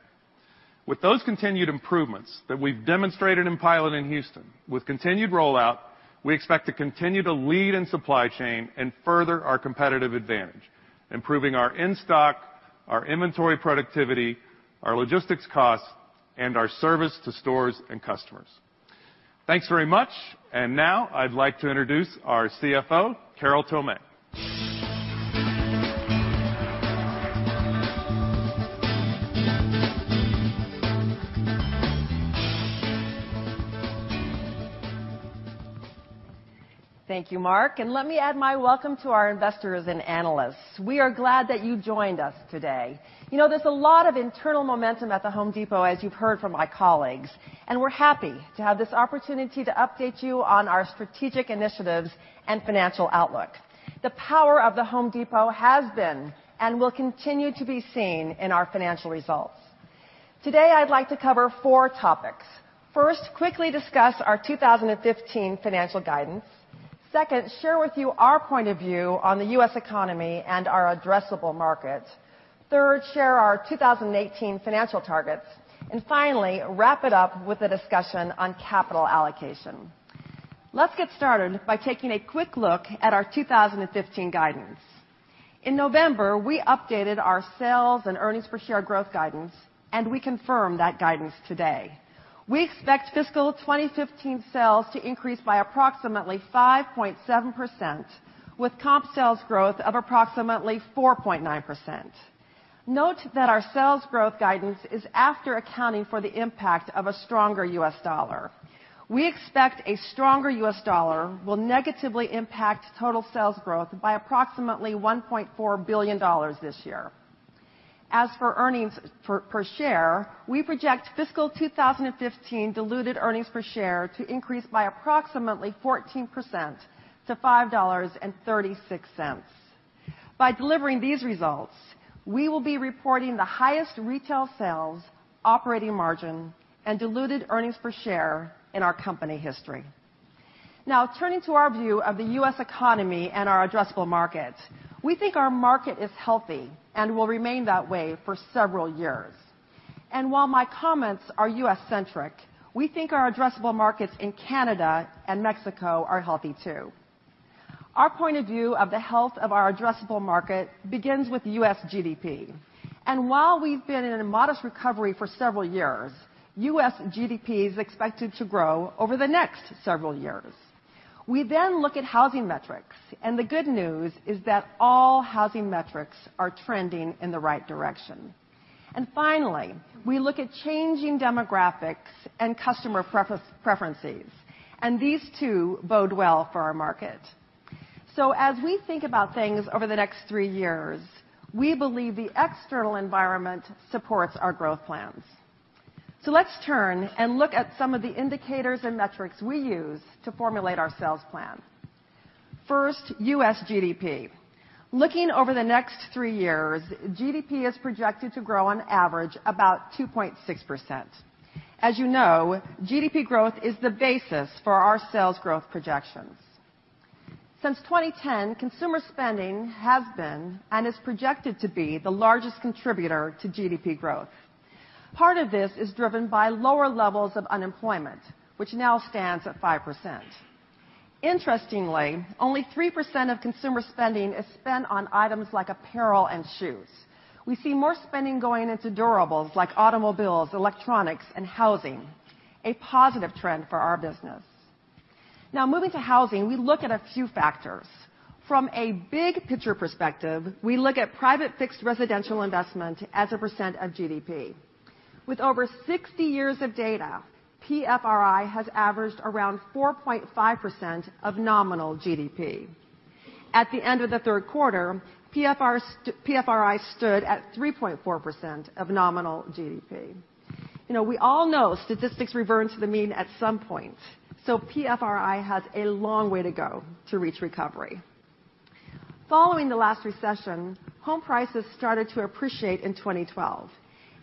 With those continued improvements that we've demonstrated in pilot in Houston, with continued rollout, we expect to continue to lead in supply chain and further our competitive advantage, improving our in-stock, our inventory productivity, our logistics costs, and our service to stores and customers. Thanks very much. Now I'd like to introduce our CFO, Carol Tomé. Thank you, Mark. Let me add my welcome to our investors and analysts. We are glad that you joined us today. There's a lot of internal momentum at The Home Depot, as you've heard from my colleagues, we're happy to have this opportunity to update you on our strategic initiatives and financial outlook. The power of The Home Depot has been will continue to be seen in our financial results. Today, I'd like to cover four topics. First, quickly discuss our 2015 financial guidance. Second, share with you our point of view on the U.S. economy our addressable market. Third, share our 2018 financial targets, finally, wrap it up with a discussion on capital allocation. Let's get started by taking a quick look at our 2015 guidance. In November, we updated our sales and earnings per share growth guidance, we confirm that guidance today. We expect fiscal 2015 sales to increase by approximately 5.7% with comp sales growth of approximately 4.9%. Note that our sales growth guidance is after accounting for the impact of a stronger U.S. dollar. We expect a stronger U.S. dollar will negatively impact total sales growth by approximately $1.4 billion this year. As for earnings per share, we project fiscal 2015 diluted earnings per share to increase by approximately 14% to $5.36. By delivering these results, we will be reporting the highest retail sales, operating margin, diluted earnings per share in our company history. Turning to our view of the U.S. economy and our addressable market. We think our market is healthy will remain that way for several years. While my comments are U.S.-centric, we think our addressable markets in Canada and Mexico are healthy too. Our point of view of the health of our addressable market begins with U.S. GDP. While we've been in a modest recovery for several years, U.S. GDP is expected to grow over the next several years. We then look at housing metrics, the good news is that all housing metrics are trending in the right direction. Finally, we look at changing demographics and customer preferences, these too bode well for our market. As we think about things over the next three years, we believe the external environment supports our growth plans. Let's turn and look at some of the indicators and metrics we use to formulate our sales plan. First, U.S. GDP. Looking over the next three years, GDP is projected to grow on average about 2.6%. As you know, GDP growth is the basis for our sales growth projections. Since 2010, consumer spending has been is projected to be the largest contributor to GDP growth. Part of this is driven by lower levels of unemployment, which now stands at 5%. Interestingly, only 3% of consumer spending is spent on items like apparel and shoes. We see more spending going into durables like automobiles, electronics, and housing, a positive trend for our business. Moving to housing, we look at a few factors. From a big-picture perspective, we look at private fixed residential investment as a percent of GDP. With over 60 years of data, PFRI has averaged around 4.5% of nominal GDP. At the end of the third quarter, PFRI stood at 3.4% of nominal GDP. We all know statistics revert to the mean at some point, PFRI has a long way to go to reach recovery. Following the last recession, home prices started to appreciate in 2012,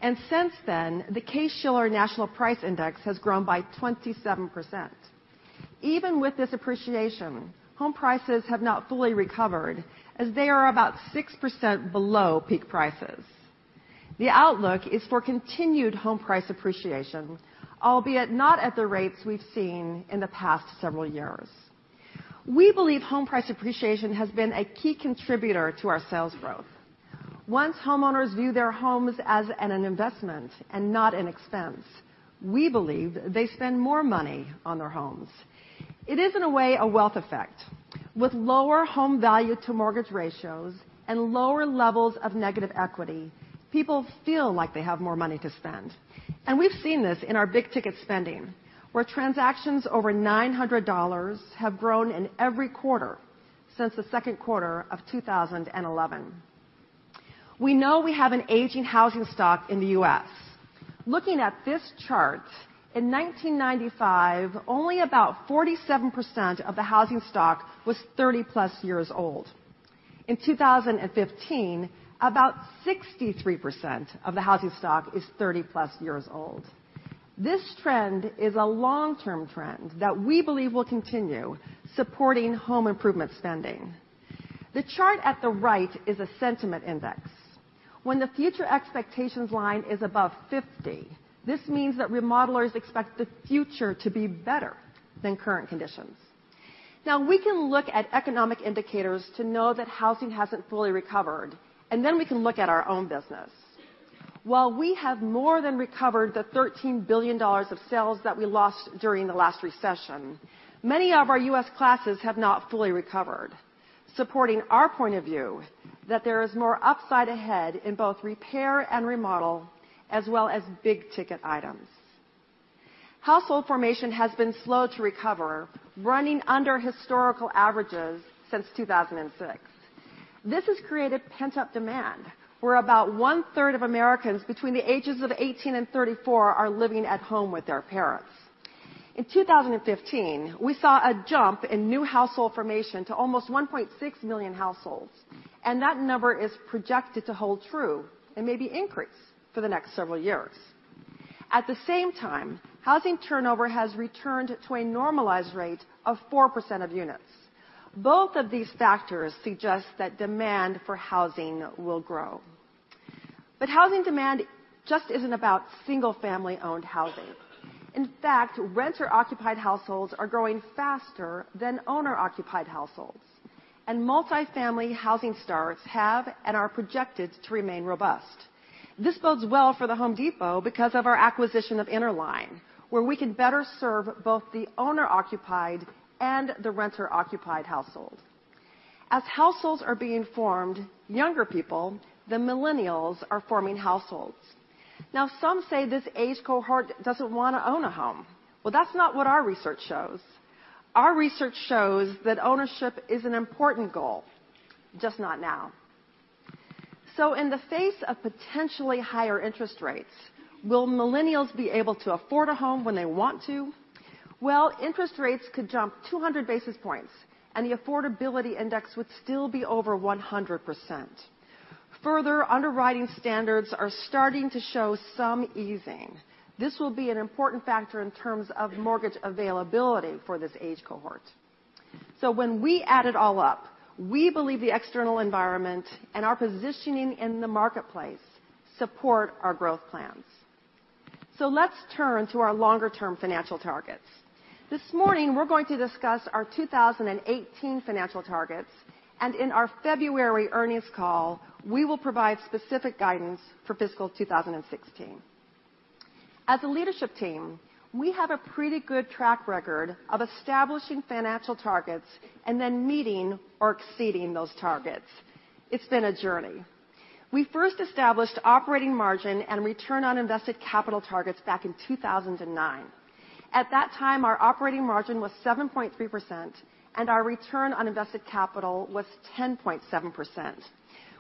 and since then, the Case-Shiller National Home Price Index has grown by 27%. Even with this appreciation, home prices have not fully recovered as they are about 6% below peak prices. The outlook is for continued home price appreciation, albeit not at the rates we've seen in the past several years. We believe home price appreciation has been a key contributor to our sales growth. Once homeowners view their homes as an investment and not an expense, we believe they spend more money on their homes. It is in a way, a wealth effect. With lower home value to mortgage ratios and lower levels of negative equity, people feel like they have more money to spend. We've seen this in our big-ticket spending, where transactions over $900 have grown in every quarter since the second quarter of 2011. We know we have an aging housing stock in the U.S. Looking at this chart, in 1995, only about 47% of the housing stock was 30-plus years old. In 2015, about 63% of the housing stock is 30-plus years old. This trend is a long-term trend that we believe will continue supporting home improvement spending. The chart at the right is a sentiment index. When the future expectations line is above 50, this means that remodelers expect the future to be better than current conditions. We can look at economic indicators to know that housing hasn't fully recovered, we can look at our own business. While we have more than recovered the $13 billion of sales that we lost during the last recession, many of our U.S. classes have not fully recovered, supporting our point of view that there is more upside ahead in both repair and remodel, as well as big-ticket items. Household formation has been slow to recover, running under historical averages since 2006. This has created pent-up demand, where about one-third of Americans between the ages of 18 and 34 are living at home with their parents. In 2015, we saw a jump in new household formation to almost 1.6 million households, that number is projected to hold true and maybe increase for the next several years. At the same time, housing turnover has returned to a normalized rate of 4% of units. Both of these factors suggest that demand for housing will grow. Housing demand just isn't about single-family-owned housing. In fact, renter-occupied households are growing faster than owner-occupied households. Multi-family housing starts have and are projected to remain robust. This bodes well for The Home Depot because of our acquisition of Interline, where we can better serve both the owner-occupied and the renter-occupied household. As households are being formed, younger people, the Millennials, are forming households. Some say this age cohort doesn't want to own a home. That's not what our research shows. Our research shows that ownership is an important goal, just not now. In the face of potentially higher interest rates, will Millennials be able to afford a home when they want to? Interest rates could jump 200 basis points, and the affordability index would still be over 100%. Further, underwriting standards are starting to show some easing. This will be an important factor in terms of mortgage availability for this age cohort. When we add it all up, we believe the external environment and our positioning in the marketplace support our growth plans. Let's turn to our longer-term financial targets. This morning, we're going to discuss our 2018 financial targets, and in our February earnings call, we will provide specific guidance for fiscal 2016. As a leadership team, we have a pretty good track record of establishing financial targets and then meeting or exceeding those targets. It's been a journey. We first established operating margin and return on invested capital targets back in 2009. At that time, our operating margin was 7.3%, and our return on invested capital was 10.7%.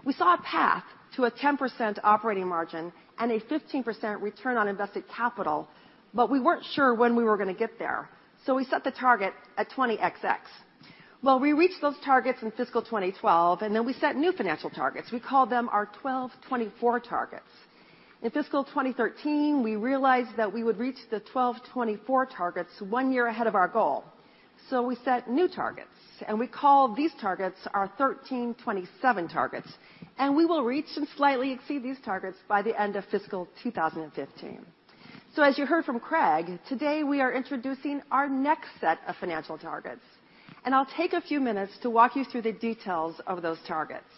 We saw a path to a 10% operating margin and a 15% return on invested capital, but we weren't sure when we were going to get there, we set the target at 20XX. We reached those targets in fiscal 2012, we set new financial targets. We call them our 12/24 targets. In fiscal 2013, we realized that we would reach the 12/24 targets one year ahead of our goal. We set new targets, and we call these targets our 13/27 targets, and we will reach and slightly exceed these targets by the end of fiscal 2015. As you heard from Craig, today we are introducing our next set of financial targets, and I'll take a few minutes to walk you through the details of those targets.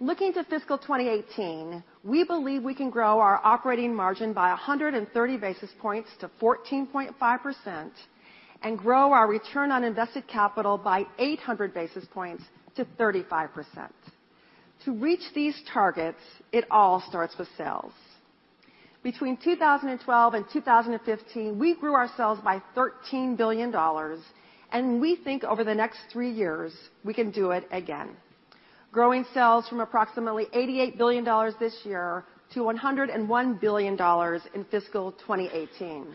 Looking to fiscal 2018, we believe we can grow our operating margin by 130 basis points to 14.5% and grow our return on invested capital by 800 basis points to 35%. To reach these targets, it all starts with sales. Between 2012 and 2015, we grew our sales by $13 billion, and we think over the next three years, we can do it again, growing sales from approximately $88 billion this year to $101 billion in fiscal 2018.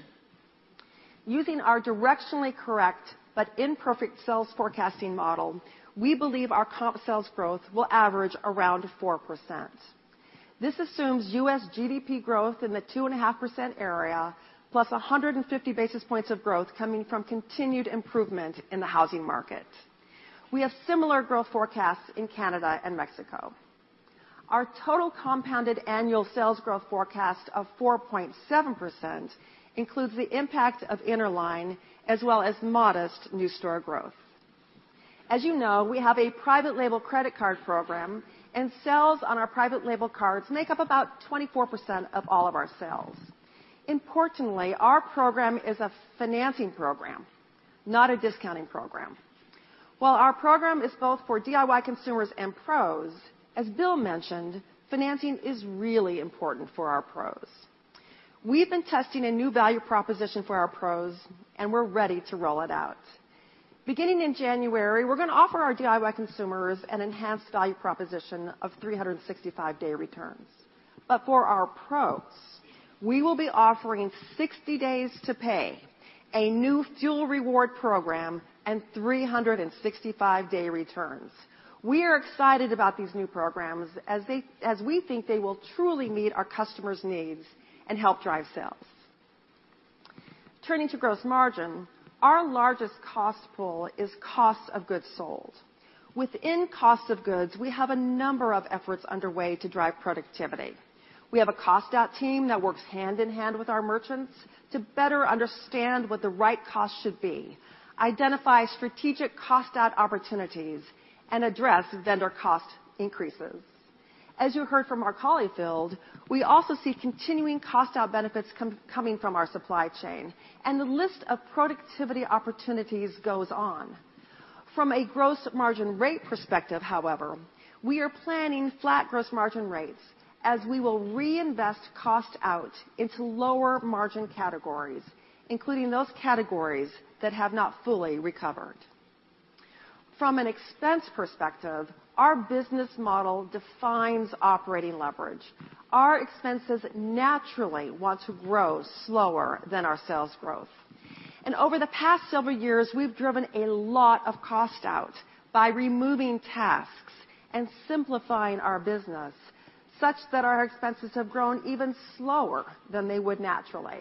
Using our directionally correct but imperfect sales forecasting model, we believe our comp sales growth will average around 4%. This assumes U.S. GDP growth in the 2.5% area, plus 150 basis points of growth coming from continued improvement in the housing market. We have similar growth forecasts in Canada and Mexico. Our total compounded annual sales growth forecast of 4.7% includes the impact of Interline, as well as modest new store growth. As you know, we have a private label credit card program, and sales on our private label cards make up about 24% of all of our sales. Importantly, our program is a financing program, not a discounting program. While our program is both for DIY consumers and pros, as Bill mentioned, financing is really important for our pros. We've been testing a new value proposition for our pros, and we're ready to roll it out. Beginning in January, we're going to offer our DIY consumers an enhanced value proposition of 365-day returns. For our pros, we will be offering 60 days to pay, a new fuel reward program, and 365-day returns. We are excited about these new programs as we think they will truly meet our customers' needs and help drive sales. Turning to gross margin, our largest cost pool is cost of goods sold. Within cost of goods, we have a number of efforts underway to drive productivity. We have a cost out team that works hand in hand with our merchants to better understand what the right cost should be, identify strategic cost out opportunities, and address vendor cost increases. As you heard from Mark Holifield, we also see continuing cost out benefits coming from our supply chain. The list of productivity opportunities goes on. From a gross margin rate perspective, however, we are planning flat gross margin rates as we will reinvest cost out into lower margin categories, including those categories that have not fully recovered. From an expense perspective, our business model defines operating leverage. Our expenses naturally want to grow slower than our sales growth. Over the past several years, we've driven a lot of cost out by removing tasks and simplifying our business such that our expenses have grown even slower than they would naturally.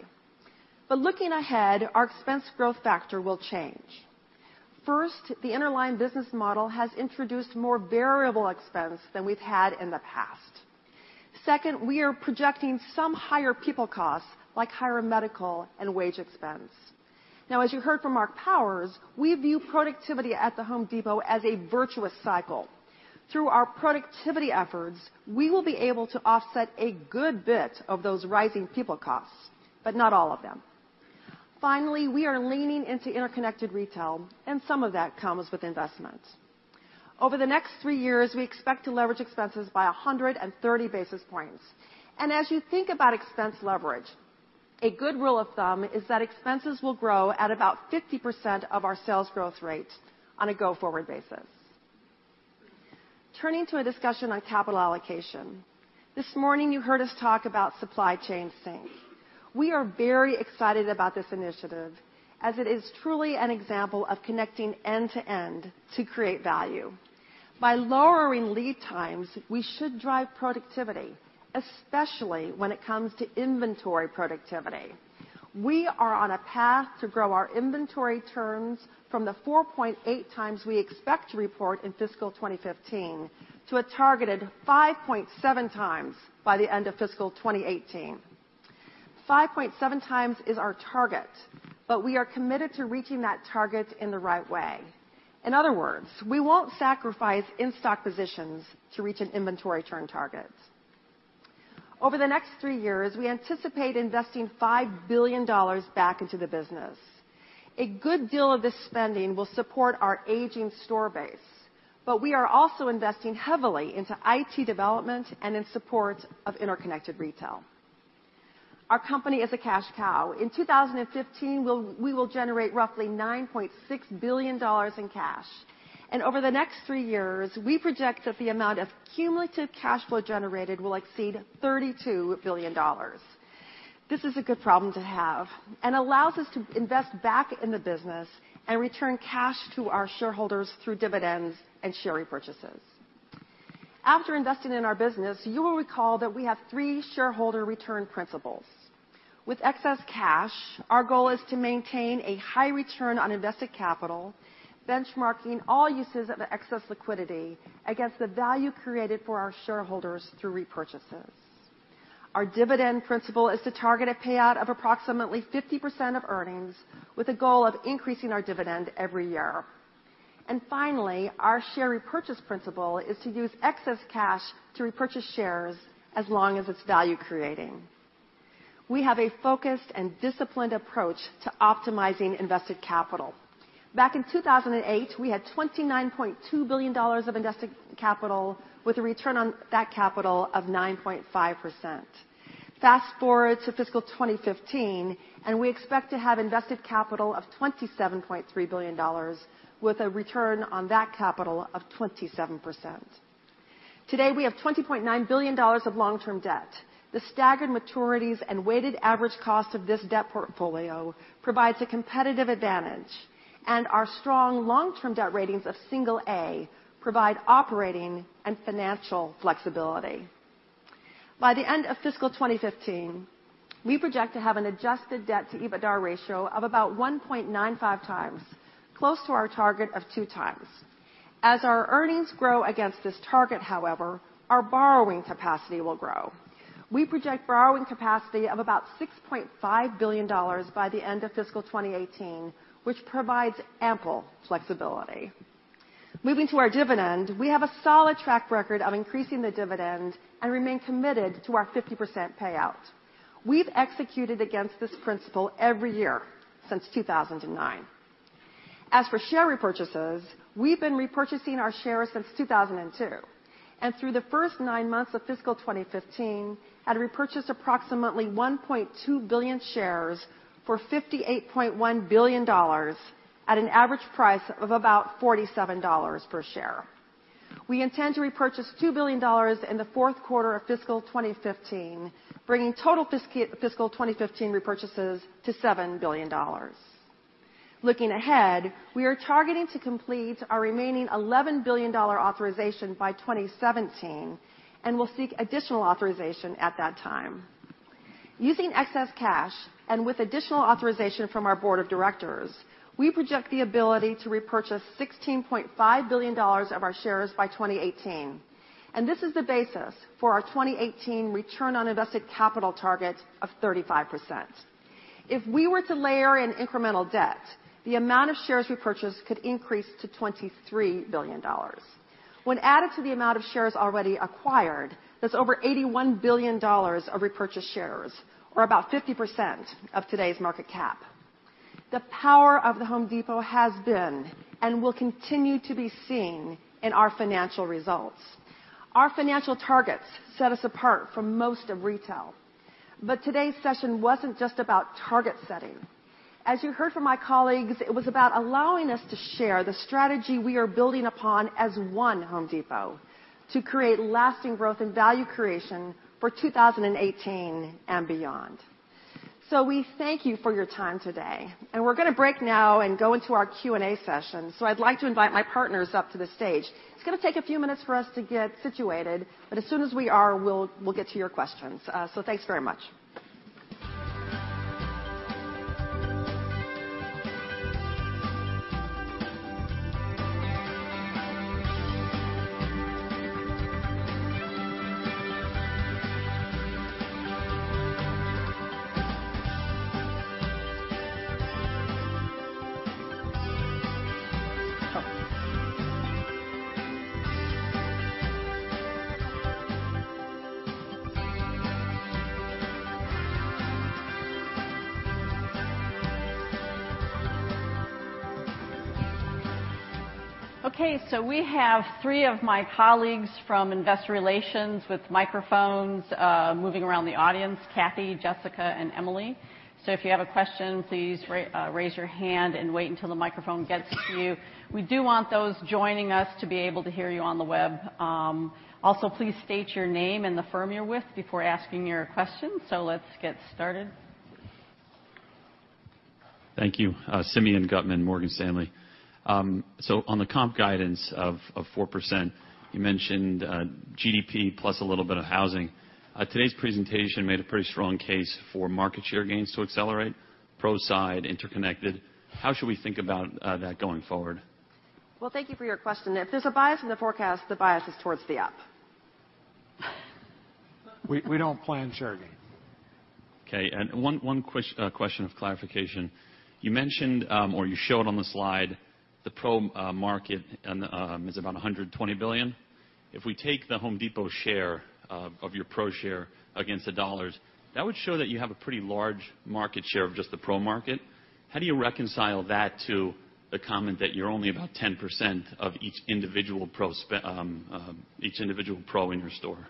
Looking ahead, our expense growth factor will change. First, the Interline business model has introduced more variable expense than we've had in the past. Second, we are projecting some higher people costs, like higher medical and wage expense. Now, as you heard from Mark Holifield, we view productivity at The Home Depot as a virtuous cycle. Through our productivity efforts, we will be able to offset a good bit of those rising people costs, but not all of them. Finally, we are leaning into interconnected retail, and some of that comes with investment. Over the next three years, we expect to leverage expenses by 130 basis points. As you think about expense leverage, a good rule of thumb is that expenses will grow at about 50% of our sales growth rate on a go-forward basis. Turning to a discussion on capital allocation. This morning, you heard us talk about Supply Chain Sync. We are very excited about this initiative, as it is truly an example of connecting end to end to create value. By lowering lead times, we should drive productivity, especially when it comes to inventory productivity. We are on a path to grow our inventory turns from the 4.8 times we expect to report in fiscal 2015 to a targeted 5.7 times by the end of fiscal 2018. 5.7 times is our target, but we are committed to reaching that target in the right way. In other words, we won't sacrifice in-stock positions to reach an inventory turn target. Over the next three years, we anticipate investing $5 billion back into the business. A good deal of this spending will support our aging store base, but we are also investing heavily into IT development and in support of interconnected retail. Our company is a cash cow. In 2015, we will generate roughly $9.6 billion in cash, and over the next three years, we project that the amount of cumulative cash flow generated will exceed $32 billion. This is a good problem to have and allows us to invest back in the business and return cash to our shareholders through dividends and share repurchases. After investing in our business, you will recall that we have three shareholder return principles. With excess cash, our goal is to maintain a high return on invested capital, benchmarking all uses of excess liquidity against the value created for our shareholders through repurchases. Our dividend principle is to target a payout of approximately 50% of earnings, with a goal of increasing our dividend every year. Finally, our share repurchase principle is to use excess cash to repurchase shares as long as it's value-creating. We have a focused and disciplined approach to optimizing invested capital. Back in 2008, we had $29.2 billion of invested capital with a return on that capital of 9.5%. Fast-forward to fiscal 2015, we expect to have invested capital of $27.3 billion with a return on that capital of 27%. Today, we have $20.9 billion of long-term debt. The staggered maturities and weighted average cost of this debt portfolio provides a competitive advantage, and our strong long-term debt ratings of single A provide operating and financial flexibility. By the end of fiscal 2015, we project to have an adjusted debt-to-EBITDA ratio of about 1.95 times, close to our target of two times. As our earnings grow against this target, however, our borrowing capacity will grow. We project borrowing capacity of about $6.5 billion by the end of fiscal 2018, which provides ample flexibility. Moving to our dividend, we have a solid track record of increasing the dividend and remain committed to our 50% payout. We've executed against this principle every year since 2009. As for share repurchases, we've been repurchasing our shares since 2002, and through the first nine months of fiscal 2015, had repurchased approximately 1.2 billion shares for $58.1 billion at an average price of about $47 per share. We intend to repurchase $2 billion in the fourth quarter of fiscal 2015, bringing total fiscal 2015 repurchases to $7 billion. Looking ahead, we are targeting to complete our remaining $11 billion authorization by 2017 and will seek additional authorization at that time. Using excess cash and with additional authorization from our board of directors, we project the ability to repurchase $16.5 billion of our shares by 2018, and this is the basis for our 2018 return on invested capital target of 35%. If we were to layer in incremental debt, the amount of shares repurchased could increase to $23 billion. When added to the amount of shares already acquired, that's over $81 billion of repurchased shares, or about 50% of today's market cap. The power of The Home Depot has been and will continue to be seen in our financial results. Our financial targets set us apart from most of retail. Today's session wasn't just about target setting. As you heard from my colleagues, it was about allowing us to share the strategy we are building upon as one Home Depot to create lasting growth and value creation for 2018 and beyond. We thank you for your time today, and we're going to break now and go into our Q&A session. I'd like to invite my partners up to the stage. It's going to take a few minutes for us to get situated, but as soon as we are, we'll get to your questions. Thanks very much. We have three of my colleagues from Investor Relations with microphones moving around the audience, Kathy, Jessica, and Emily. If you have a question, please raise your hand and wait until the microphone gets to you. We do want those joining us to be able to hear you on the web. Please state your name and the firm you are with before asking your questions. Let's get started. Thank you. Simeon Gutman, Morgan Stanley. On the comp guidance of 4%, you mentioned GDP plus a little bit of housing. Today's presentation made a pretty strong case for market share gains to accelerate, Pro side, interconnected. How should we think about that going forward? Well, thank you for your question. If there's a bias in the forecast, the bias is towards the up. We don't plan share gains. Okay, one question of clarification. You mentioned, or you showed on the slide, the pro market is about $120 billion. If we take The Home Depot share of your pro share against the dollars, that would show that you have a pretty large market share of just the pro market. How do you reconcile that to the comment that you're only about 10% of each individual pro in your store?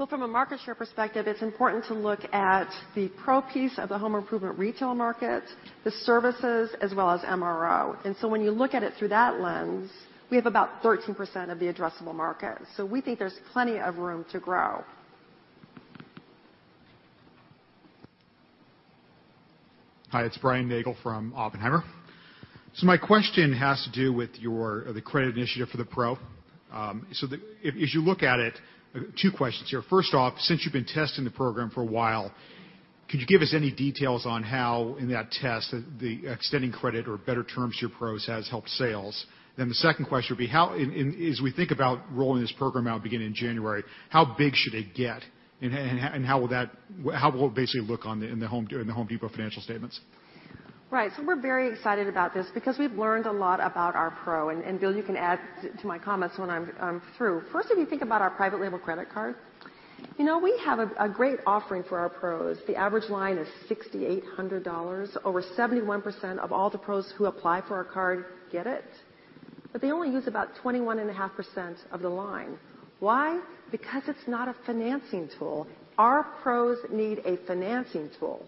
Well, from a market share perspective, it's important to look at the pro piece of the home improvement retail market, the services, as well as MRO. When you look at it through that lens, we have about 13% of the addressable market. We think there's plenty of room to grow. Hi, it's Brian Nagel from Oppenheimer. My question has to do with the credit initiative for the pro. As you look at it, two questions here. First off, since you've been testing the program for a while, could you give us any details on how, in that test, the extending credit or better terms to your pros has helped sales? The second question would be, as we think about rolling this program out beginning January, how big should it get and how will it basically look in The Home Depot financial statements? Right. We're very excited about this because we've learned a lot about our pro. Bill, you can add to my comments when I'm through. First, if you think about our private label credit card, we have a great offering for our pros. The average line is $6,800. Over 71% of all the pros who apply for our card get it, but they only use about 21.5% of the line. Why? Because it's not a financing tool. Our pros need a financing tool.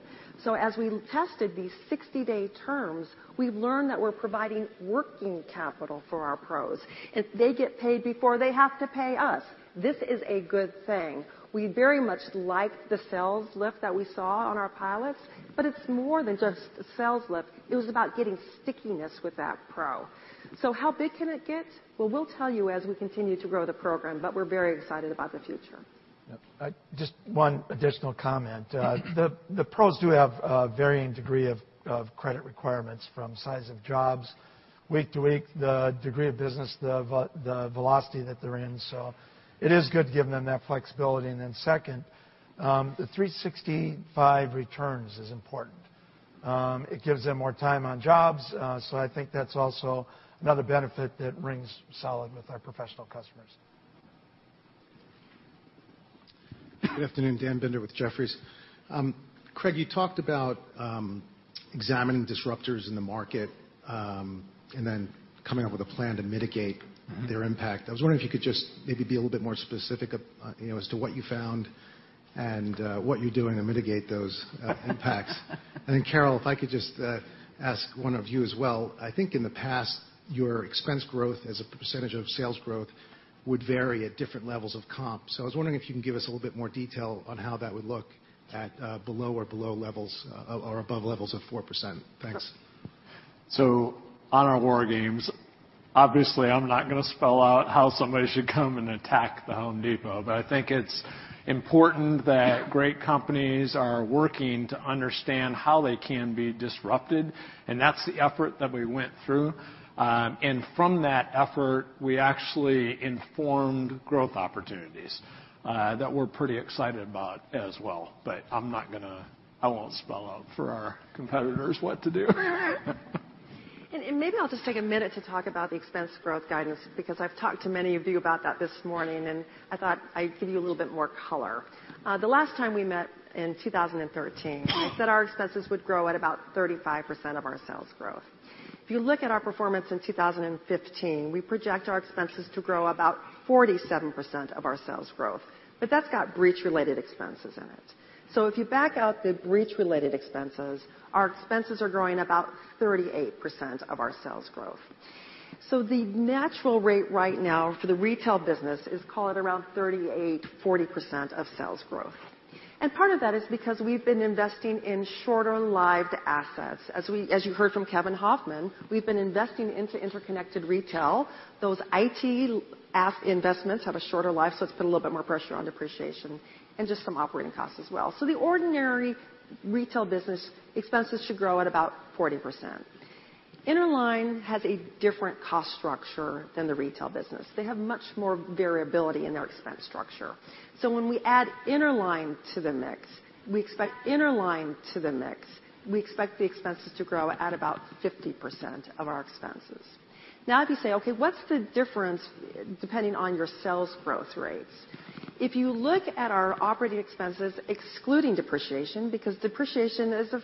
As we tested these 60-day terms, we learned that we're providing working capital for our pros. They get paid before they have to pay us. This is a good thing. We very much like the sales lift that we saw on our pilots, but it's more than just a sales lift. It was about getting stickiness with that pro. How big can it get? We'll tell you as we continue to grow the program, but we're very excited about the future. Just one additional comment. The pros do have a varying degree of credit requirements from size of jobs week to week, the degree of business, the velocity that they're in. It is good giving them that flexibility. Second, the 365 returns is important. It gives them more time on jobs, so I think that's also another benefit that rings solid with our professional customers. Good afternoon. Dan Binder with Jefferies. Craig, you talked about examining disruptors in the market and then coming up with a plan to mitigate their impact. I was wondering if you could just maybe be a little bit more specific as to what you found and what you're doing to mitigate those impacts. Carol, if I could just ask one of you as well. I think in the past, your expense growth as a % of sales growth would vary at different levels of comp. I was wondering if you can give us a little bit more detail on how that would look at below or above levels of 4%. Thanks. On our war games, obviously, I'm not going to spell out how somebody should come and attack The Home Depot, but I think it's important that great companies are working to understand how they can be disrupted, and that's the effort that we went through. From that effort, we actually informed growth opportunities that we're pretty excited about as well. I won't spell out for our competitors what to do. Maybe I'll just take a minute to talk about the expense growth guidance because I've talked to many of you about that this morning, and I thought I'd give you a little bit more color. The last time we met in 2013, I said our expenses would grow at about 35% of our sales growth. If you look at our performance in 2015, we project our expenses to grow about 47% of our sales growth. That's got breach-related expenses in it. If you back out the breach-related expenses, our expenses are growing about 38% of our sales growth. The natural rate right now for the retail business is, call it, around 38%-40% of sales growth. Part of that is because we've been investing in shorter-lived assets. As you heard from Kevin Hofmann, we've been investing into interconnected retail. Those IT investments have a shorter life, it's put a little bit more pressure on depreciation and just some operating costs as well. The ordinary retail business expenses should grow at about 40%. Interline has a different cost structure than the retail business. They have much more variability in their expense structure. When we add Interline to the mix, we expect the expenses to grow at about 50% of our expenses. If you say, "Okay, what's the difference depending on your sales growth rates?" If you look at our operating expenses, excluding depreciation, because depreciation is a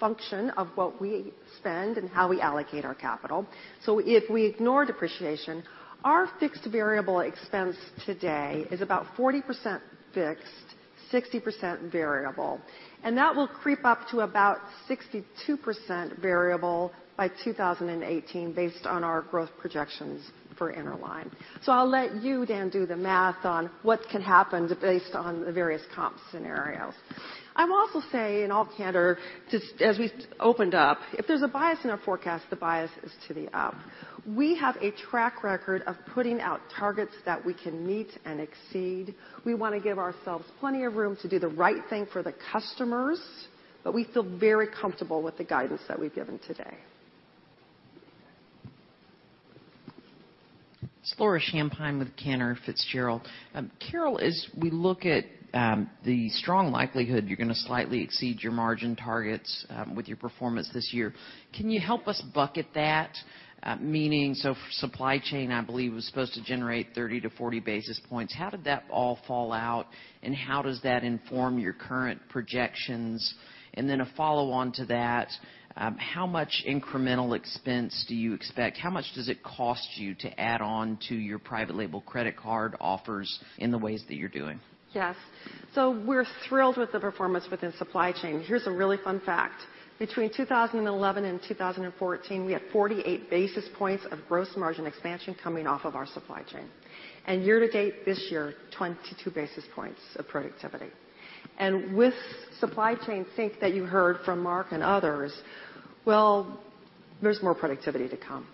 function of what we spend and how we allocate our capital. If we ignore depreciation, our fixed variable expense today is about 40% fixed, 60% variable, and that will creep up to about 62% variable by 2018 based on our growth projections for Interline. I'll let you, Dan, do the math on what can happen based on the various comp scenarios. I'll also say, in all candor, as we opened up, if there's a bias in our forecast, the bias is to the up. We have a track record of putting out targets that we can meet and exceed. We want to give ourselves plenty of room to do the right thing for the customers, but we feel very comfortable with the guidance that we've given today. It's Laura Champine with Cantor Fitzgerald. Carol, as we look at the strong likelihood you're going to slightly exceed your margin targets with your performance this year, can you help us bucket that? Meaning, supply chain, I believe, was supposed to generate 30-40 basis points. How did that all fall out, and how does that inform your current projections? Then a follow-on to that, how much incremental expense do you expect? How much does it cost you to add on to your private label credit card offers in the ways that you're doing? Yes. We're thrilled with the performance within Supply Chain. Here's a really fun fact. Between 2011 and 2014, we had 48 basis points of gross margin expansion coming off of our Supply Chain. Year-to-date this year, 22 basis points of productivity. With Supply Chain Sync that you heard from Mark and others, well, there's more productivity to come.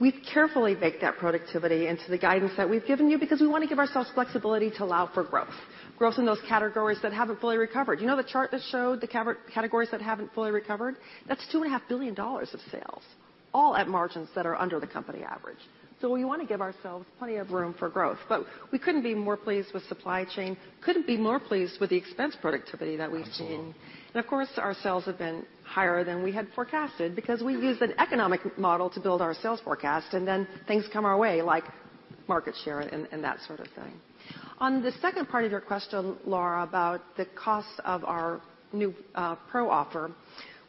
We've carefully baked that productivity into the guidance that we've given you because we want to give ourselves flexibility to allow for growth. Growth in those categories that haven't fully recovered. You know the chart that showed the categories that haven't fully recovered? That's $2.5 billion of sales, all at margins that are under the company average. We want to give ourselves plenty of room for growth. We couldn't be more pleased with Supply Chain, couldn't be more pleased with the expense productivity that we've seen. Absolutely. Of course, our sales have been higher than we had forecasted because we've used an economic model to build our sales forecast, and then things come our way, like market share and that sort of thing. On the second part of your question, Laura, about the cost of our new Pro offer,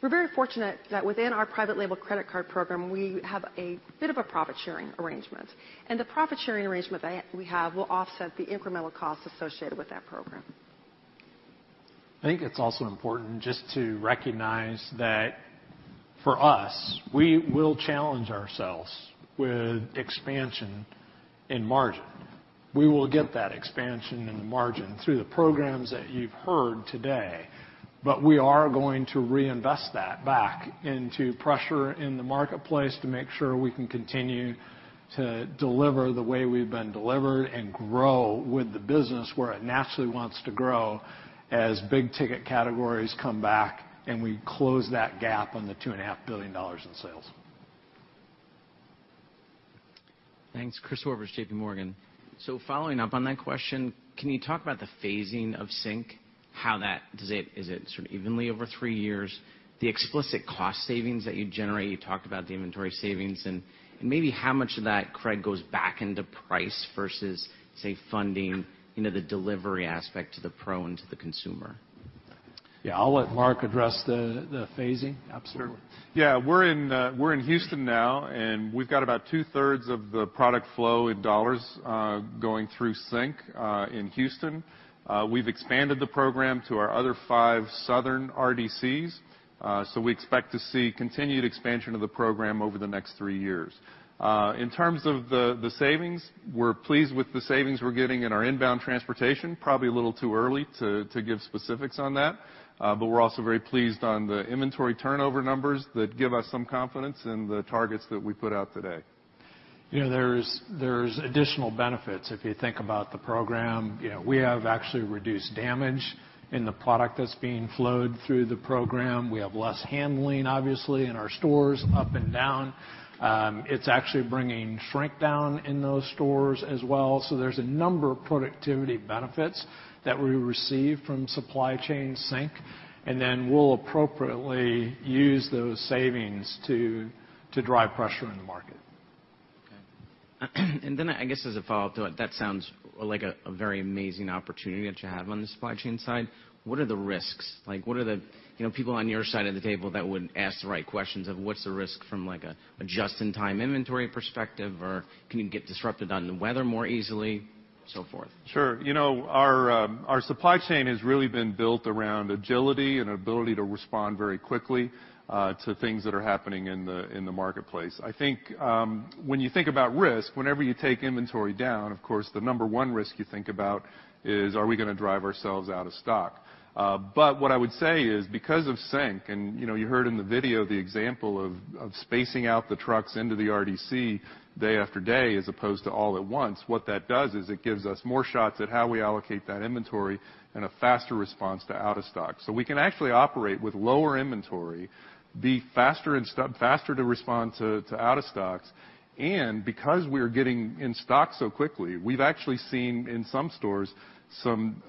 we're very fortunate that within our private label credit card program, we have a bit of a profit-sharing arrangement. The profit-sharing arrangement that we have will offset the incremental cost associated with that program. I think it's also important just to recognize that for us, we will challenge ourselves with expansion in margin. We will get that expansion in the margin through the programs that you've heard today. We are going to reinvest that back into pressure in the marketplace to make sure we can continue to deliver the way we've been delivering and grow with the business where it naturally wants to grow as big-ticket categories come back and we close that gap on the $2.5 billion in sales. Thanks. Chris Horvers, J.P. Morgan. Following up on that question, can you talk about the phasing of Sync? Is it sort of evenly over three years? The explicit cost savings that you generate, you talked about the inventory savings. Maybe how much of that, Craig, goes back into price versus, say, funding into the delivery aspect to the Pro and to the consumer? Yeah, I'll let Mark address the phasing. Absolutely. Sure. Yeah, we're in Houston now, and we've got about two-thirds of the product flow in dollars going through Sync in Houston. We've expanded the program to our other five southern RDCs, we expect to see continued expansion of the program over the next three years. In terms of the savings, we're pleased with the savings we're getting in our inbound transportation. Probably a little too early to give specifics on that. We're also very pleased on the inventory turnover numbers that give us some confidence in the targets that we put out today. There's additional benefits if you think about the program. We have actually reduced damage in the product that's being flowed through the program. We have less handling, obviously, in our stores, up and down. It's actually bringing shrink down in those stores as well. There's a number of productivity benefits that we receive from Supply Chain Sync, we'll appropriately use those savings to drive pressure in the market I guess as a follow-up to it, that sounds like a very amazing opportunity that you have on the supply chain side. What are the risks? People on your side of the table that would ask the right questions of what's the risk from a just-in-time inventory perspective, or can you get disrupted on the weather more easily, so forth? Sure. Our supply chain has really been built around agility and ability to respond very quickly to things that are happening in the marketplace. I think when you think about risk, whenever you take inventory down, of course, the number one risk you think about is are we going to drive ourselves out of stock? What I would say is because of Sync, and you heard in the video the example of spacing out the trucks into the RDC day after day as opposed to all at once. What that does is it gives us more shots at how we allocate that inventory and a faster response to out of stock. We can actually operate with lower inventory, be faster to respond to out of stocks. Because we're getting in stock so quickly, we've actually seen in some stores some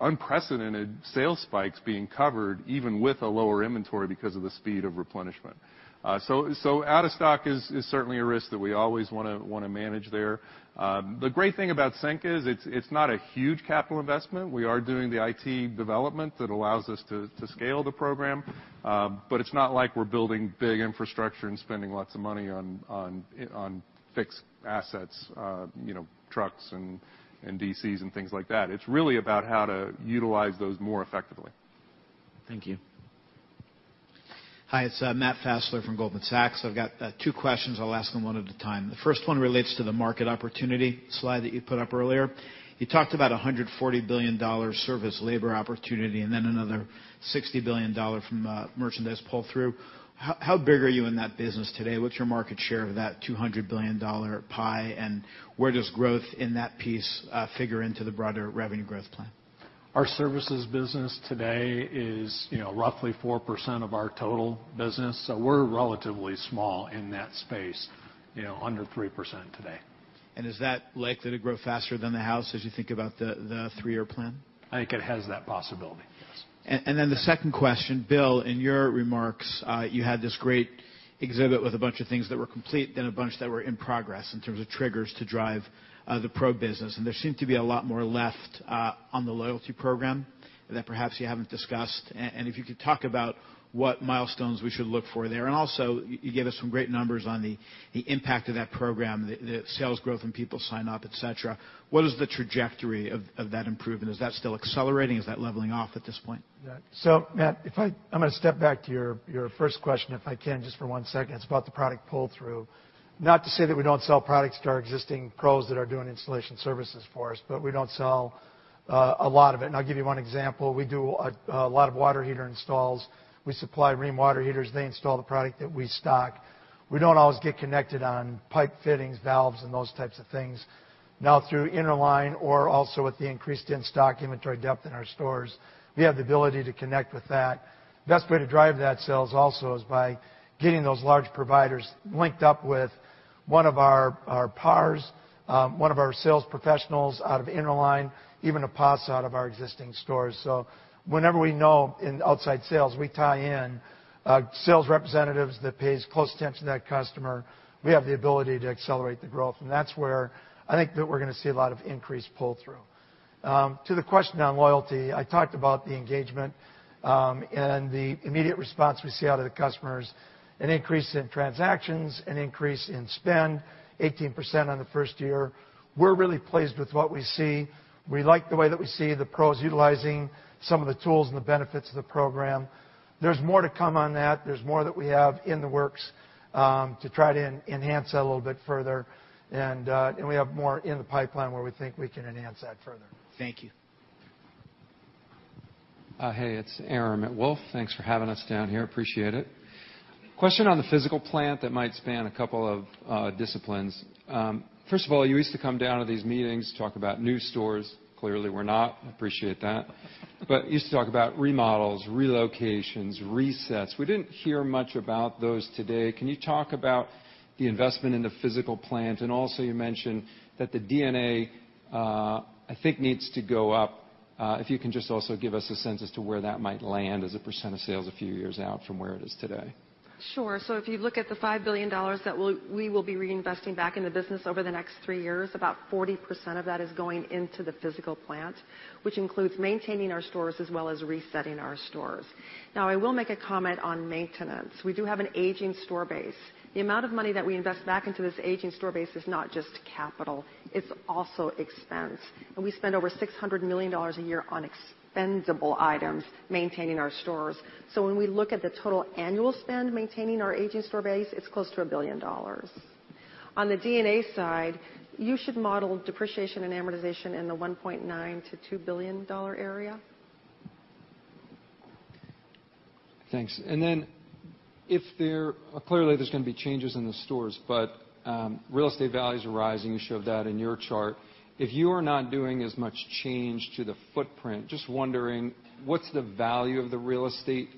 unprecedented sales spikes being covered, even with a lower inventory because of the speed of replenishment. Out of stock is certainly a risk that we always want to manage there. The great thing about Sync is it's not a huge capital investment. We are doing the IT development that allows us to scale the program. It's not like we're building big infrastructure and spending lots of money on fixed assets, trucks and DCs and things like that. It's really about how to utilize those more effectively. Thank you. Hi, it's Matt Fassler from Goldman Sachs. I've got two questions. I'll ask them one at a time. The first one relates to the market opportunity slide that you put up earlier. You talked about $140 billion service labor opportunity and then another $60 billion from merchandise pull-through. How big are you in that business today? What's your market share of that $200 billion pie, and where does growth in that piece figure into the broader revenue growth plan? Our services business today is roughly 4% of our total business. We're relatively small in that space, under 3% today. Is that likely to grow faster than the house as you think about the three-year plan? I think it has that possibility, yes. The second question, Bill, in your remarks, you had this great exhibit with a bunch of things that were complete, then a bunch that were in progress in terms of triggers to drive the pro business, there seemed to be a lot more left on the loyalty program that perhaps you haven't discussed. If you could talk about what milestones we should look for there. You gave us some great numbers on the impact of that program, the sales growth and people sign up, et cetera. What is the trajectory of that improvement? Is that still accelerating? Is that leveling off at this point? Matt, I'm going to step back to your first question, if I can, just for one second. It's about the product pull-through. Not to say that we don't sell products to our existing pros that are doing installation services for us, but we don't sell a lot of it. I'll give you one example. We do a lot of water heater installs. We supply Rheem water heaters. They install the product that we stock. We don't always get connected on pipe fittings, valves, and those types of things. Now through Interline or also with the increased in-stock inventory depth in our stores, we have the ability to connect with that. Best way to drive that sales also is by getting those large providers linked up with one of our PARs, one of our sales professionals out of Interline, even a POS out of our existing stores. Whenever we know in outside sales, we tie in a sales representative that pays close attention to that customer, we have the ability to accelerate the growth. That's where I think that we're going to see a lot of increased pull-through. To the question on loyalty, I talked about the engagement, the immediate response we see out of the customers, an increase in transactions, an increase in spend, 18% on the first year. We're really pleased with what we see. We like the way that we see the pros utilizing some of the tools and the benefits of the program. There's more to come on that. There's more that we have in the works to try to enhance that a little bit further. We have more in the pipeline where we think we can enhance that further. Thank you. Hey, it's Aram at Wolfe. Thanks for having us down here. Appreciate it. Question on the physical plant that might span a couple of disciplines. First of all, you used to come down to these meetings, talk about new stores. Clearly, we're not. Appreciate that. You used to talk about remodels, relocations, resets. We didn't hear much about those today. Can you talk about the investment in the physical plant? Also, you mentioned that the D&A, I think, needs to go up. If you can just also give us a sense as to where that might land as a % of sales a few years out from where it is today. Sure. If you look at the $5 billion that we will be reinvesting back in the business over the next three years, about 40% of that is going into the physical plant, which includes maintaining our stores as well as resetting our stores. I will make a comment on maintenance. We do have an aging store base. The amount of money that we invest back into this aging store base is not just capital, it's also expense. We spend over $600 million a year on expendable items maintaining our stores. When we look at the total annual spend maintaining our aging store base, it's close to a billion dollars. On the D&A side, you should model depreciation and amortization in the $1.9 billion-$2 billion area. Thanks. Clearly there's going to be changes in the stores, real estate values are rising. You showed that in your chart. If you are not doing as much change to the footprint, just wondering, what's the value of the real estate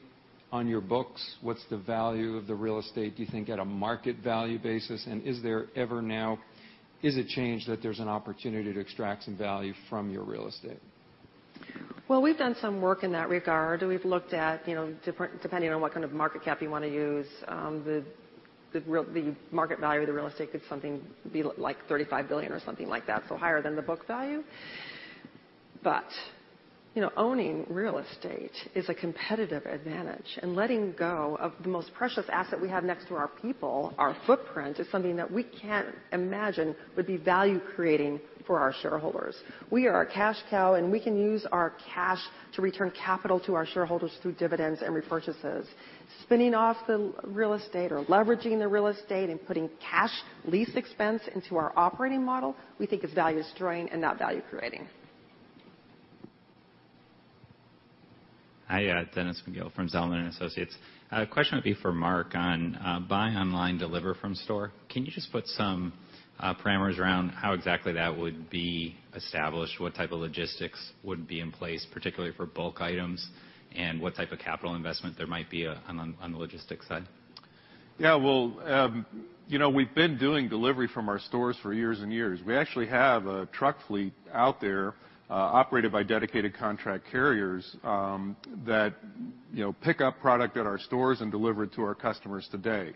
on your books? What's the value of the real estate, do you think, at a market value basis? Is it changed that there's an opportunity to extract some value from your real estate? We've done some work in that regard. We've looked at, depending on what kind of market cap you want to use, the market value of the real estate could be like $35 billion or something like that, higher than the book value. Owning real estate is a competitive advantage, letting go of the most precious asset we have next to our people, our footprint, is something that we can't imagine would be value-creating for our shareholders. We are a cash cow, we can use our cash to return capital to our shareholders through dividends and repurchases. Spinning off the real estate or leveraging the real estate and putting cash lease expense into our operating model, we think is value destroying and not value creating. Hi, Dennis McGill from Zelman & Associates. A question would be for Mark on Buy Online Deliver from Store. Can you just put some parameters around how exactly that would be established, what type of logistics would be in place, particularly for bulk items, and what type of capital investment there might be on the logistics side? Yeah. Well, we've been doing delivery from our stores for years and years. We actually have a truck fleet out there, operated by dedicated contract carriers, that pick up product at our stores and deliver it to our customers today.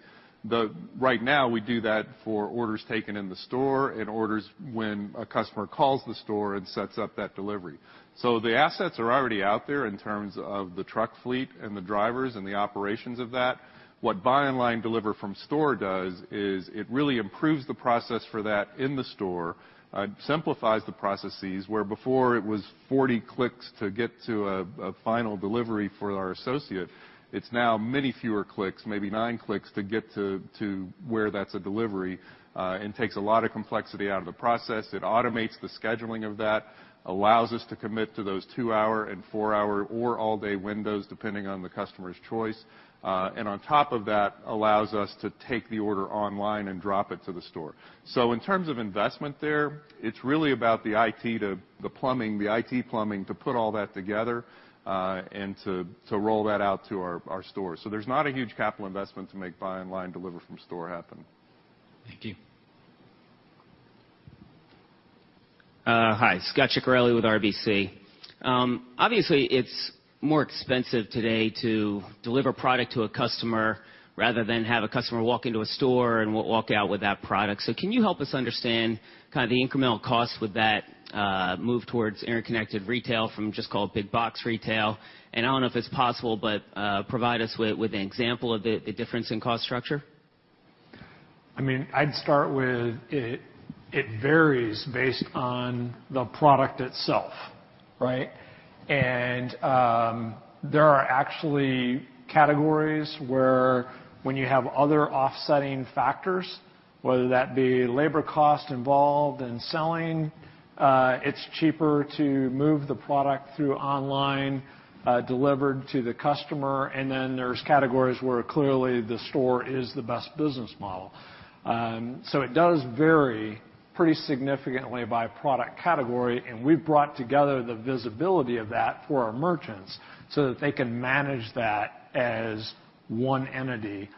Right now, we do that for orders taken in the store and orders when a customer calls the store and sets up that delivery. The assets are already out there in terms of the truck fleet and the drivers and the operations of that. What Buy Online Deliver from Store does is it really improves the process for that in the store, simplifies the processes, where before it was 40 clicks to get to a final delivery for our associate, it's now many fewer clicks, maybe nine clicks, to get to where that's a delivery, and takes a lot of complexity out of the process. It automates the scheduling of that, allows us to commit to those two-hour and four-hour or all-day windows, depending on the customer's choice. On top of that, allows us to take the order online and drop it to the store. In terms of investment there, it's really about the IT plumbing to put all that together, and to roll that out to our stores. There's not a huge capital investment to make Buy Online Deliver from Store happen. Thank you. Hi, Scot Ciccarelli with RBC. Obviously, it's more expensive today to deliver product to a customer rather than have a customer walk into a store and walk out with that product. Can you help us understand the incremental cost with that move towards interconnected retail from just called big box retail? I don't know if it's possible, but provide us with an example of the difference in cost structure. I'd start with it varies based on the product itself, right? There are actually categories where when you have other offsetting factors, whether that be labor cost involved in selling, it's cheaper to move the product through online delivered to the customer, and then there's categories where clearly the store is the best business model. It does vary pretty significantly by product category, and we've brought together the visibility of that for our merchants so that they can manage that as one entity,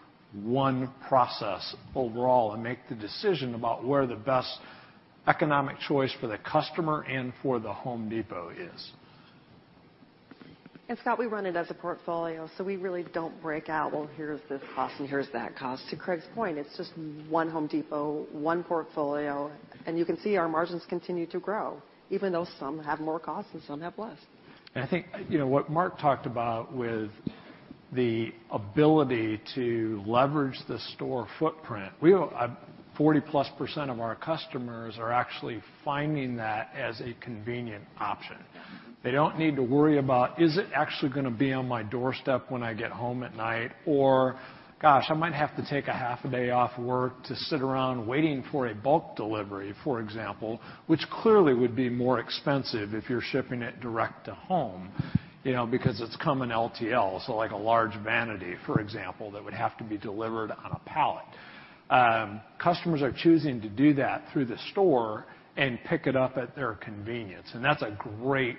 one process overall, and make the decision about where the best economic choice for the customer and for The Home Depot is. Scot, we run it as a portfolio, so we really don't break out, well, here's this cost and here's that cost. To Craig's point, it's just one Home Depot, one portfolio, and you can see our margins continue to grow, even though some have more costs and some have less. I think what Mark talked about with the ability to leverage the store footprint, 40%+ of our customers are actually finding that as a convenient option. They don't need to worry about, is it actually going to be on my doorstep when I get home at night? Gosh, I might have to take a half a day off work to sit around waiting for a bulk delivery, for example, which clearly would be more expensive if you're shipping it direct to home, because it's come in LTL, so like a large vanity, for example, that would have to be delivered on a pallet. Customers are choosing to do that through the store and pick it up at their convenience. That's a great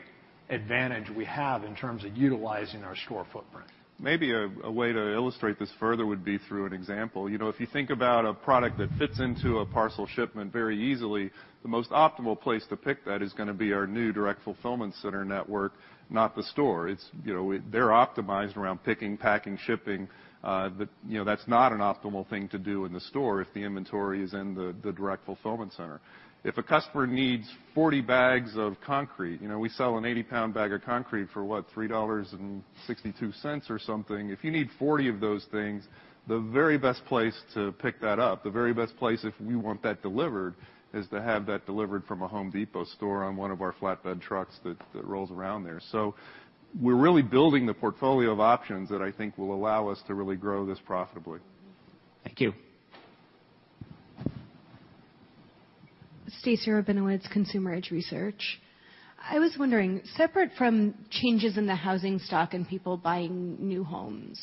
advantage we have in terms of utilizing our store footprint. Maybe a way to illustrate this further would be through an example. If you think about a product that fits into a parcel shipment very easily, the most optimal place to pick that is going to be our new direct fulfillment center network, not the store. They're optimized around picking, packing, shipping. That's not an optimal thing to do in the store if the inventory is in the direct fulfillment center. If a customer needs 40 bags of concrete, we sell an 80-pound bag of concrete for, what, $3.62 or something. If you need 40 of those things, the very best place to pick that up, the very best place if you want that delivered, is to have that delivered from a The Home Depot store on one of our flatbed trucks that rolls around there. We're really building the portfolio of options that I think will allow us to really grow this profitably. Thank you. Stacie Rabinowitz, Consumer Edge Research. I was wondering, separate from changes in the housing stock and people buying new homes,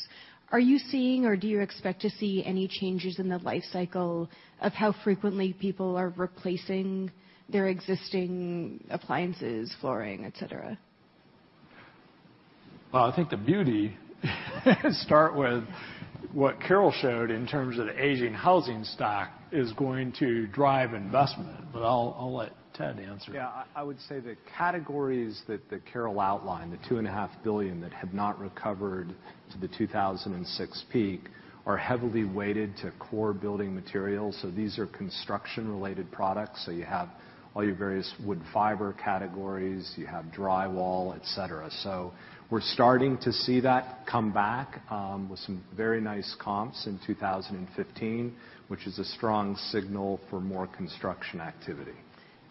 are you seeing or do you expect to see any changes in the life cycle of how frequently people are replacing their existing appliances, flooring, et cetera? Well, I think the beauty start with what Carol showed in terms of the aging housing stock is going to drive investment. I'll let Ted answer. Yeah, I would say the categories that Carol outlined, the $2.5 billion that have not recovered to the 2006 peak, are heavily weighted to core building materials. These are construction-related products. You have all your various wood fiber categories, you have drywall, et cetera. We're starting to see that come back with some very nice comps in 2015, which is a strong signal for more construction activity.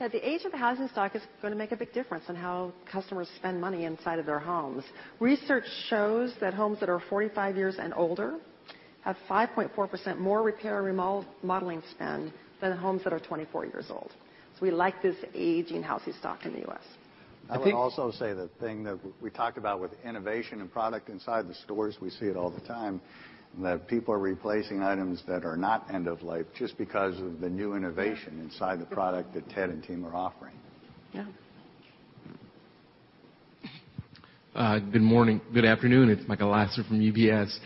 Yeah, the age of the housing stock is going to make a big difference in how customers spend money inside of their homes. Research shows that homes that are 45 years and older have 5.4% more repair and remodeling spend than homes that are 24 years old. We like this aging housing stock in the U.S. I think- I would also say the thing that we talked about with innovation and product inside the stores, we see it all the time, that people are replacing items that are not end of life just because of the new innovation inside the product that Ted and team are offering. Yeah. Good morning. Good afternoon. It's Michael Lasser from UBS.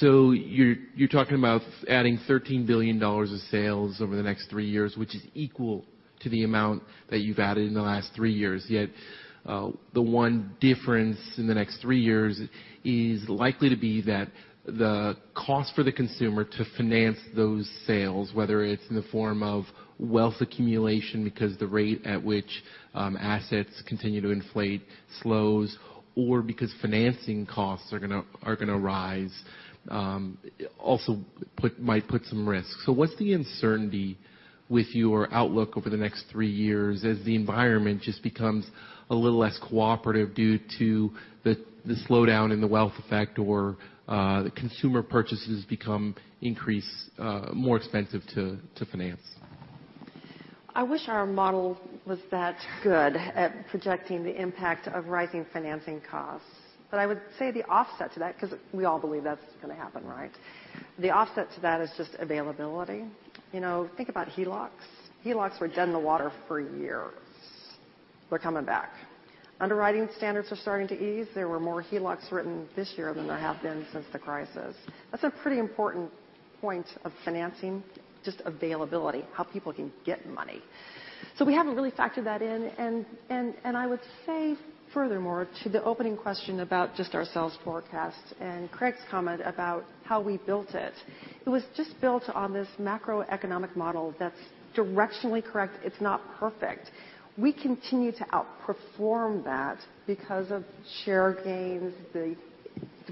You're talking about adding $13 billion of sales over the next three years, which is equal to the amount that you've added in the last three years. The one difference in the next three years is likely to be that the cost for the consumer to finance those sales, whether it's in the form of wealth accumulation because the rate at which assets continue to inflate slows, or because financing costs are going to rise, also might put some risk. What's the uncertainty with your outlook over the next three years as the environment just becomes a little less cooperative due to the slowdown in the wealth effect, or the consumer purchases become increased, more expensive to finance? I wish our model was that good at projecting the impact of rising financing costs. I would say the offset to that, because we all believe that's going to happen, right? The offset to that is just availability. Think about HELOCs. HELOCs were dead in the water for years. They're coming back. Underwriting standards are starting to ease. There were more HELOCs written this year than there have been since the crisis. That's a pretty important point of financing, just availability, how people can get money. We haven't really factored that in. I would say, furthermore, to the opening question about just our sales forecast and Craig's comment about how we built it was just built on this macroeconomic model that's directionally correct. It's not perfect. We continue to outperform that because of share gains, the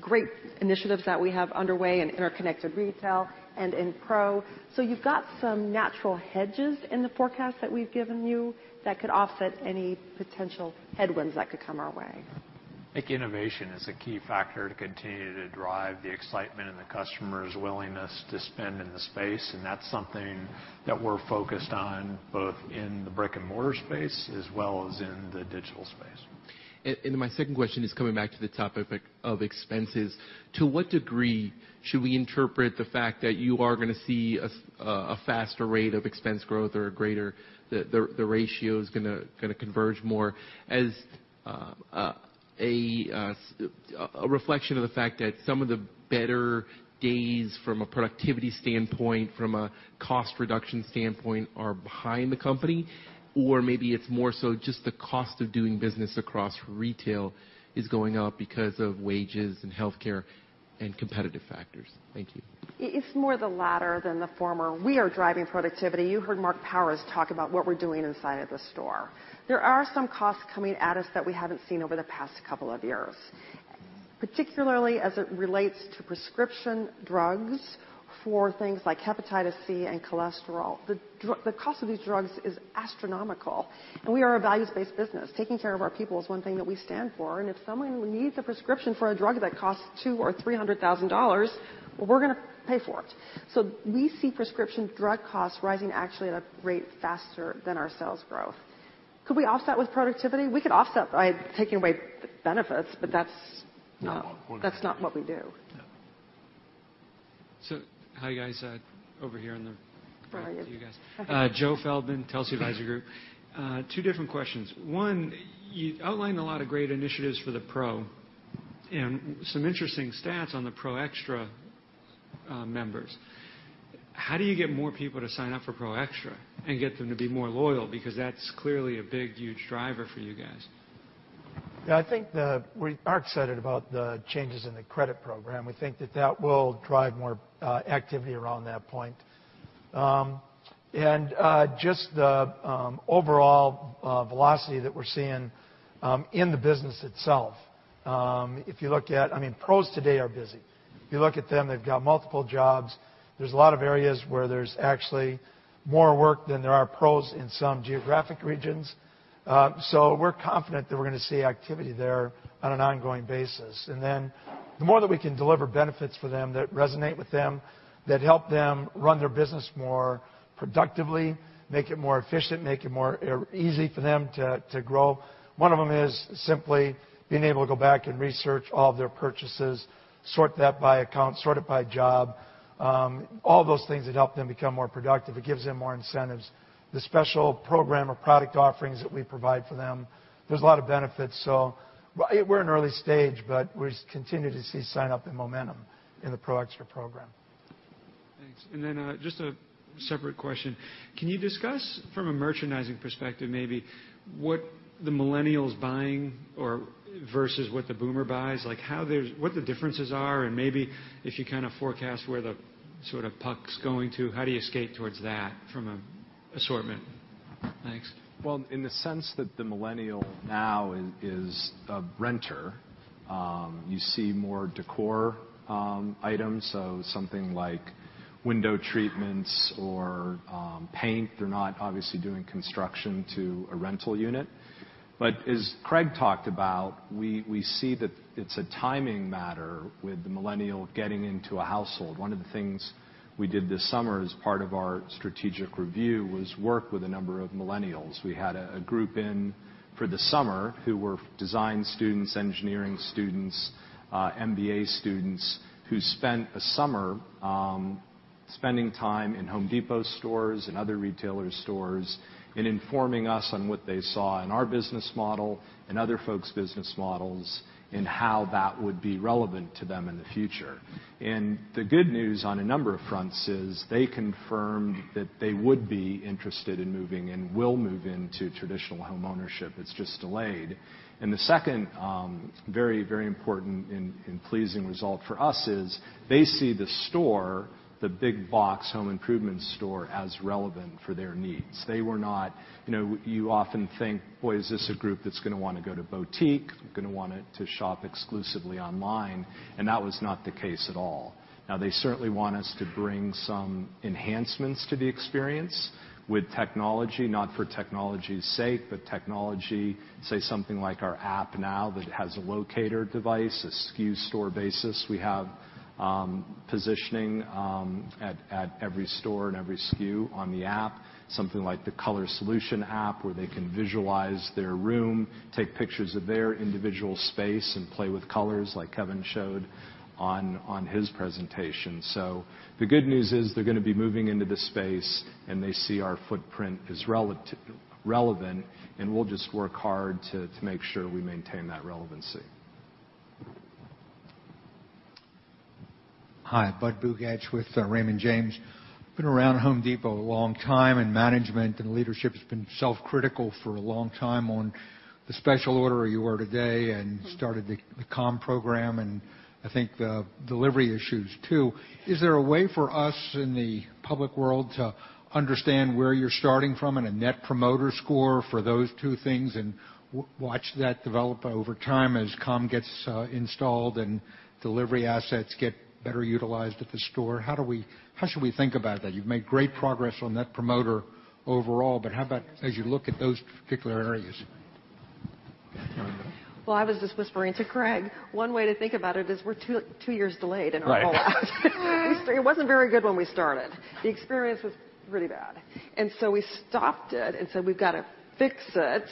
great initiatives that we have underway in interconnected retail and in pro. You've got some natural hedges in the forecast that we've given you that could offset any potential headwinds that could come our way. I think innovation is a key factor to continue to drive the excitement and the customer's willingness to spend in the space, that's something that we're focused on both in the brick and mortar space as well as in the digital space. My second question is coming back to the topic of expenses. To what degree should we interpret the fact that you are going to see a faster rate of expense growth or the ratio is going to converge more as a reflection of the fact that some of the better days from a productivity standpoint, from a cost reduction standpoint are behind the company? Or maybe it's more so just the cost of doing business across retail is going up because of wages and healthcare and competitive factors. Thank you. It's more the latter than the former. We are driving productivity. You heard Mark Holifield talk about what we're doing inside of the store. There are some costs coming at us that we haven't seen over the past couple of years, particularly as it relates to prescription drugs for things like hepatitis C and cholesterol. The cost of these drugs is astronomical, we are a values-based business. Taking care of our people is one thing that we stand for, if someone needs a prescription for a drug that costs $200,000 or $300,000, we're going to pay for it. We see prescription drug costs rising actually at a rate faster than our sales growth. Could we offset with productivity? We could offset by taking away benefits, but that's- No. that's not what we do. No. Hi guys, over here in the front to you guys. Joe Feldman, Telsey Advisory Group. Two different questions. One, you outlined a lot of great initiatives for the pro and some interesting stats on the Pro Xtra members. How do you get more people to sign up for Pro Xtra and get them to be more loyal? Because that's clearly a big, huge driver for you guys. I think we are excited about the changes in the credit program. We think that that will drive more activity around that point. Just the overall velocity that we're seeing in the business itself. If you look at them, pros today are busy. If you look at them, they've got multiple jobs. There's a lot of areas where there's actually more work than there are pros in some geographic regions. We're confident that we're going to see activity there on an ongoing basis. The more that we can deliver benefits for them that resonate with them, that help them run their business more productively, make it more efficient, make it more easy for them to grow. One of them is simply being able to go back and research all of their purchases, sort that by account, sort it by job, all those things that help them become more productive. It gives them more incentives. The special program or product offerings that we provide for them, there's a lot of benefits. We're in early stage, but we continue to see sign-up and momentum in the Pro Xtra program. Thanks. Just a separate question. Can you discuss from a merchandising perspective maybe what the Millennial is buying versus what the boomer buys? What the differences are, maybe if you kind of forecast where the puck's going to, how do you skate towards that from an assortment? Thanks. Well, in the sense that the Millennial now is a renter, you see more decor items, so something like window treatments or paint. They're not obviously doing construction to a rental unit. As Craig talked about, we see that it's a timing matter with the Millennial getting into a household. One of the things we did this summer as part of our strategic review was work with a number of Millennials. We had a group in for the summer who were design students, engineering students, MBA students, who spent a summer spending time in Home Depot stores and other retailers' stores and informing us on what they saw in our business model and other folks' business models and how that would be relevant to them in the future. The good news on a number of fronts is they confirmed that they would be interested in moving and will move into traditional homeownership. It's just delayed. The second very important and pleasing result for us is they see the store, the big box home improvement store, as relevant for their needs. You often think, boy, is this a group that's going to want to go to boutique, going to want to shop exclusively online, and that was not the case at all. Now, they certainly want us to bring some enhancements to the experience with technology, not for technology's sake, but technology, say something like our app now that has a locator device, a SKU store basis. We have positioning at every store and every SKU on the app, something like the color solution app where they can visualize their room, take pictures of their individual space, and play with colors like Kevin showed on his presentation. The good news is they're going to be moving into the space, they see our footprint as relevant, and we'll just work hard to make sure we maintain that relevancy. Hi, Budd Bugatch with Raymond James. Been around The Home Depot a long time, management and leadership's been self-critical for a long time on the special order you were today and started the COM program and I think the delivery issues, too. Is there a way for us in the public world to understand where you're starting from in a net promoter score for those two things and watch that develop over time as COM gets installed and delivery assets get better utilized at the store? How should we think about that? You've made great progress on net promoter overall, how about as you look at those particular areas? I was just whispering to Craig, one way to think about it is we're two years delayed in our rollout. Right. It wasn't very good when we started. The experience was pretty bad. We stopped it and said we've got to fix it.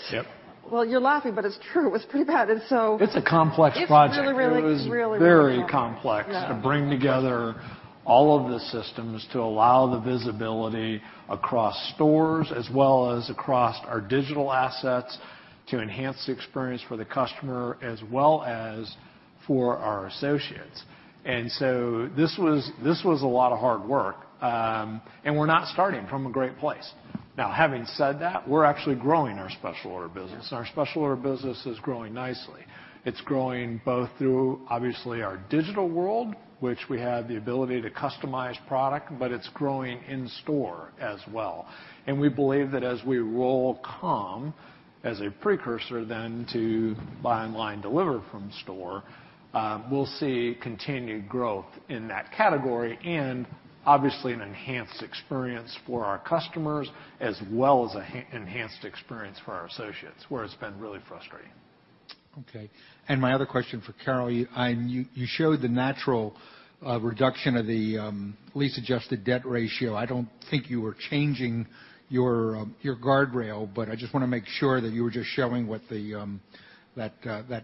Yep. You're laughing, it's true. It was pretty bad. It's a complex project it's really, really, really, really complex. It was very complex. Yeah to bring together all of the systems to allow the visibility across stores as well as across our digital assets to enhance the experience for the customer as well as for our associates. This was a lot of hard work, and we're not starting from a great place. Now, having said that, we're actually growing our special order business. Yes. Our special order business is growing nicely. It's growing both through obviously our digital world, which we have the ability to customize product, but it's growing in store as well. We believe that as we roll COM as a precursor then to Buy Online, Deliver From Store, we'll see continued growth in that category and obviously an enhanced experience for our customers as well as an enhanced experience for our associates where it's been really frustrating. Okay. My other question for Carol, you showed the natural reduction of the lease-adjusted debt ratio. I don't think you were changing your guardrail, but I just want to make sure that you were just showing what that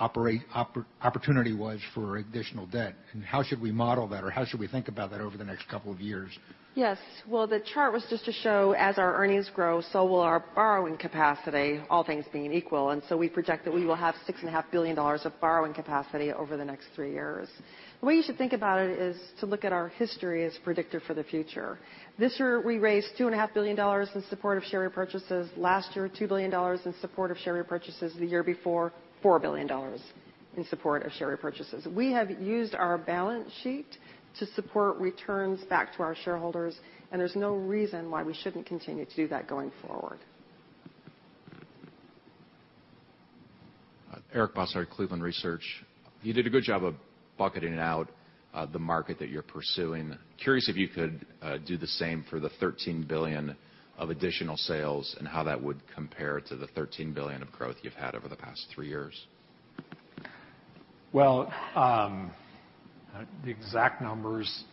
opportunity was for additional debt, and how should we model that or how should we think about that over the next couple of years? Yes. Well, the chart was just to show as our earnings grow, so will our borrowing capacity, all things being equal. We project that we will have $6.5 billion of borrowing capacity over the next 3 years. The way you should think about it is to look at our history as predictor for the future. This year, we raised $2.5 billion in support of share repurchases. Last year, $2 billion in support of share repurchases. The year before, $4 billion in support of share repurchases. We have used our balance sheet to support returns back to our shareholders, there's no reason why we shouldn't continue to do that going forward. Eric Bosshard, Cleveland Research. You did a good job of bucketing out the market that you're pursuing. Curious if you could do the same for the $13 billion of additional sales and how that would compare to the $13 billion of growth you've had over the past 3 years. The exact numbers,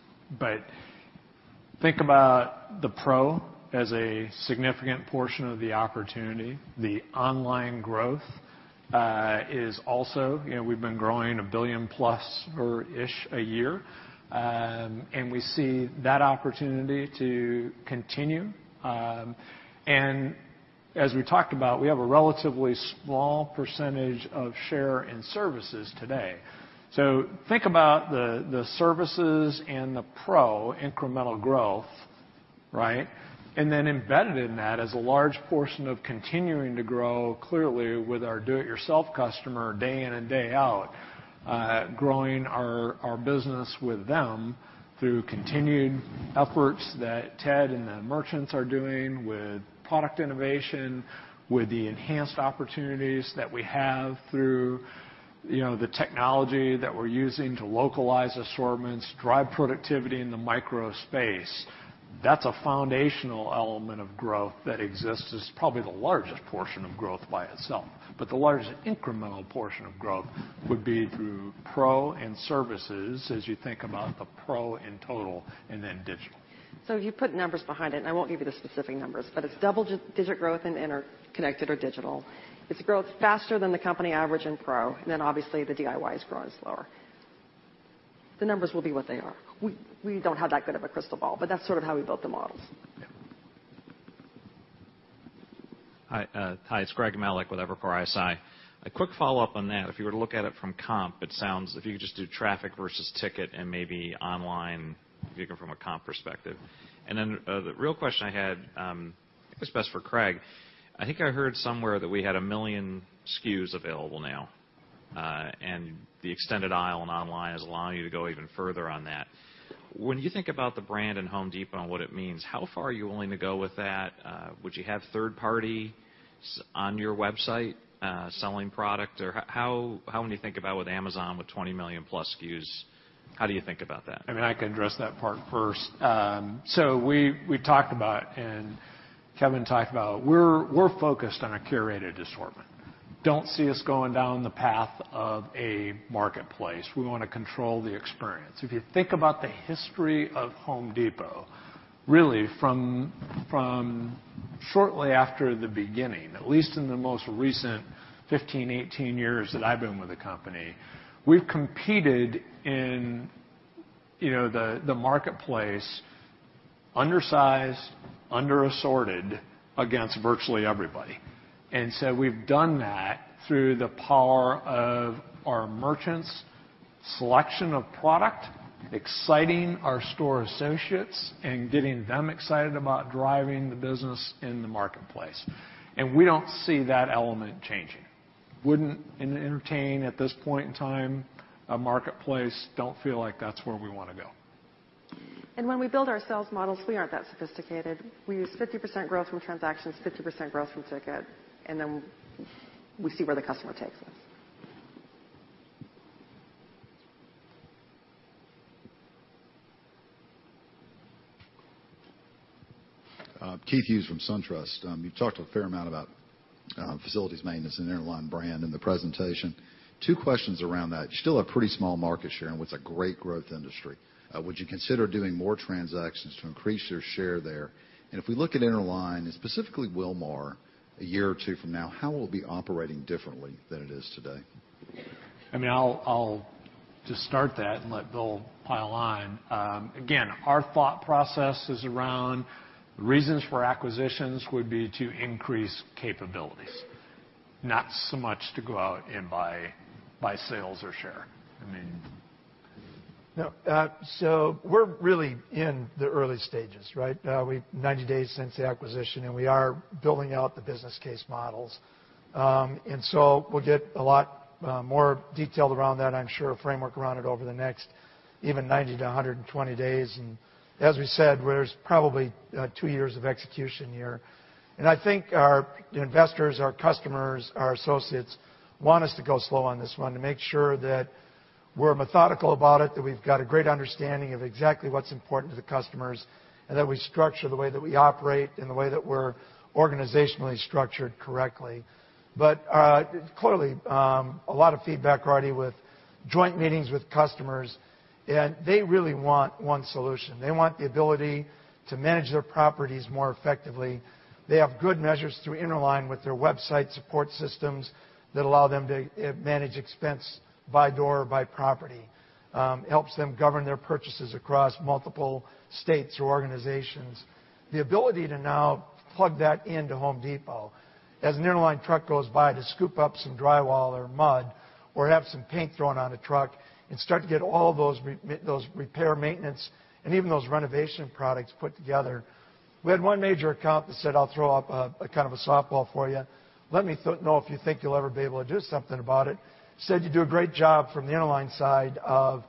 think about the pro as a significant portion of the opportunity. We've been growing a $1 billion plus or ish a year, and we see that opportunity to continue. As we talked about, we have a relatively small percentage of share in services today. Think about the services and the pro incremental growth. Embedded in that is a large portion of continuing to grow, clearly, with our do-it-yourself customer day in and day out, growing our business with them through continued efforts that Ted and the merchants are doing with product innovation, with the enhanced opportunities that we have through the technology that we're using to localize assortments, drive productivity in the micro-space. That's a foundational element of growth that exists. It's probably the largest portion of growth by itself. The largest incremental portion of growth would be through pro and services as you think about the pro in total and then digital. If you put numbers behind it, I won't give you the specific numbers, it's double-digit growth in interconnected or digital. It's growth faster than the company average in pro, and then obviously the DIY is growing slower. The numbers will be what they are. We don't have that good of a crystal ball, that's sort of how we built the models. Yeah. Hi, it's Greg Melich with Evercore ISI. A quick follow-up on that. If you were to look at it from comp, if you could just do traffic versus ticket and maybe online, if you look from a comp perspective. The real question I had, I think it's best for Craig. I think I heard somewhere that we had 1 million SKUs available now, and the extended aisle and online is allowing you to go even further on that. When you think about the brand and Home Depot and what it means, how far are you willing to go with that? Would you have third parties on your website selling product? How when you think about with Amazon with 20 million-plus SKUs, how do you think about that? I can address that part first. We talked about, and Kevin talked about, we're focused on a curated assortment. Don't see us going down the path of a marketplace. We want to control the experience. If you think about the history of Home Depot, really from shortly after the beginning, at least in the most recent 15, 18 years that I've been with the company, we've competed in the marketplace undersized, under-assorted against virtually everybody. We've done that through the power of our merchants, selection of product, exciting our store associates, and getting them excited about driving the business in the marketplace. We don't see that element changing. Wouldn't entertain at this point in time a marketplace, don't feel like that's where we want to go. When we build our sales models, we aren't that sophisticated. We use 50% growth from transactions, 50% growth from ticket, and then we see where the customer takes us. Keith Hughes from SunTrust. You talked a fair amount about facilities maintenance and the Interline brand in the presentation. Two questions around that. You still have pretty small market share and what's a great growth industry. Would you consider doing more transactions to increase your share there? If we look at Interline, and specifically Wilmar, a year or two from now, how will it be operating differently than it is today? I'll just start that and let Bill pile on. Again, our thought process is around reasons for acquisitions would be to increase capabilities, not so much to go out and buy sales or share. We're really in the early stages, right? 90 days since the acquisition, we are building out the business case models. We'll get a lot more detail around that, I'm sure, a framework around it over the next even 90 to 120 days. As we said, there's probably two years of execution here. I think our investors, our customers, our associates want us to go slow on this one to make sure that we're methodical about it, that we've got a great understanding of exactly what's important to the customers, and that we structure the way that we operate and the way that we're organizationally structured correctly. Clearly, a lot of feedback already with joint meetings with customers, and they really want one solution. They want the ability to manage their properties more effectively. They have good measures through Interline with their website support systems that allow them to manage expense by door, by property. It helps them govern their purchases across multiple states or organizations. The ability to now plug that into Home Depot as an Interline truck goes by to scoop up some drywall or mud or have some paint thrown on a truck and start to get all those repair, maintenance, and even those renovation products put together. We had one major account that said, "I'll throw up a kind of a softball for you. Let me know if you think you'll ever be able to do something about it." Said, "You do a great job from the Interline side of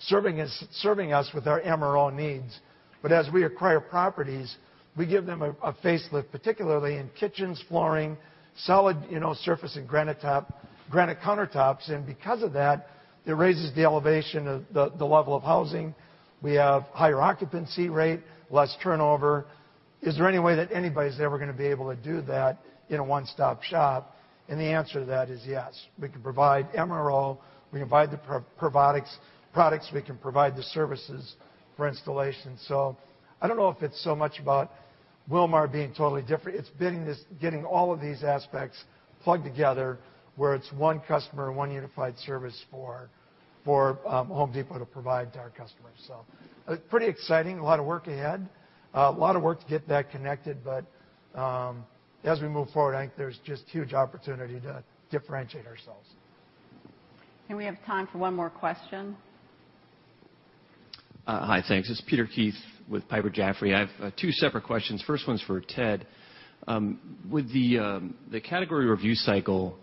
serving us with our MRO needs. As we acquire properties, we give them a facelift, particularly in kitchens, flooring, solid surface and granite countertops. Because of that, it raises the elevation of the level of housing. We have higher occupancy rate, less turnover. Is there any way that anybody's ever going to be able to do that in a one-stop shop?" The answer to that is yes. We can provide MRO, we can provide the products, we can provide the services for installation. I don't know if it's so much about Wilmar being totally different. It's getting all of these aspects plugged together where it's one customer, one unified service for Home Depot to provide to our customers. Pretty exciting. A lot of work ahead. A lot of work to get that connected. As we move forward, I think there's just huge opportunity to differentiate ourselves. We have time for one more question. Hi, thanks. It's Peter Keith with Piper Jaffray. I have two separate questions. First one's for Ted. With the category review cycle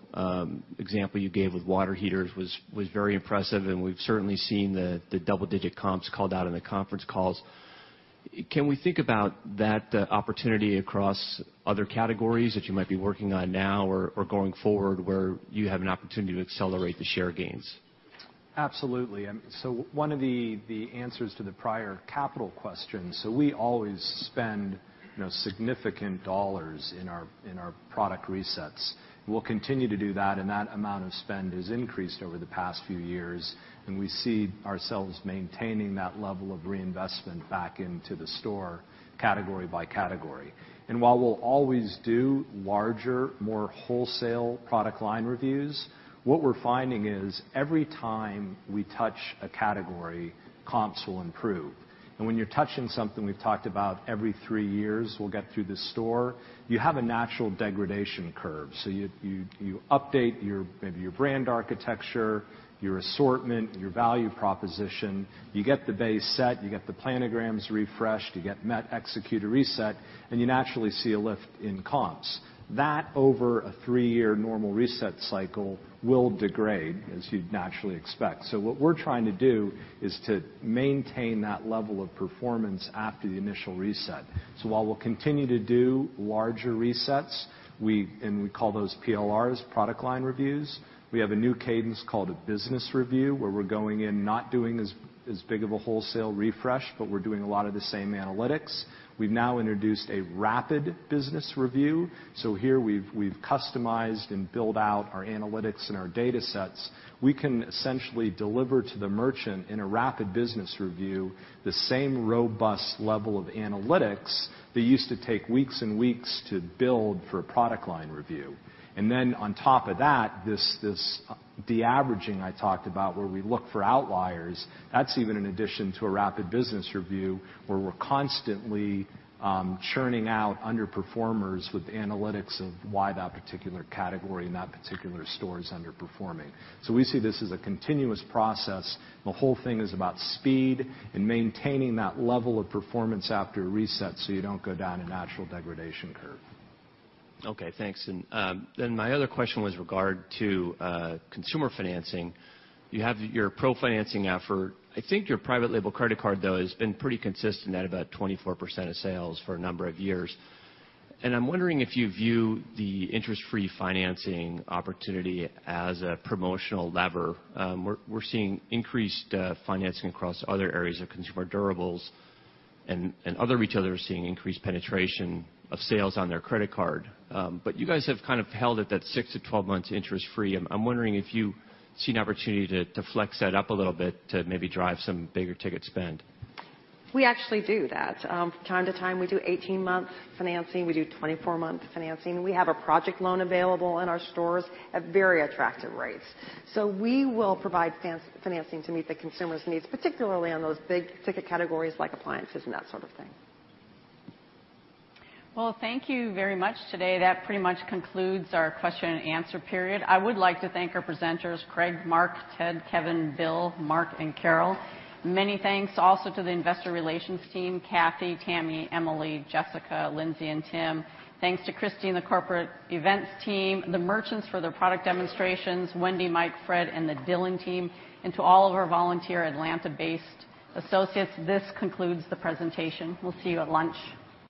example you gave with water heaters was very impressive, and we've certainly seen the double-digit comps called out in the conference calls. Can we think about that opportunity across other categories that you might be working on now or going forward, where you have an opportunity to accelerate the share gains? Absolutely. One of the answers to the prior capital question. We always spend significant dollars in our product resets. We'll continue to do that amount of spend has increased over the past few years, we see ourselves maintaining that level of reinvestment back into the store category by category. While we'll always do larger, more wholesale Product Line Reviews, what we're finding is every time we touch a category, comps will improve. When you're touching something we've talked about every three years we'll get through the store, you have a natural degradation curve. You update maybe your brand architecture, your assortment, your value proposition. You get the base set, you get the planograms refreshed, you then execute a reset, and you naturally see a lift in comps. That over a three-year normal reset cycle will degrade as you'd naturally expect. What we're trying to do is to maintain that level of performance after the initial reset. While we'll continue to do larger resets, we call those PLRs, Product Line Reviews, we have a new cadence called a Business Review, where we're going in not doing as big of a wholesale refresh, but we're doing a lot of the same analytics. We've now introduced a Rapid Business Review. Here we've customized and built out our analytics and our data sets. We can essentially deliver to the merchant in a Rapid Business Review, the same robust level of analytics that used to take weeks and weeks to build for a Product Line Review. On top of that, this de-averaging I talked about where we look for outliers, that's even in addition to a Rapid Business Review, where we're constantly churning out underperformers with analytics of why that particular category and that particular store is underperforming. We see this as a continuous process, the whole thing is about speed and maintaining that level of performance after a reset, so you don't go down a natural degradation curve. Okay, thanks. Then my other question was regard to consumer financing. You have your pro-financing effort. I think your private label credit card, though, has been pretty consistent at about 24% of sales for a number of years. I'm wondering if you view the interest-free financing opportunity as a promotional lever. We're seeing increased financing across other areas of consumer durables, and other retailers are seeing increased penetration of sales on their credit card. You guys have kind of held at that 6-12 months interest-free. I'm wondering if you see an opportunity to flex that up a little bit to maybe drive some bigger ticket spend. We actually do that. From time to time, we do 18-month financing. We do 24-month financing. We have a project loan available in our stores at very attractive rates. We will provide financing to meet the consumer's needs, particularly on those big-ticket categories like appliances and that sort of thing. Well, thank you very much today. That pretty much concludes our question and answer period. I would like to thank our presenters, Craig, Mark, Ted, Kevin, Bill, Mark, and Carol. Many thanks also to the investor relations team, Kathy, Tammy, Emily, Jessica, Lindsay, and Tim. Thanks to Christine and the corporate events team, the merchants for their product demonstrations, Wendy, Mike, Fred, and the Dillon team, and to all of our volunteer Atlanta-based associates. This concludes the presentation. We'll see you at lunch.